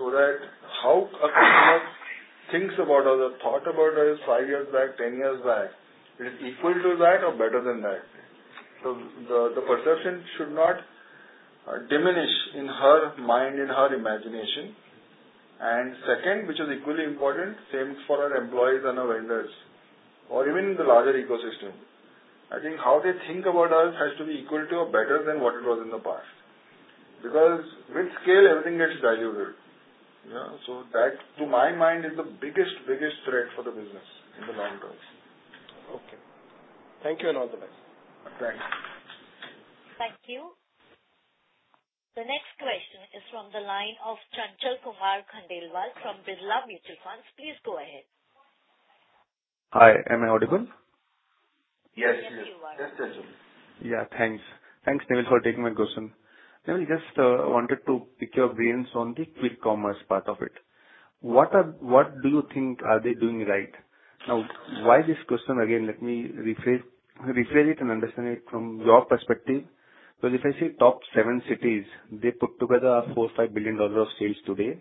so that how a customer thinks about us or thought about us five years back, 10 years back, it is equal to that or better than that. The perception should not diminish in her mind, in her imagination. Second, which is equally important, same for our employees and our vendors or even the larger ecosystem. I think how they think about us has to be equal to or better than what it was in the past. Because with scale, everything gets diluted. That, to my mind, is the biggest threat for the business in the long term. Okay. Thank you, and all the best. Thanks. Thank you. The next question is from the line of Chanchal Kumar Khandelwal from Birla Mutual Funds. Please go ahead. Hi, am I audible? Yes. Yes, Chanchal. Yeah, thanks. Thanks, Neville, for taking my question. Neville, just wanted to pick your brains on the quick commerce part of it. What do you think are they doing right? Why this question? Again, let me rephrase it and understand it from your perspective. If I say top seven cities, they put together 4 billion or INR 5 billion of sales today.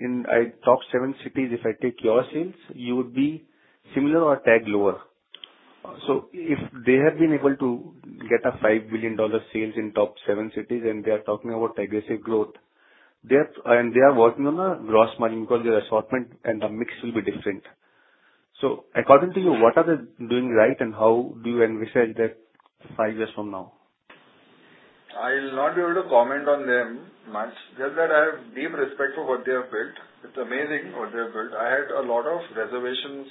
In top seven cities, if I take your sales, you would be similar or a tad lower. If they have been able to get an INR 5 billion sales in top seven cities and they are talking about aggressive growth, and they are working on a gross margin because their assortment and the mix will be different. According to you, what are they doing right, and how do you envision that 5 years from now? I'll not be able to comment on them much, just that I have deep respect for what they have built. It's amazing what they have built. I had a lot of reservations.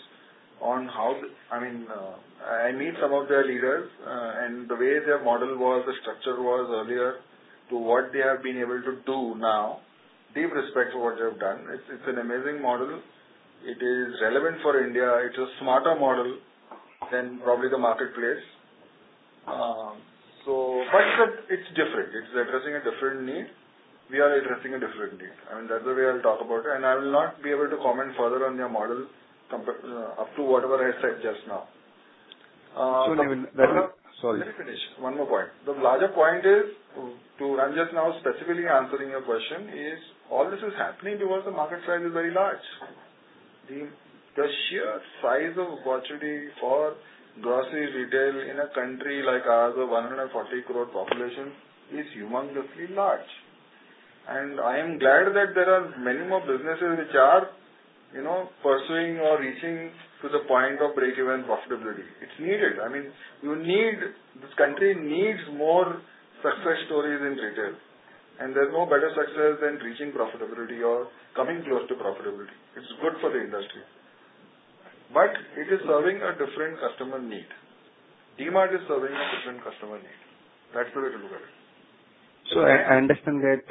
I meet some of their leaders, and the way their model was, the structure was earlier to what they have been able to do now, deep respect for what they have done. It's an amazing model. It is relevant for India. It's a smarter model than probably the marketplace. It's different. It's addressing a different need. We are addressing a different need, and that's the way I'll talk about it. I will not be able to comment further on their model up to whatever I said just now. Neville, Sorry. Let me finish one more point. The larger point is to, I am just now specifically answering your question, is all this is happening because the market size is very large. The sheer size of opportunity for grocery retail in a country like ours of 140 crore population is humongously large. I am glad that there are many more businesses which are pursuing or reaching to the point of break-even profitability. It is needed. This country needs more success stories in retail, and there is no better success than reaching profitability or coming close to profitability. It is good for the industry. It is serving a different customer need. DMart is serving a different customer need. That's the way to look at it. I understand that,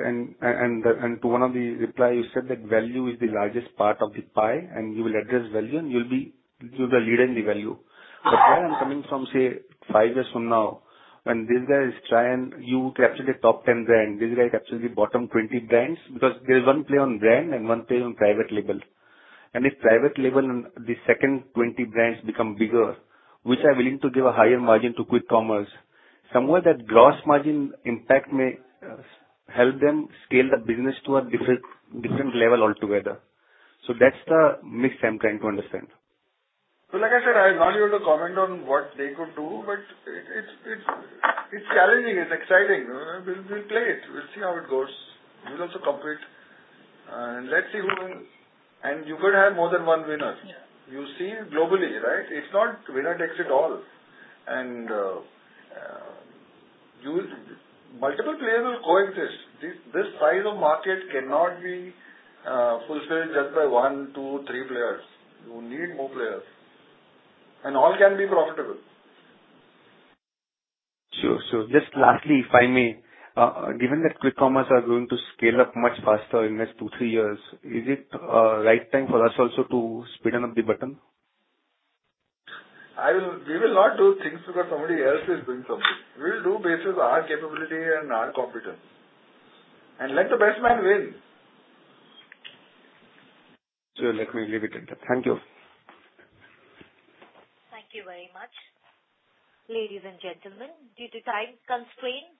to one of the reply, you said that value is the largest part of the pie, and you will address value, you'll be the leader in the value. The point I'm coming from, say, five years from now, when this guy is trying, you capture the top 10 brand, this guy captures the bottom 20 brands, because there's one play on brand and one play on private label. If private label and the second 20 brands become bigger, which are willing to give a higher margin to quick commerce, somewhere that gross margin impact may help them scale that business to a different level altogether. That's the mix I'm trying to understand. Like I said, I'll not be able to comment on what they could do, it's challenging. It's exciting. We'll play it. We'll see how it goes. We'll also compete. You could have more than one winner. You see globally, right? It's not winner takes it all. Multiple players will coexist. This size of market cannot be fulfilled just by one, two, three players. You need more players. All can be profitable. Sure. Just lastly, if I may. Given that quick commerce are going to scale up much faster in next two, three years, is it a right time for us also to speeden up the button? We will not do things because somebody else is doing something. We'll do basis our capability and our competence. Let the best man win. Sure. Let me leave it at that. Thank you. Thank you very much. Ladies and gentlemen, due to time constraint,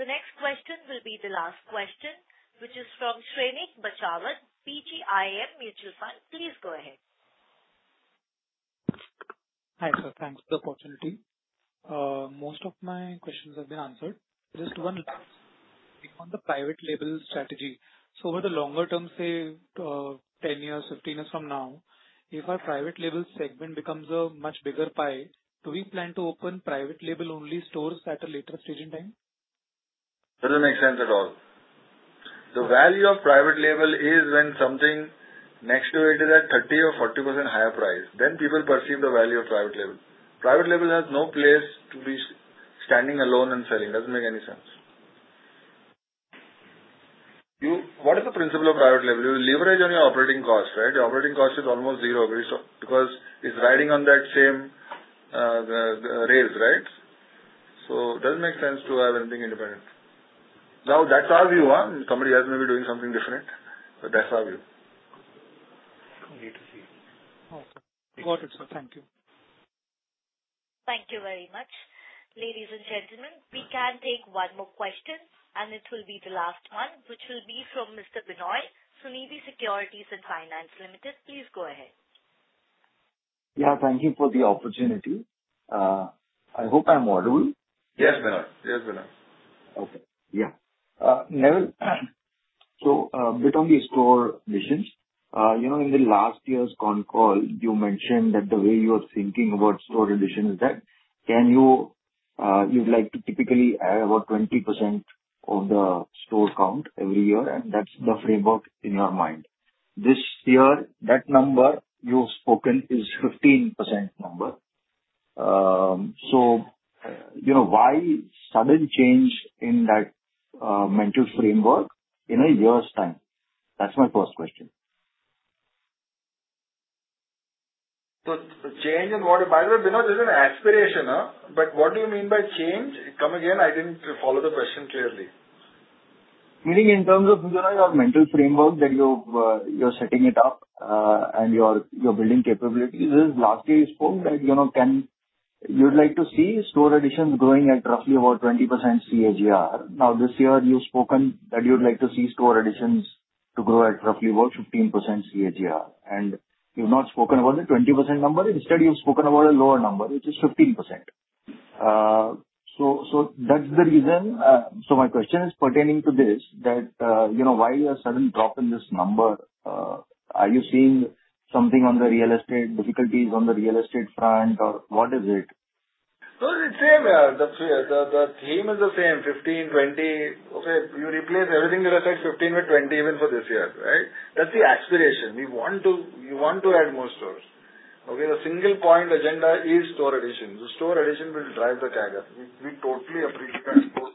the next question will be the last question, which is from Shrenik Bachhawat, PGIM Mutual Fund. Please go ahead. Hi, sir. Thanks for the opportunity. Most of my questions have been answered. Just one. On the private label strategy. Over the longer term, say, 10 years, 15 years from now, if our private label segment becomes a much bigger pie, do we plan to open private label-only stores at a later stage in time? Doesn't make sense at all. The value of private label is when something next to it is at 30% or 40% higher price, then people perceive the value of private label. Private label has no place to be standing alone and selling. Doesn't make any sense. What is the principle of private label? You leverage on your operating cost. The operating cost is almost zero because it's riding on that same rails. It doesn't make sense to have anything independent. That's our view. Somebody else may be doing something different, but that's our view. Got it, sir. Thank you. Thank you very much. Ladies and gentlemen, we can take one more question, and it will be the last one, which will be from Mr. Binoy, Suniti Securities and Finance Limited. Please go ahead. Yeah, thank you for the opportunity. I hope I'm audible. Yes, Binoy. Okay. Yeah. Neville, bit on the store missions. In the last year's con call, you mentioned that the way you are thinking about store addition is that you'd like to typically add about 20% of the store count every year, and that's the framework in your mind. This year, that number you've spoken is 15% number. Why sudden change in that mental framework in a year's time? That's my first question. By the way, Binoy, this is an aspiration. What do you mean by change? Come again, I didn't follow the question clearly. Meaning in terms of your mental framework that you're setting it up and you're building capabilities. Last year you spoke that you'd like to see store additions growing at roughly about 20% CAGR. This year you've spoken that you'd like to see store additions to grow at roughly about 15% CAGR. You've not spoken about the 20% number. Instead, you've spoken about a lower number, which is 15%. My question is pertaining to this, that why you are sudden drop in this number. Are you seeing something on the real estate, difficulties on the real estate front, or what is it? No, it's same. The theme is the same, 15, 20. You replace everything you have said 15 with 20 even for this year. That's the aspiration. We want to add more stores. The single-point agenda is store addition. The store addition will drive the CAGR. We totally appreciate store addition.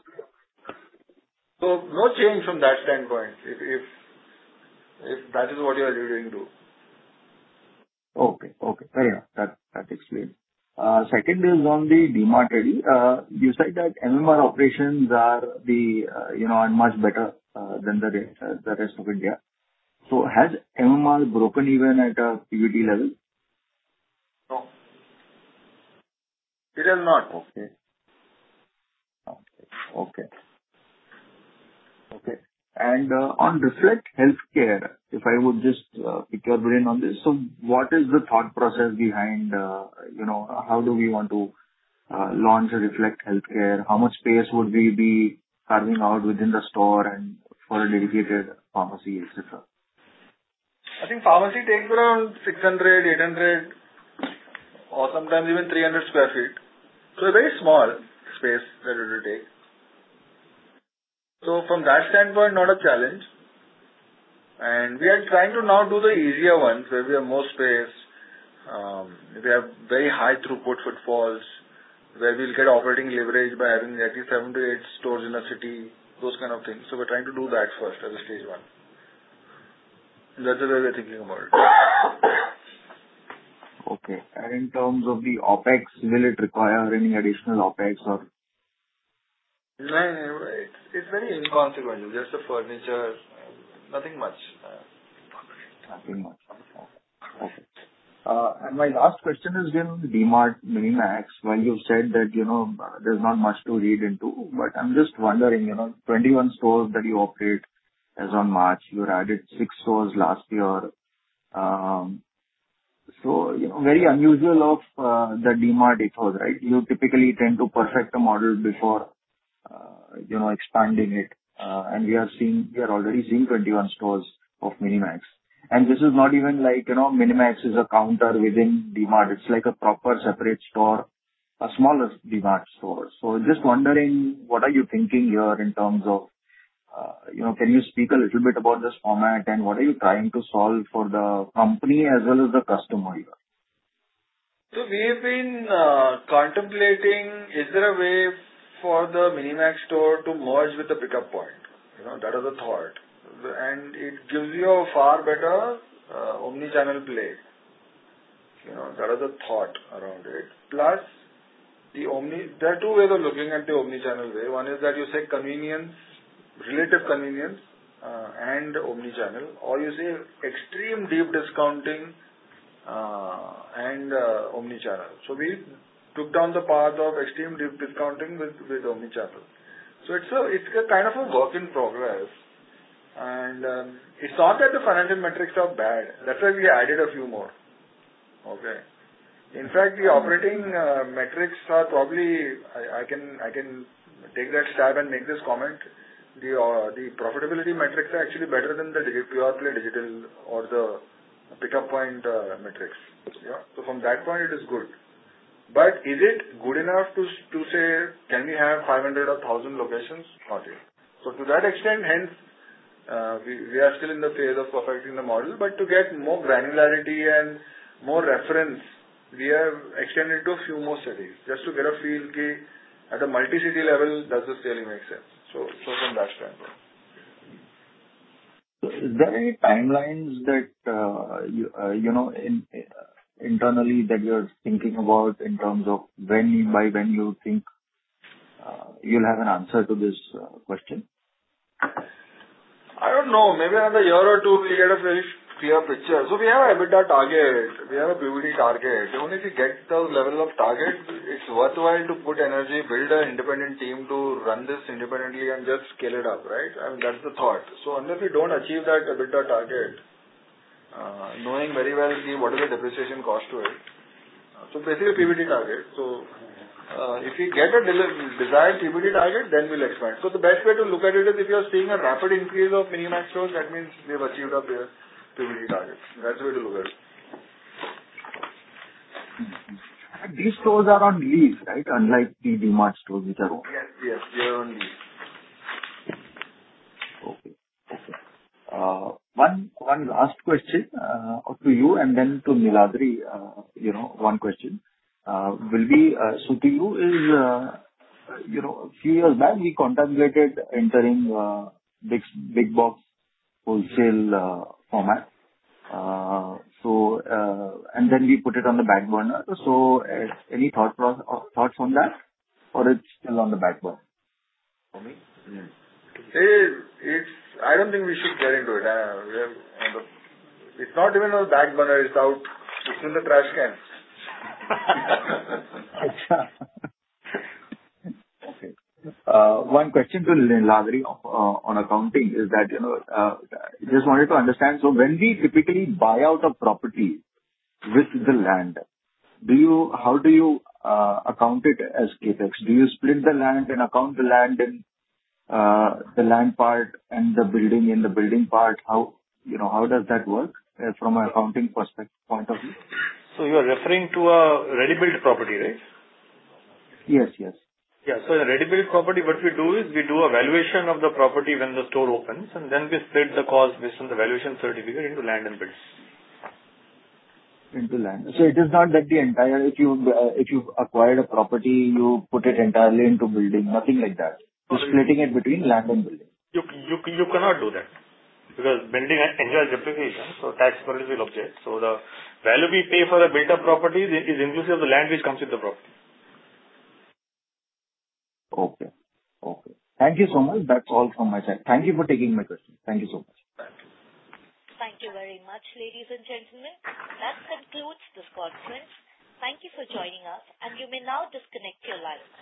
No change from that standpoint if that is what you are alluding to. Okay. Fair enough. That explains. Second is on the DMart Ready. You said that MMR operations are much better than the rest of India. Has MMR broken even at a PBT level? No. It has not. On Reflect Healthcare, if I would just pick your brain on this. What is the thought process behind how do we want to launch a Reflect Healthcare? How much space would we be carving out within the store and for a dedicated pharmacy, et cetera? I think pharmacy takes around 600, 800 or sometimes even 300 sq ft. A very small space that it will take. From that standpoint, not a challenge. We are trying to now do the easier ones where we have more space, we have very high throughput footfalls where we’ll get operating leverage by having at least seven to eight stores in a city, those kind of things. We’re trying to do that first as a stage 1. That’s the way we’re thinking about it. Okay. In terms of the OpEx, will it require any additional OpEx or? No, it’s very inconsequential. Just the furniture, nothing much. Nothing much. Okay, perfect. My last question is again on DMart MiniMax, where you've said that there's not much to read into. I'm just wondering, 21 stores that you operate as on March, you had added six stores last year. Very unusual of the DMart ethos. You typically tend to perfect a model before expanding it. We are already seeing 21 stores of DMart MiniMax. This is not even like DMart MiniMax is a counter within DMart. It's like a proper separate store, a smaller DMart store. Just wondering, what are you thinking here? Can you speak a little bit about this format and what are you trying to solve for the company as well as the customer here? We have been contemplating, is there a way for the DMart MiniMax store to merge with the pickup point? That is the thought. It gives you a far better omni-channel play. That is the thought around it. There are two ways of looking at the omni-channel way. One is that you say relative convenience and omni-channel, or you say extreme deep discounting and omni-channel. We took down the path of extreme deep discounting with omni-channel. It's a kind of a work in progress and it's not that the financial metrics are bad. That's why we added a few more. Okay. I can take that stab and make this comment. The profitability metrics are actually better than the pure-play digital or the pickup point metrics. Yeah. From that point, it is good. Is it good enough to say, can we have 500 or 1,000 locations? Not yet. To that extent, hence, we are still in the phase of perfecting the model. To get more granularity and more reference, we have extended to a few more cities, just to get a feel at a multi-city level, does this really make sense? From that standpoint. Is there any timelines that internally that you're thinking about in terms of by when you think you'll have an answer to this question? I don't know. Maybe another year or two, we'll get a very clear picture. We have an EBITDA target, we have a PBT target. The moment we get those level of targets, it's worthwhile to put energy, build an independent team to run this independently and just scale it up, right? That's the thought. Unless we don't achieve that EBITDA target knowing very well what is the depreciation cost to it. Basically, PBT target. If we get a desired PBT target, then we'll expand. The best way to look at it is if you're seeing a rapid increase of MiniMax stores, that means we've achieved our PBT target. That's the way to look at it. These stores are on lease, right? Unlike the DMart stores, which are- Oh, yes. They are on lease. Okay. One last question to you, and then to Niladri one question. Will be, A few years back, we contemplated entering big box wholesale format, and then we put it on the back burner. Any thoughts on that, or it's still on the back burner? For me? I don't think we should get into it. It's not even on the back burner. It's out. It's in the trash can. One question to Niladri on accounting is that, just wanted to understand. When we typically buy out a property with the land, how do you account it as CapEx? Do you split the land and account the land and the land part and the building in the building part? How does that work from an accounting point of view? You are referring to a ready-built property, right? Yes. Yeah. A ready-built property, what we do is we do a valuation of the property when the store opens, and then we split the cost based on the valuation certificate into land and building. Into land. It is not that if you've acquired a property, you put it entirely into building. Nothing like that. You're splitting it between land and building. You cannot do that because building enjoys depreciation, so tax authorities will object. The value we pay for the built-up property is inclusive of the land which comes with the property. Okay. Thank you so much. That's all from my side. Thank you for taking my questions. Thank you so much. Thank you. Thank you very much, ladies and gentlemen. That concludes this conference. Thank you for joining us, and you may now disconnect your lines.